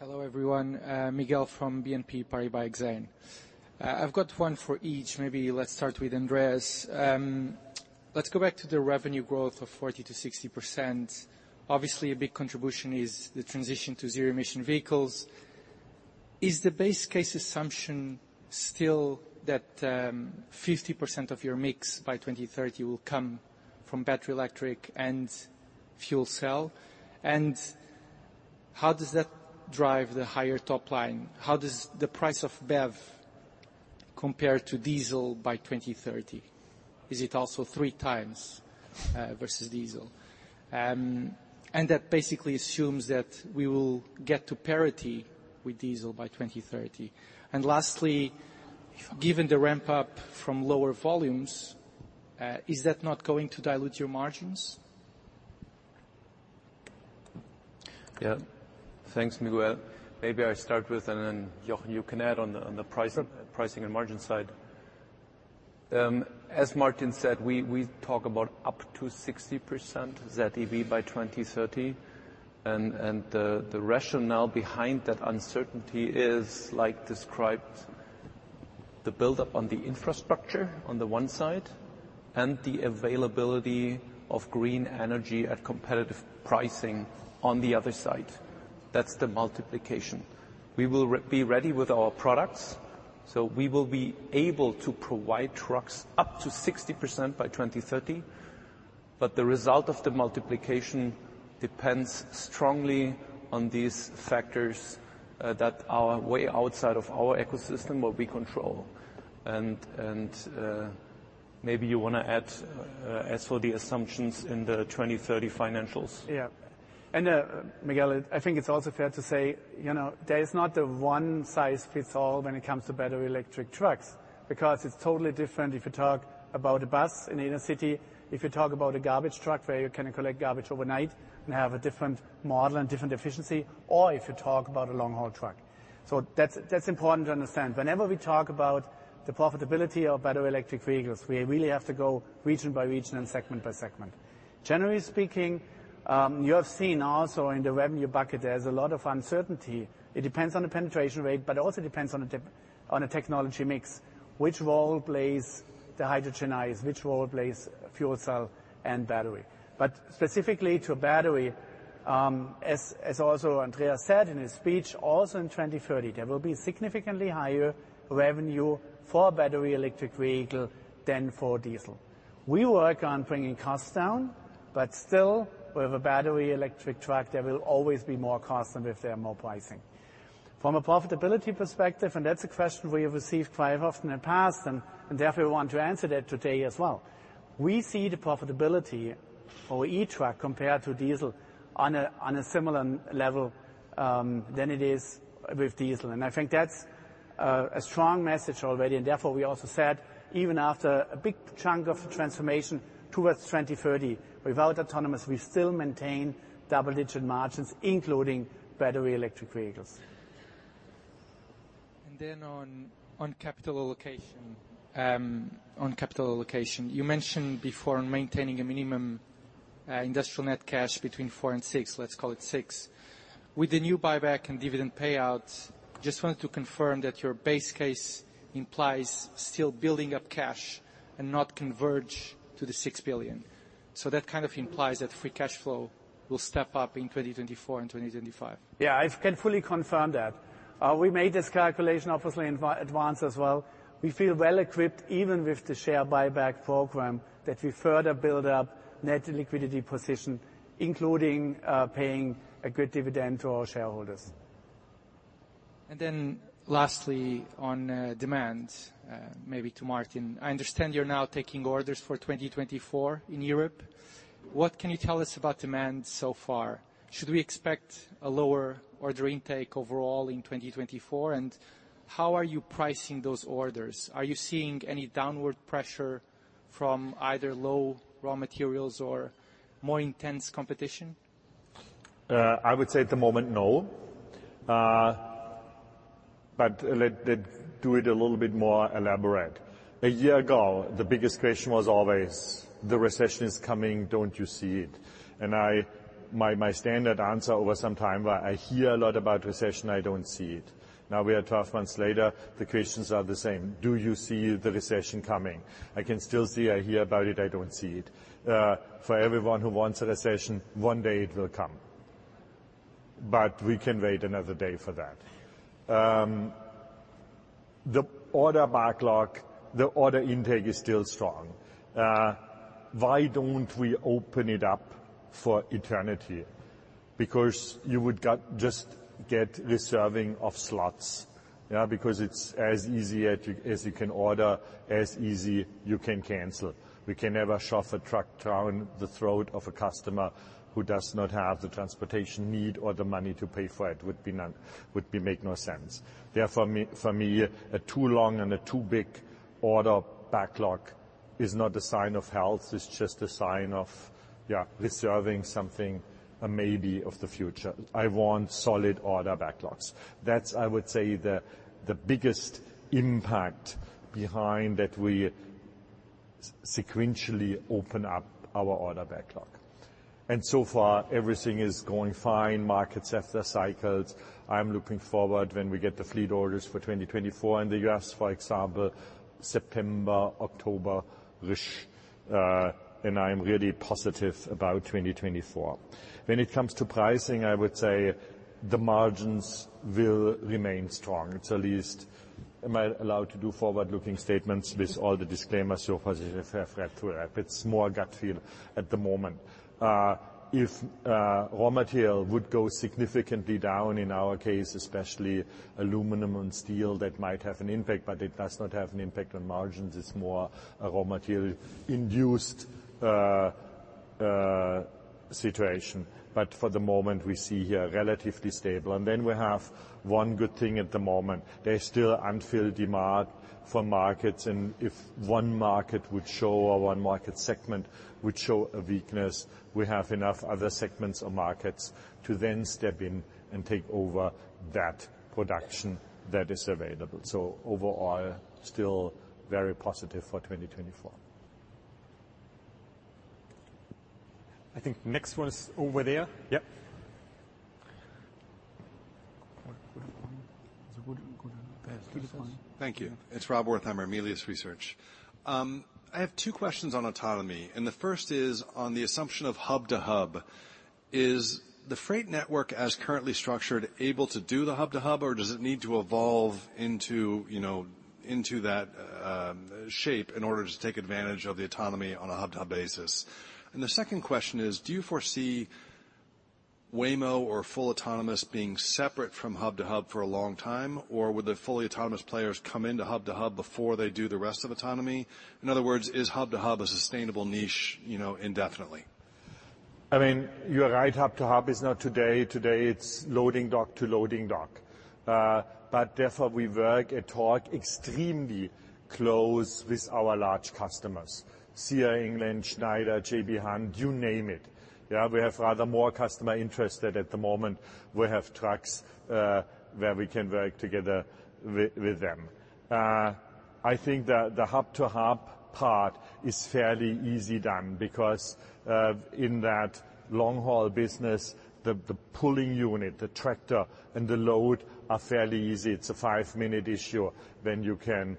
Hello, everyone. Miguel from BNP Paribas Exane. I've got one for each. Maybe let's start with Andreas. Let's go back to the revenue growth of 40%-60%. Obviously, a big contribution is the transition to zero-emission vehicles. Is the base case assumption still that 50% of your mix by 2030 will come from battery, electric, and fuel cell? How does that drive the higher top line? How does the price of BEV compare to diesel by 2030? Is it also three times versus diesel? That basically assumes that we will get to parity with diesel by 2030. Lastly, given the ramp up from lower volumes, is that not going to dilute your margins? Yeah. Thanks, Miguel. Maybe I start with, then, Jochen, you can add on the price. Sure. Pricing and margin side. As Martin said, we talk about up to 60% ZEV by 2030, and the rationale behind that uncertainty is, like described, the buildup on the infrastructure on the one side and the availability of green energy at competitive pricing on the other side. That's the multiplication. We will be ready with our products, so we will be able to provide trucks up to 60% by 2030, but the result of the multiplication depends strongly on these factors that are way outside of our ecosystem, what we control. Maybe you want to add as for the assumptions in the 2030 financials. Miguel, I think it's also fair to say, you know, there is not a one-size-fits-all when it comes to battery electric trucks, because it's totally different if you talk about a bus in the inner city, if you talk about a garbage truck where you can collect garbage overnight and have a different model and different efficiency, or if you talk about a long-haul truck. That's important to understand. Whenever we talk about the profitability of battery electric vehicles, we really have to go region by region and segment by segment. Generally speaking, you have seen also in the revenue bucket, there's a lot of uncertainty. It depends on the penetration rate, but it also depends on the technology mix, which role plays the hydrogenize, which role plays fuel cell and battery. Specifically to battery, as also Andreas said in his speech, also in 2030, there will be significantly higher revenue for battery electric vehicle than for diesel. We work on bringing costs down, but still, with a battery electric truck, there will always be more cost than if there are more pricing. From a profitability perspective, that's a question we have received quite often in the past, and therefore we want to answer that today as well. We see the profitability for e-truck compared to diesel on a similar level than it is with diesel, and I think that's a strong message already. Therefore, we also said, even after a big chunk of the transformation towards 2030, without Autonomous, we still maintain double-digit margins, including battery electric vehicles. On capital allocation, you mentioned before on maintaining a minimum industrial net cash between 4 billion and 6 billion, let's call it 6 billion. With the new buyback and dividend payouts, just wanted to confirm that your base case implies still building up cash and not converge to the 6 billion. That kind of implies that free cash flow will step up in 2024 and 2025. I can fully confirm that. We made this calculation, obviously, in advance as well. We feel well equipped, even with the share buyback program, that we further build up net liquidity position, including, paying a good dividend to our shareholders. Lastly, on demand, maybe to Martin. I understand you're now taking orders for 2024 in Europe. What can you tell us about demand so far? Should we expect a lower order intake overall in 2024? How are you pricing those orders? Are you seeing any downward pressure from either low raw materials or more intense competition? I would say at the moment, no. Let do it a little bit more elaborate. A year ago, the biggest question was always: The recession is coming, don't you see it? My standard answer over some time, well, I hear a lot about recession. I don't see it. Now we are 12 months later, the questions are the same. "Do you see the recession coming?" I can still see, I hear about it, I don't see it. For everyone who wants a recession, one day it will come, but we can wait another day for that. The order backlog, the order intake is still strong. Why don't we open it up for eternity? You would just get reserving of slots, yeah? It's as easy as you can order, as easy you can cancel. We can never shove a truck down the throat of a customer who does not have the transportation need or the money to pay for it. Would make no sense. Therefore, for me, a too long and a too big order backlog is not a sign of health, it's just a sign of, yeah, reserving something, maybe of the future. I want solid order backlogs. That's, I would say, the biggest impact behind that we sequentially open up our order backlog. So far, everything is going fine. Markets have their cycles. I'm looking forward when we get the fleet orders for 2024 in the U.S., for example, September, October-ish, and I'm really positive about 2024. When it comes to pricing, I would say the margins will remain strong. It's at least... Am I allowed to do forward-looking statements with all the disclaimers so far through that? It's more gut feel at the moment. If raw material would go significantly down, in our case, especially aluminum and steel, that might have an impact, it does not have an impact on margins. It's more a raw material-induced situation. For the moment, we see here relatively stable. We have one good thing at the moment: There's still unfilled demand for markets, and if one market would show or one market segment would show a weakness, we have enough other segments or markets to then step in and take over that production that is available. Overall, still very positive for 2024. I think next one is over there. Yep. Thank you. It's Rob Wertheimer, Melius Research. I have two questions on autonomy. The first is on the assumption of hub-to-hub. Is the Freight network, as currently structured, able to do the hub-to-hub, or does it need to evolve, you know, into that shape in order to take advantage of the autonomy on a hub-to-hub basis? The second question is, do you foresee Waymo or full autonomous being separate from hub to hub for a long time, or would the fully autonomous players come into hub-to-hub before they do the rest of autonomy? In other words, is hub-to-hub a sustainable niche, you know, indefinitely? I mean, you're right, hub-to-hub is not today. Today, it's loading dock to loading dock. Therefore, we work and talk extremely close with our large customers, Saia, England, Schneider, J.B. Hunt, you name it. Yeah, we have rather more customer interested at the moment. We have trucks, where we can work together with them. I think the hub-to-hub part is fairly easy done because in that long-haul business, the pulling unit, the tractor and the load are fairly easy. It's a five-minute issue, then you can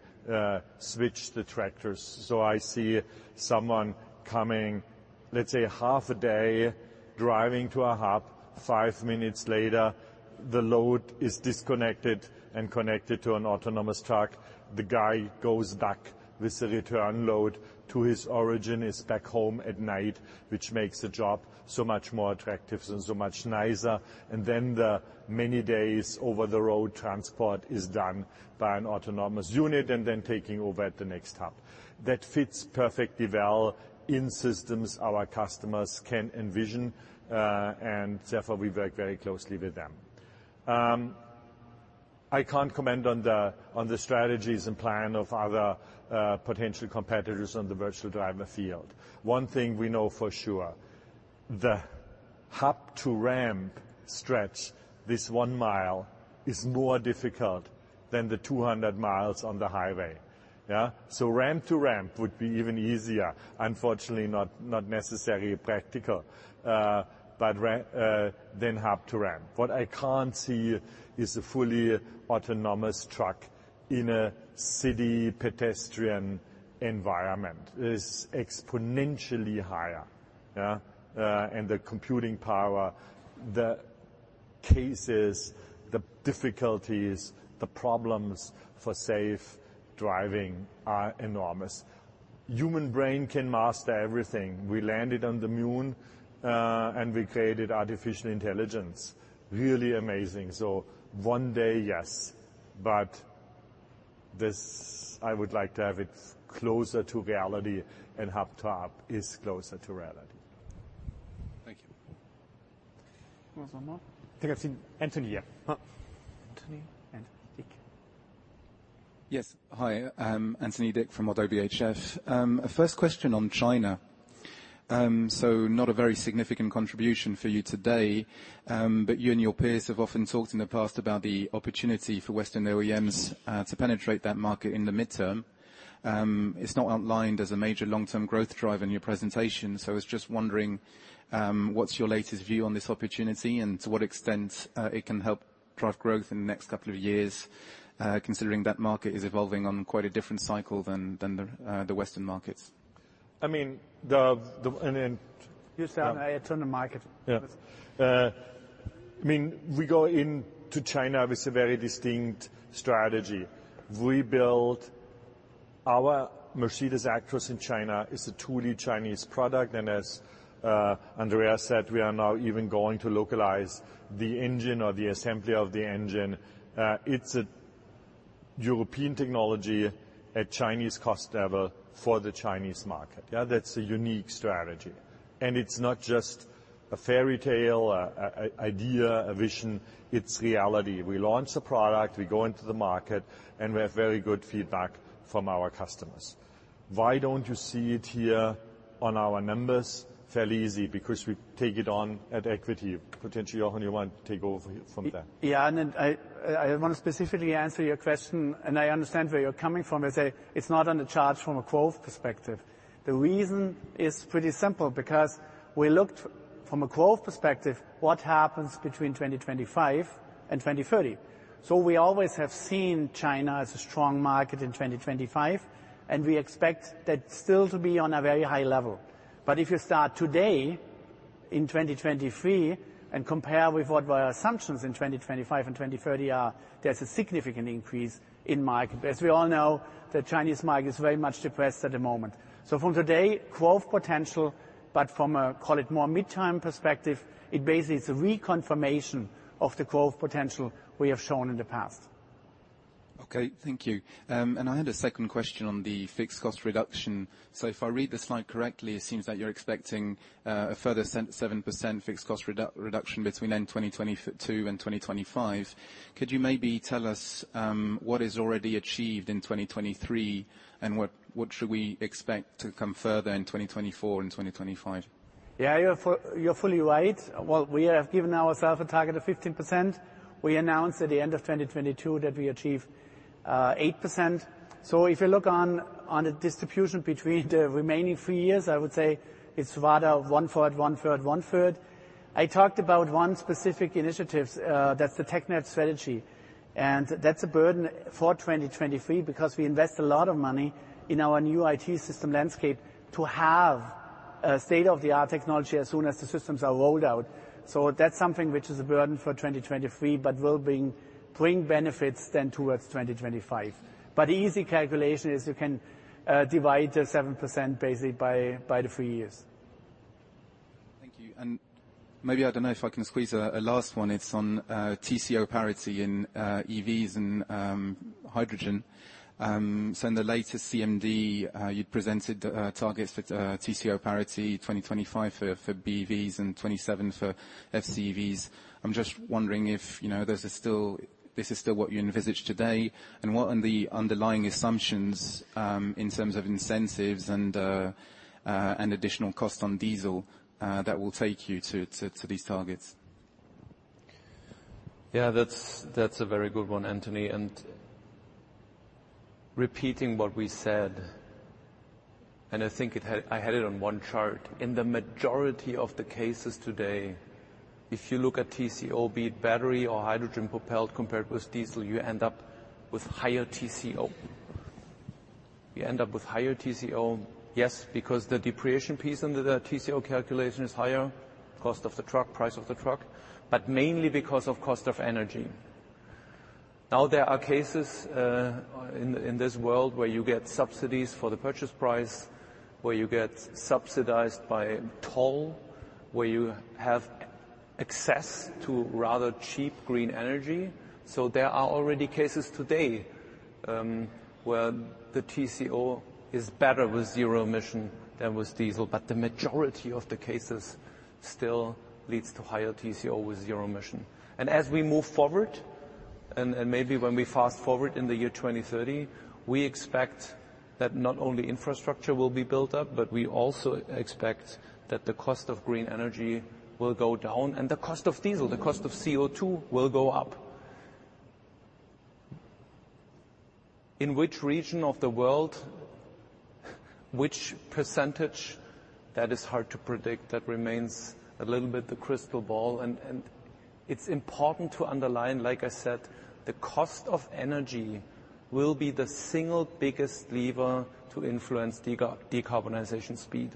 switch the tractors. I see someone coming, let's say, half a day, driving to a hub. Five minutes later, the load is disconnected and connected to an autonomous truck. The guy goes back with the return load to his origin, is back home at night, which makes the job so much more attractive and so much nicer. Then the many days over the road, transport is done by an autonomous unit, then taking over at the next hub. That fits perfectly well in systems our customers can envision, and therefore, we work very closely with them. I can't comment on the strategies and plan of other potential competitors on the virtual driver field. One thing we know for sure, the hub-to-ramp stretch, this 1 mi, is more difficult than the 200 mi on the highway. Yeah? Ramp-to-ramp would be even easier. Unfortunately, not necessarily practical, but than hub to ramp. What I can't see is a fully autonomous truck in a city pedestrian environment. It's exponentially higher, yeah? The computing power, the cases, the difficulties, the problems for safe driving are enormous.... Human brain can master everything. We landed on the moon, and we created artificial intelligence. Really amazing. One day, yes, but this, I would like to have it closer to reality, and hub to hub is closer to reality. Thank you. Want one more? I think I've seen. Anthony, yeah. Oh, Anthony and Dick. Yes. Hi, Anthony Dick from ODDO BHF. First question on China. Not a very significant contribution for you today, but you and your peers have often talked in the past about the opportunity for Western OEMs to penetrate that market in the midterm. It's not outlined as a major long-term growth driver in your presentation, so I was just wondering, what's your latest view on this opportunity, and to what extent it can help drive growth in the next couple of years, considering that market is evolving on quite a different cycle than the Western markets? I mean, the. You stand. I turn the market. I mean, we go into China with a very distinct strategy. We build our Mercedes-Benz Actros in China. It's a truly Chinese product, and as Andreas Gorbach said, we are now even going to localize the engine or the assembly of the engine. It's a European technology at Chinese cost level for the Chinese market. That's a unique strategy. It's not just a fairy tale, an idea, a vision. It's reality. We launch the product, we go into the market, and we have very good feedback from our customers. Why don't you see it here on our numbers? Fairly easy, because we take it on at equity. Potentially, Jochen Goetz, you want to take over from there? Yeah, I want to specifically answer your question, and I understand where you're coming from. I say it's not on the charts from a growth perspective. The reason is pretty simple, because we looked from a growth perspective, what happens between 2025 and 2030. We always have seen China as a strong market in 2025, and we expect that still to be on a very high level. If you start today, in 2023, and compare with what our assumptions in 2025 and 2030 are, there's a significant increase in market. As we all know, the Chinese market is very much depressed at the moment. From today, growth potential, but from a, call it, more mid-term perspective, it basically is a reconfirmation of the growth potential we have shown in the past. Okay. Thank you. I had a second question on the fixed cost reduction. If I read the slide correctly, it seems that you're expecting a further 7% fixed cost reduction between end 2022 and 2025. Could you maybe tell us what is already achieved in 2023, and what should we expect to come further in 2024 and 2025? Yeah, you're fully right. Well, we have given ourself a target of 15%. We announced at the end of 2022 that we achieved 8%. If you look on the distribution between the remaining three years, I would say it's rather one third, one third, one third. I talked about one specific initiatives that's the tech debt, and that's a burden for 2023, because we invest a lot of money in our new IT system landscape to have a state-of-the-art technology as soon as the systems are rolled out. That's something which is a burden for 2023, but will bring benefits then towards 2025. The easy calculation is you can divide the 7% basically by the three years. Thank you. Maybe, I don't know if I can squeeze a last one. It's on TCO parity in EVs and hydrogen. In the latest CMD, you presented targets for TCO parity 2025 for BEVs and 2027 for FCEVs. I'm just wondering if, you know, this is still what you envisage today, and what are the underlying assumptions in terms of incentives and additional cost on diesel that will take you to these targets? That's a very good one, Anthony. Repeating what we said, and I think I had it on one chart. In the majority of the cases today, if you look at TCO, be it battery or hydrogen-propelled, compared with diesel, you end up with higher TCO. You end up with higher TCO, yes, because the depreciation piece under the TCO calculation is higher, cost of the truck, price of the truck, but mainly because of cost of energy. There are cases in this world where you get subsidies for the purchase price, where you get subsidized by toll, where you have access to rather cheap green energy. There are already cases today where the TCO is better with zero emission than with diesel, but the majority of the cases still leads to higher TCO with zero emission. As we move forward, maybe when we fast-forward in the year 2030, we expect that not only infrastructure will be built up, but we also expect that the cost of green energy will go down, and the cost of diesel, the cost of CO₂, will go up. In which region of the world, which percentage? That is hard to predict. That remains a little bit the crystal ball, it's important to underline, like I said, the cost of energy will be the single biggest lever to influence decarbonization speed.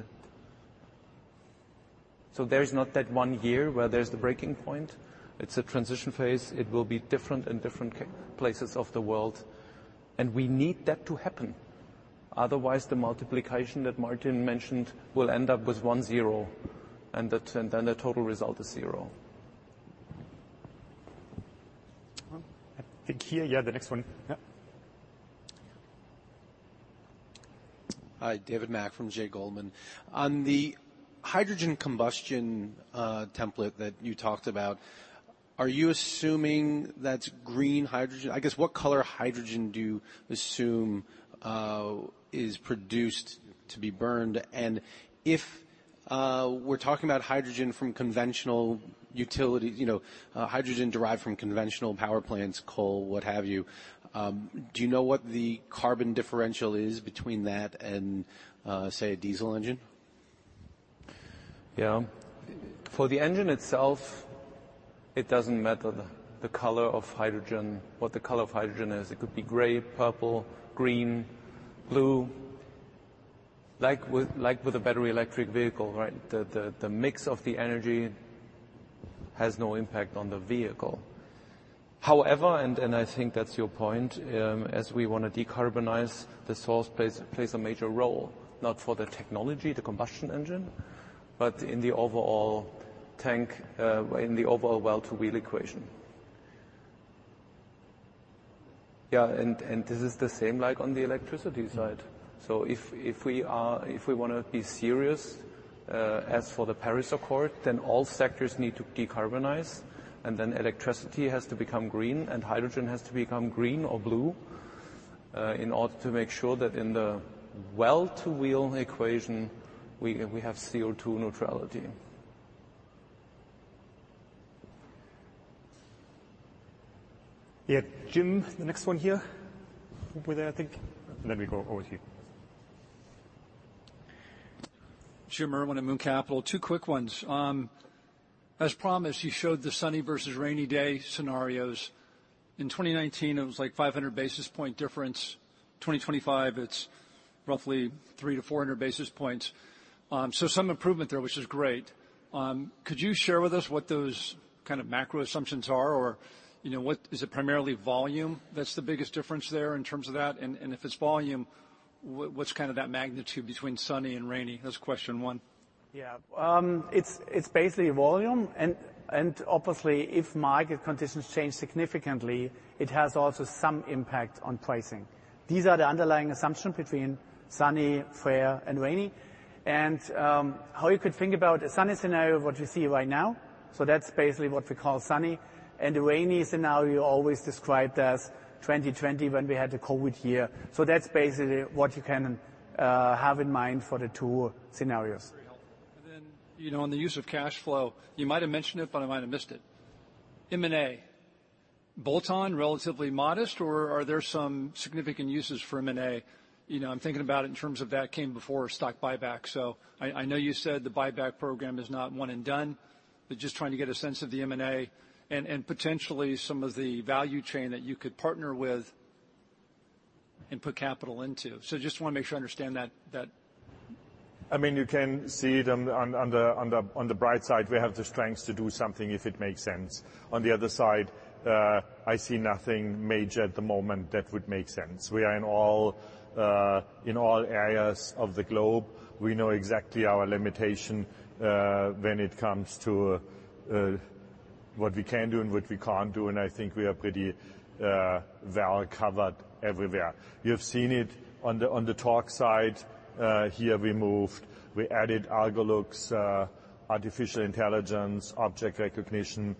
There is not that one year where there's the breaking point. It's a transition phase. It will be different in different places of the world, and we need that to happen. Otherwise, the multiplication that Martin mentioned will end up with one zero, and then the total result is 0. I think here, yeah, the next one. Yep. Hi, David Mack from J. Goldman. On the hydrogen combustion, template that you talked about, are you assuming that's green hydrogen? I guess, what color hydrogen do you assume, is produced to be burned? If we're talking about hydrogen from conventional utility, you know, hydrogen derived from conventional power plants, coal, what have you, do you know what the carbon differential is between that and, say, a diesel engine? Yeah. For the engine itself, it doesn't matter the color of hydrogen, what the color of hydrogen is. It could be gray, purple, green, blue. Like with a battery electric vehicle, right? The, the mix of the energy has no impact on the vehicle. However, I think that's your point, as we want to decarbonize the source plays a major role, not for the technology, the combustion engine, but in the overall tank, in the overall well-to-wheel equation. Yeah, this is the same like on the electricity side. If we wanna be serious as for the Paris Agreement, then all sectors need to decarbonize, and then electricity has to become green, and hydrogen has to become green or blue in order to make sure that in the well-to-wheel equation, we have CO₂ neutrality. Yeah, Jim, the next one here. Over there, I think. We go over to you. Jim Merwin at McMoran Capital. Two quick ones. As promised, you showed the sunny versus rainy day scenarios. In 2019, it was like 500 basis point difference. 2025, it's roughly 300-400 basis points. Some improvement there, which is great. Could you share with us what those kind of macro assumptions are? Or, you know, what? Is it primarily volume that's the biggest difference there in terms of that? If it's volume, what's kind of that magnitude between sunny and rainy? That's question one. Yeah. It's basically volume, and obviously, if market conditions change significantly, it has also some impact on pricing. These are the underlying assumption between sunny, fair, and rainy. How you could think about a sunny scenario, what you see right now, so that's basically what we call sunny. The rainy scenario, you always described as 2020, when we had the Covid year. That's basically what you can have in mind for the two scenarios. Very helpful. Then, you know, on the use of cash flow, you might have mentioned it, but I might have missed it. M&A. Bolt-on, relatively modest, or are there some significant uses for M&A? You know, I'm thinking about it in terms of that came before stock buyback. I know you said the buyback program is not one and done, but just trying to get a sense of the M&A and potentially some of the value chain that you could partner with and put capital into. Just want to make sure I understand that. I mean, you can see it on the bright side, we have the strengths to do something if it makes sense. On the other side, I see nothing major at the moment that would make sense. We are in all areas of the globe. We know exactly our limitation when it comes to what we can do and what we can't do, and I think we are pretty well covered everywhere. You have seen it on the Torc side. Here we moved. We added Algolux, artificial intelligence, object recognition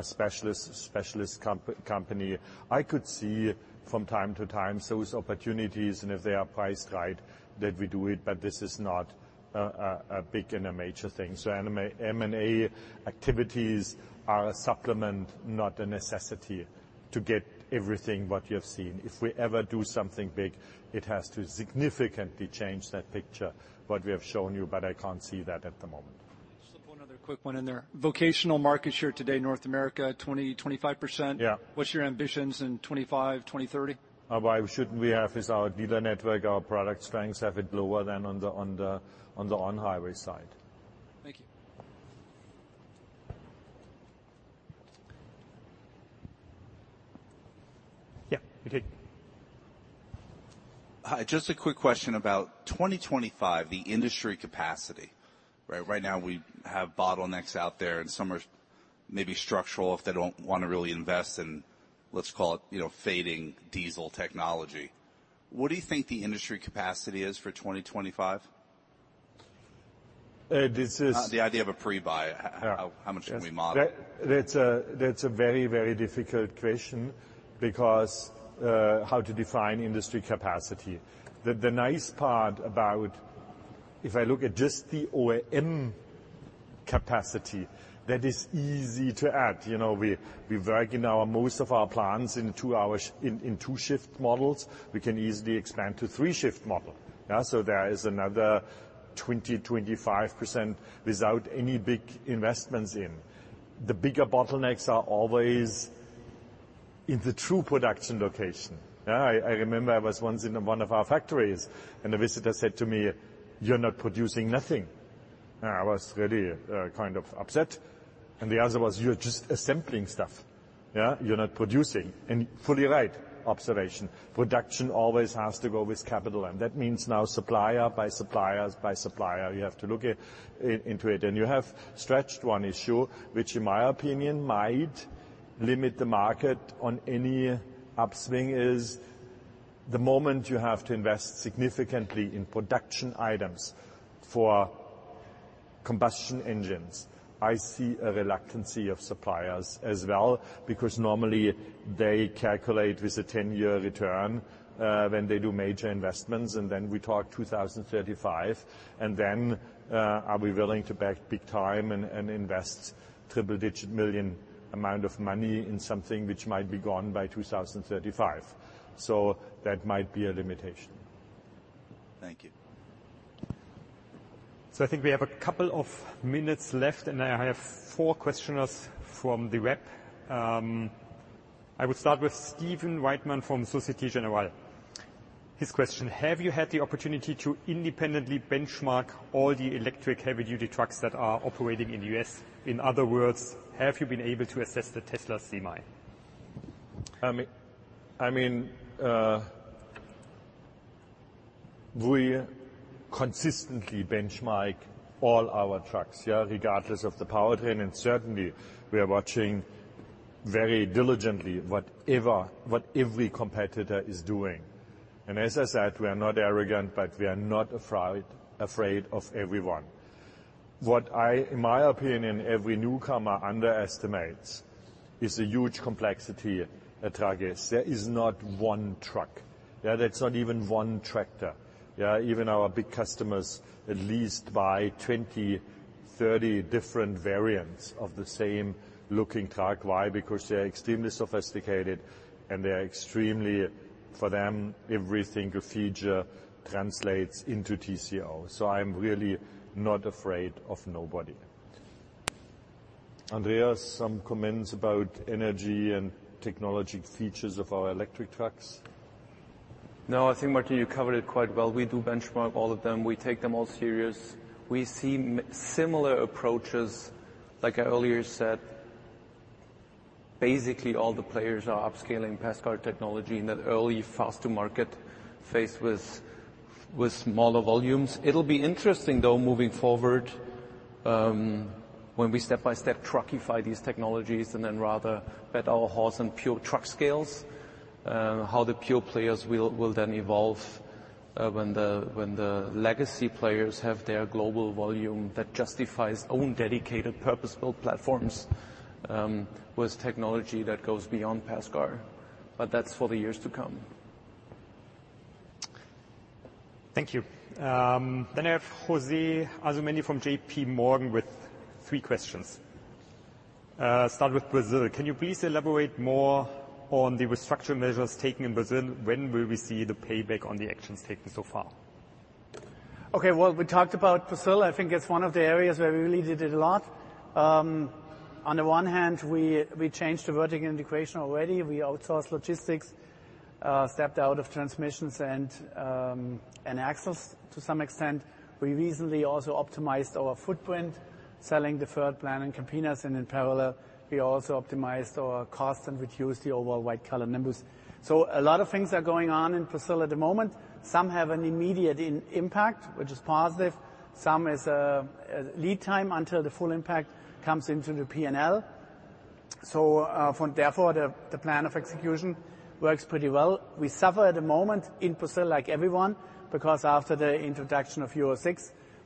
specialist company. I could see from time to time those opportunities, and if they are priced right, that we do it, but this is not a big and a major thing. M&A activities are a supplement, not a necessity, to get everything what you have seen. If we ever do something big, it has to significantly change that picture, what we have shown you, but I can't see that at the moment. Just one other quick one in there. Vocational market share today, North America, 20%-25%. Yeah. What's your ambitions in 2025, 2030? Why shouldn't we have as our dealer network, our product strengths, have it lower than on the on-highway side? Thank you. Yeah, okay. Hi, just a quick question about 2025, the industry capacity, right? Right now, we have bottlenecks out there, and some are maybe structural, if they don't want to really invest in, let's call it, you know, fading diesel technology. What do you think the industry capacity is for 2025? This is- The idea of a pre-buy, how much can we model? That's a very, very difficult question, because, how to define industry capacity? The nice part about if I look at just the OEM capacity, that is easy to add. You know, we work in our most of our plants in two hours, in two shift models. We can easily expand to three shift model. Yeah? There is another 20%, 25% without any big investments in. The bigger bottlenecks are always.... In the true production location. Yeah, I remember I was once in one of our factories, and a visitor said to me, "You're not producing nothing." I was really kind of upset, and the other was, "You're just assembling stuff. Yeah, you're not producing." Fully right observation. Production always has to go with capital, and that means now supplier by supplier by supplier. You have to look at, in, into it. You have stretched one issue, which in my opinion, might limit the market on any upswing, is the moment you have to invest significantly in production items for combustion engines. I see a reluctancy of suppliers as well, because normally they calculate with a 10-year return when they do major investments, and then we talk 2035. Are we willing to bet big time and invest triple digit million amount of money in something which might be gone by 2035? That might be a limitation. Thank you. I think we have a couple of minutes left, and I have four questioners from the web. I will start with Steven Whiteman from Société Générale. His question: Have you had the opportunity to independently benchmark all the electric heavy-duty trucks that are operating in the U.S.? In other words, have you been able to assess the Tesla Semi? We consistently benchmark all our trucks, regardless of the powertrain, certainly we are watching very diligently what every competitor is doing. As I said, we are not arrogant, but we are not afraid of everyone. In my opinion, every newcomer underestimates is the huge complexity a truck is. There is not one truck. That's not even one tractor. Even our big customers at least buy 20, 30 different variants of the same-looking truck. Why? They are extremely sophisticated, and they are extremely, for them, every single feature translates into TCO. I'm really not afraid of nobody. Andreas, some comments about energy and technology features of our electric trucks? No, I think, Martin, you covered it quite well. We do benchmark all of them. We take them all serious. We see similar approaches, like I earlier said. Basically, all the players are upscaling PACCAR technology in that early, fast-to-market phase with smaller volumes. It'll be interesting, though, moving forward, when we step by step truckify these technologies and then rather bet our horse on pure truck scales, how the pure players will then evolve, when the legacy players have their global volume that justifies own dedicated, purpose-built platforms, with technology that goes beyond PACCAR, but that's for the years to come. Thank you. I have José Asumendi from J.P. Morgan with three questions. Start with Brazil. Can you please elaborate more on the restructure measures taken in Brazil? When will we see the payback on the actions taken so far? Okay, well, we talked about Brazil. I think it's one of the areas where we really did a lot. On the one hand, we changed the vertical integration already. We outsourced logistics, stepped out of transmissions and axles to some extent. We recently also optimized our footprint, selling the third plant in Campinas, and in parallel, we also optimized our costs and reduced the overall white-collar numbers. A lot of things are going on in Brazil at the moment. Some have an immediate impact, which is positive. Some is lead time until the full impact comes into the P&L. From therefore, the plan of execution works pretty well. We suffer at the moment in Brazil, like everyone, because after the introduction of Euro VI,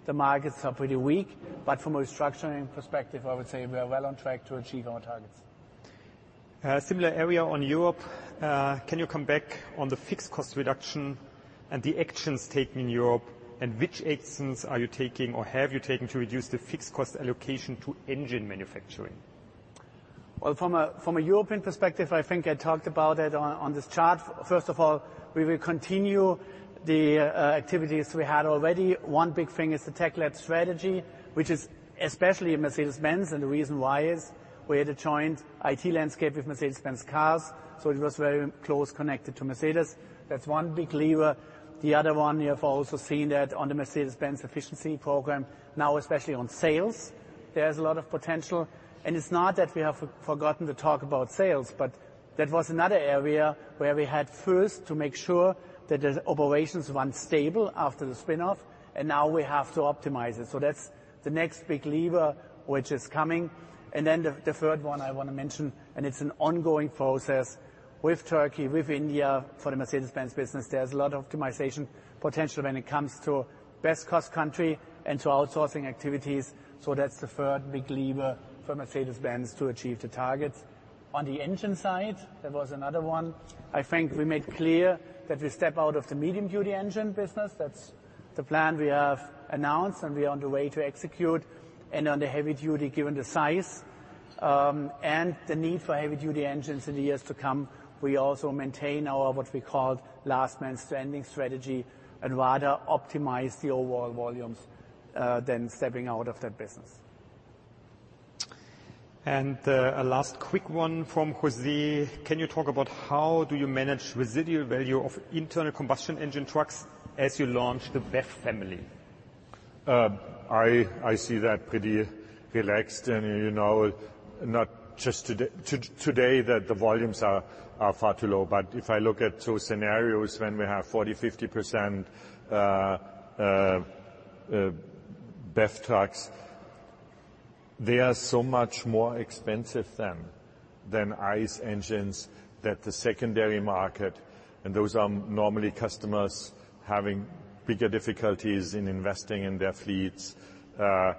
the markets are pretty weak. From a restructuring perspective, I would say we are well on track to achieve our targets. Similar area on Europe. Can you come back on the fixed cost reduction and the actions taken in Europe, and which actions are you taking or have you taken to reduce the fixed cost allocation to engine manufacturing? Well, from a European perspective, I think I talked about it on this chart. First of all, we will continue the activities we had already. One big thing is the Tech Lab strategy, which is especially in Mercedes-Benz, and the reason why is we had a joint IT landscape with Mercedes-Benz cars, so it was very close connected to Mercedes. That's one big lever. The other one, you have also seen that on the Mercedes-Benz efficiency program, now especially on sales, there's a lot of potential. It's not that we have forgotten to talk about sales, but that was another area where we had first to make sure that the operations run stable after the spin-off, and now we have to optimize it. That's the next big lever, which is coming. The third one I want to mention, and it's an ongoing process with Turkey, with India, for the Mercedes-Benz business. There's a lot of optimization potential when it comes to best cost country and to outsourcing activities, so that's the third big lever for Mercedes-Benz to achieve the targets. On the engine side, there was another one. I think we made clear that we step out of the medium-duty engine business. That's the plan we have announced, and we are on the way to execute. On the heavy-duty, given the size and the need for heavy-duty engines in the years to come, we also maintain our, what we call, last-man-standing strategy, and rather optimize the overall volumes than stepping out of that business. A last quick one from Jose. Can you talk about how do you manage residual value of internal combustion engine trucks as you launch the BEV family? I see that pretty relaxed and, you know, not just today that the volumes are far too low. If I look at those scenarios when we have 40%, 50% BEV trucks, they are so much more expensive than ICE engines that the secondary market, and those are normally customers having bigger difficulties in investing in their fleets, I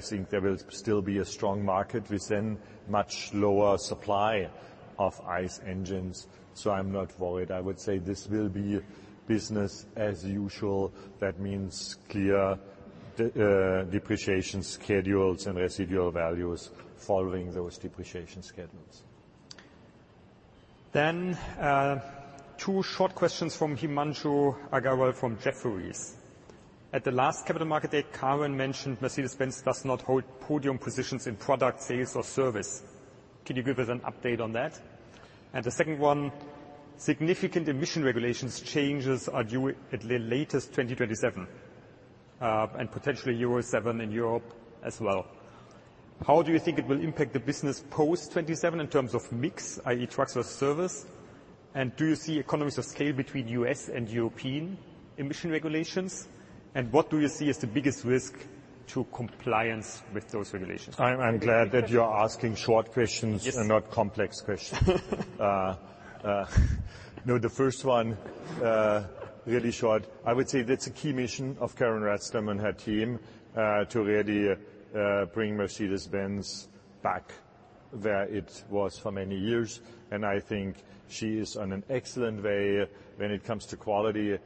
think there will still be a strong market with then much lower supply of ICE engines. I'm not worried. I would say this will be business as usual. That means clear depreciation schedules and residual values following those depreciation schedules. Two short questions from Himanshu Agarwal from Jefferies. At the last Capital Market Date, Karin mentioned Mercedes-Benz does not hold podium positions in product, sales, or service. Can you give us an update on that? The second one, significant emission regulations changes are due at the latest 2027, and potentially Euro VII in Europe as well. How do you think it will impact the business post 2027 in terms of mix, i.e., trucks or service? Do you see economies of scale between U.S. and European emission regulations? What do you see as the biggest risk to compliance with those regulations? I'm glad that you are asking short questions. Yes. Not complex questions. The first one, really short. I would say that's a key mission of Karin Rådström and her team to really bring Mercedes-Benz back where it was for many years, and I think she is on an excellent way. When it comes to quality,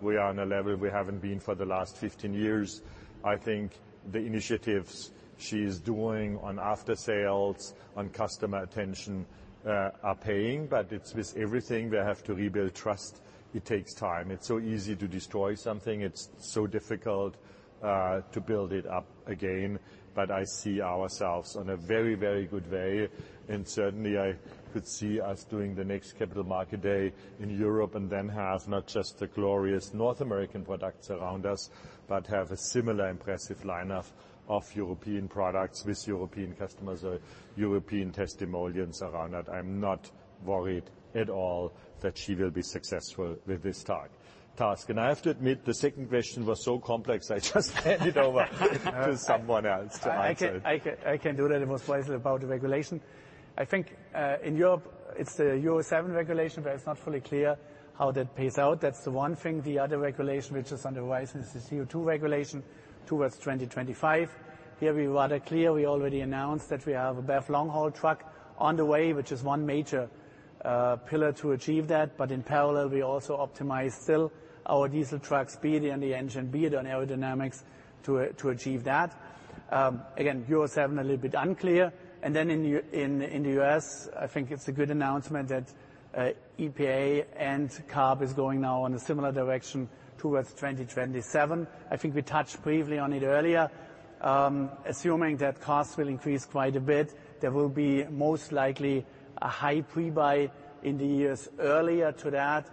we are on a level we haven't been for the last 15 years. I think the initiatives she's doing on after-sales, on customer attention, are paying, but it's with everything we have to rebuild trust. It takes time. It's so easy to destroy something. It's so difficult to build it up again. I see ourselves on a very, very good way, and certainly I could see us doing the next Capital Market Day in Europe and then have not just the glorious North American products around us, but have a similar impressive lineup of European products with European customers or European testimonials around that. I'm not worried at all that she will be successful with this task. I have to admit, the second question was so complex, I just hand it over to someone else to answer. I can do that at most wisely about the regulation. I think, in Europe, it's the Euro VII regulation, but it's not fully clear how that plays out. That's the one thing. The other regulation, which is on the rise, is the CO₂ regulation towards 2025. Here we are rather clear. We already announced that we have a BEV long-haul truck on the way, which is one major pillar to achieve that. In parallel, we also optimize still our diesel truck, be it on the engine, be it on aerodynamics, to achieve that. Again, Euro VII a little bit unclear. In the U.S., I think it's a good announcement that EPA and CARB is going now in a similar direction towards 2027. I think we touched briefly on it earlier. Assuming that costs will increase quite a bit, there will be most likely a high pre-buy in the years earlier to that.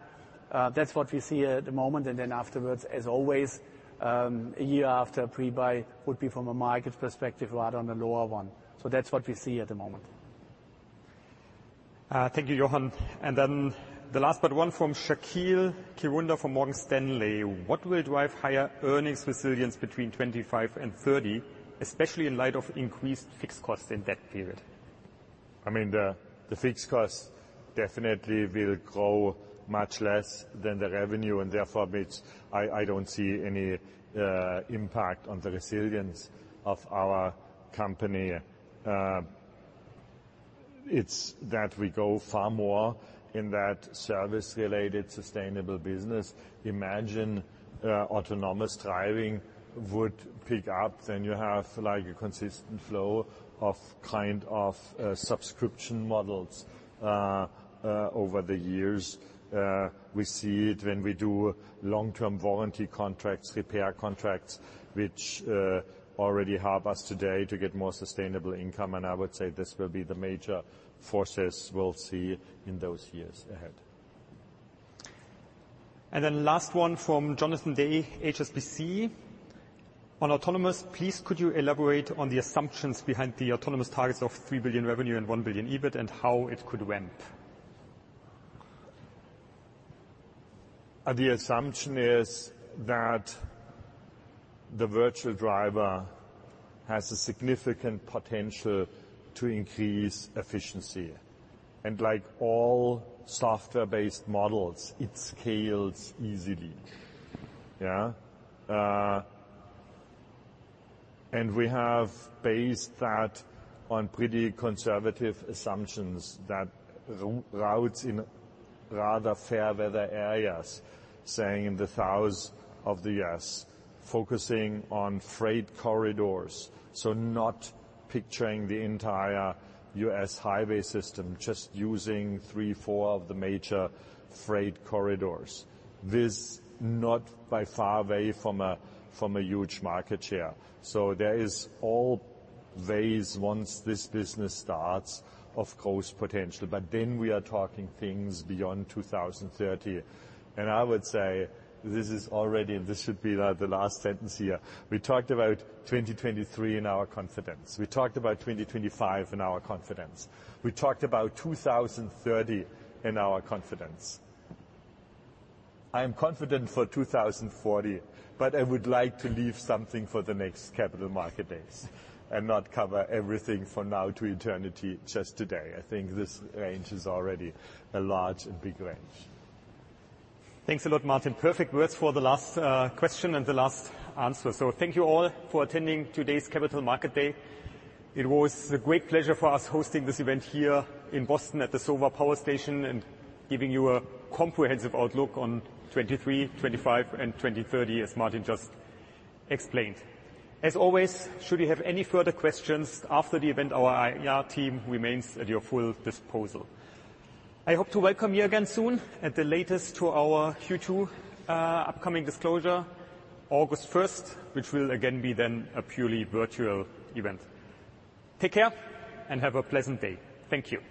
That's what we see at the moment, and then afterwards, as always, a year after pre-buy would be, from a market perspective, rather on the lower one. That's what we see at the moment. Thank you, Jochen. The last but one from Shaqeal Kirunda from Morgan Stanley. What will drive higher earnings resilience between 2025 and 2030, especially in light of increased fixed costs in that period? I mean, the fixed costs definitely will grow much less than the revenue, therefore, which I don't see any impact on the resilience of our company. It's that we go far more in that service-related, sustainable business. Imagine Autonomous Driving would pick up. You have, like, a consistent flow of kind of subscription models over the years. We see it when we do long-term warranty contracts, repair contracts, which already help us today to get more sustainable income, I would say this will be the major forces we'll see in those years ahead. Last one from Jonathan Day, HSBC: On Autonomous, please could you elaborate on the assumptions behind the autonomous targets of 3 billion revenue and 1 billion EBIT and how it could ramp? The assumption is that the virtual driver has a significant potential to increase efficiency. Like all software-based models, it scales easily. We have based that on pretty conservative assumptions, that the routes in rather fair weather areas, saying in the thousands of the U.S., focusing on freight corridors, so not picturing the entire U.S. highway system, just using three, four of the major freight corridors, with not by far way from a huge market share. There is all ways, once this business starts, of course, potential. Then we are talking things beyond 2030. I would say this is already. This should be the last sentence here. We talked about 2023 in our confidence. We talked about 2025 in our confidence. We talked about 2030 in our confidence. I am confident for 2040, but I would like to leave something for the next Capital Market Days and not cover everything from now to eternity just today. I think this range is already a large and big range. Thanks a lot, Martin. Perfect words for the last question and the last answer. Thank you all for attending today's Capital Market Day. It was a great pleasure for us hosting this event here in Boston at the SoWa Power Station and giving you a comprehensive outlook on 2023, 2025, and 2030, as Martin just explained. As always, should you have any further questions after the event, our IR team remains at your full disposal. I hope to welcome you again soon, at the latest, to our Q2 upcoming disclosure, August 1st, which will again be then a purely virtual event. Take care and have a pleasant day. Thank you.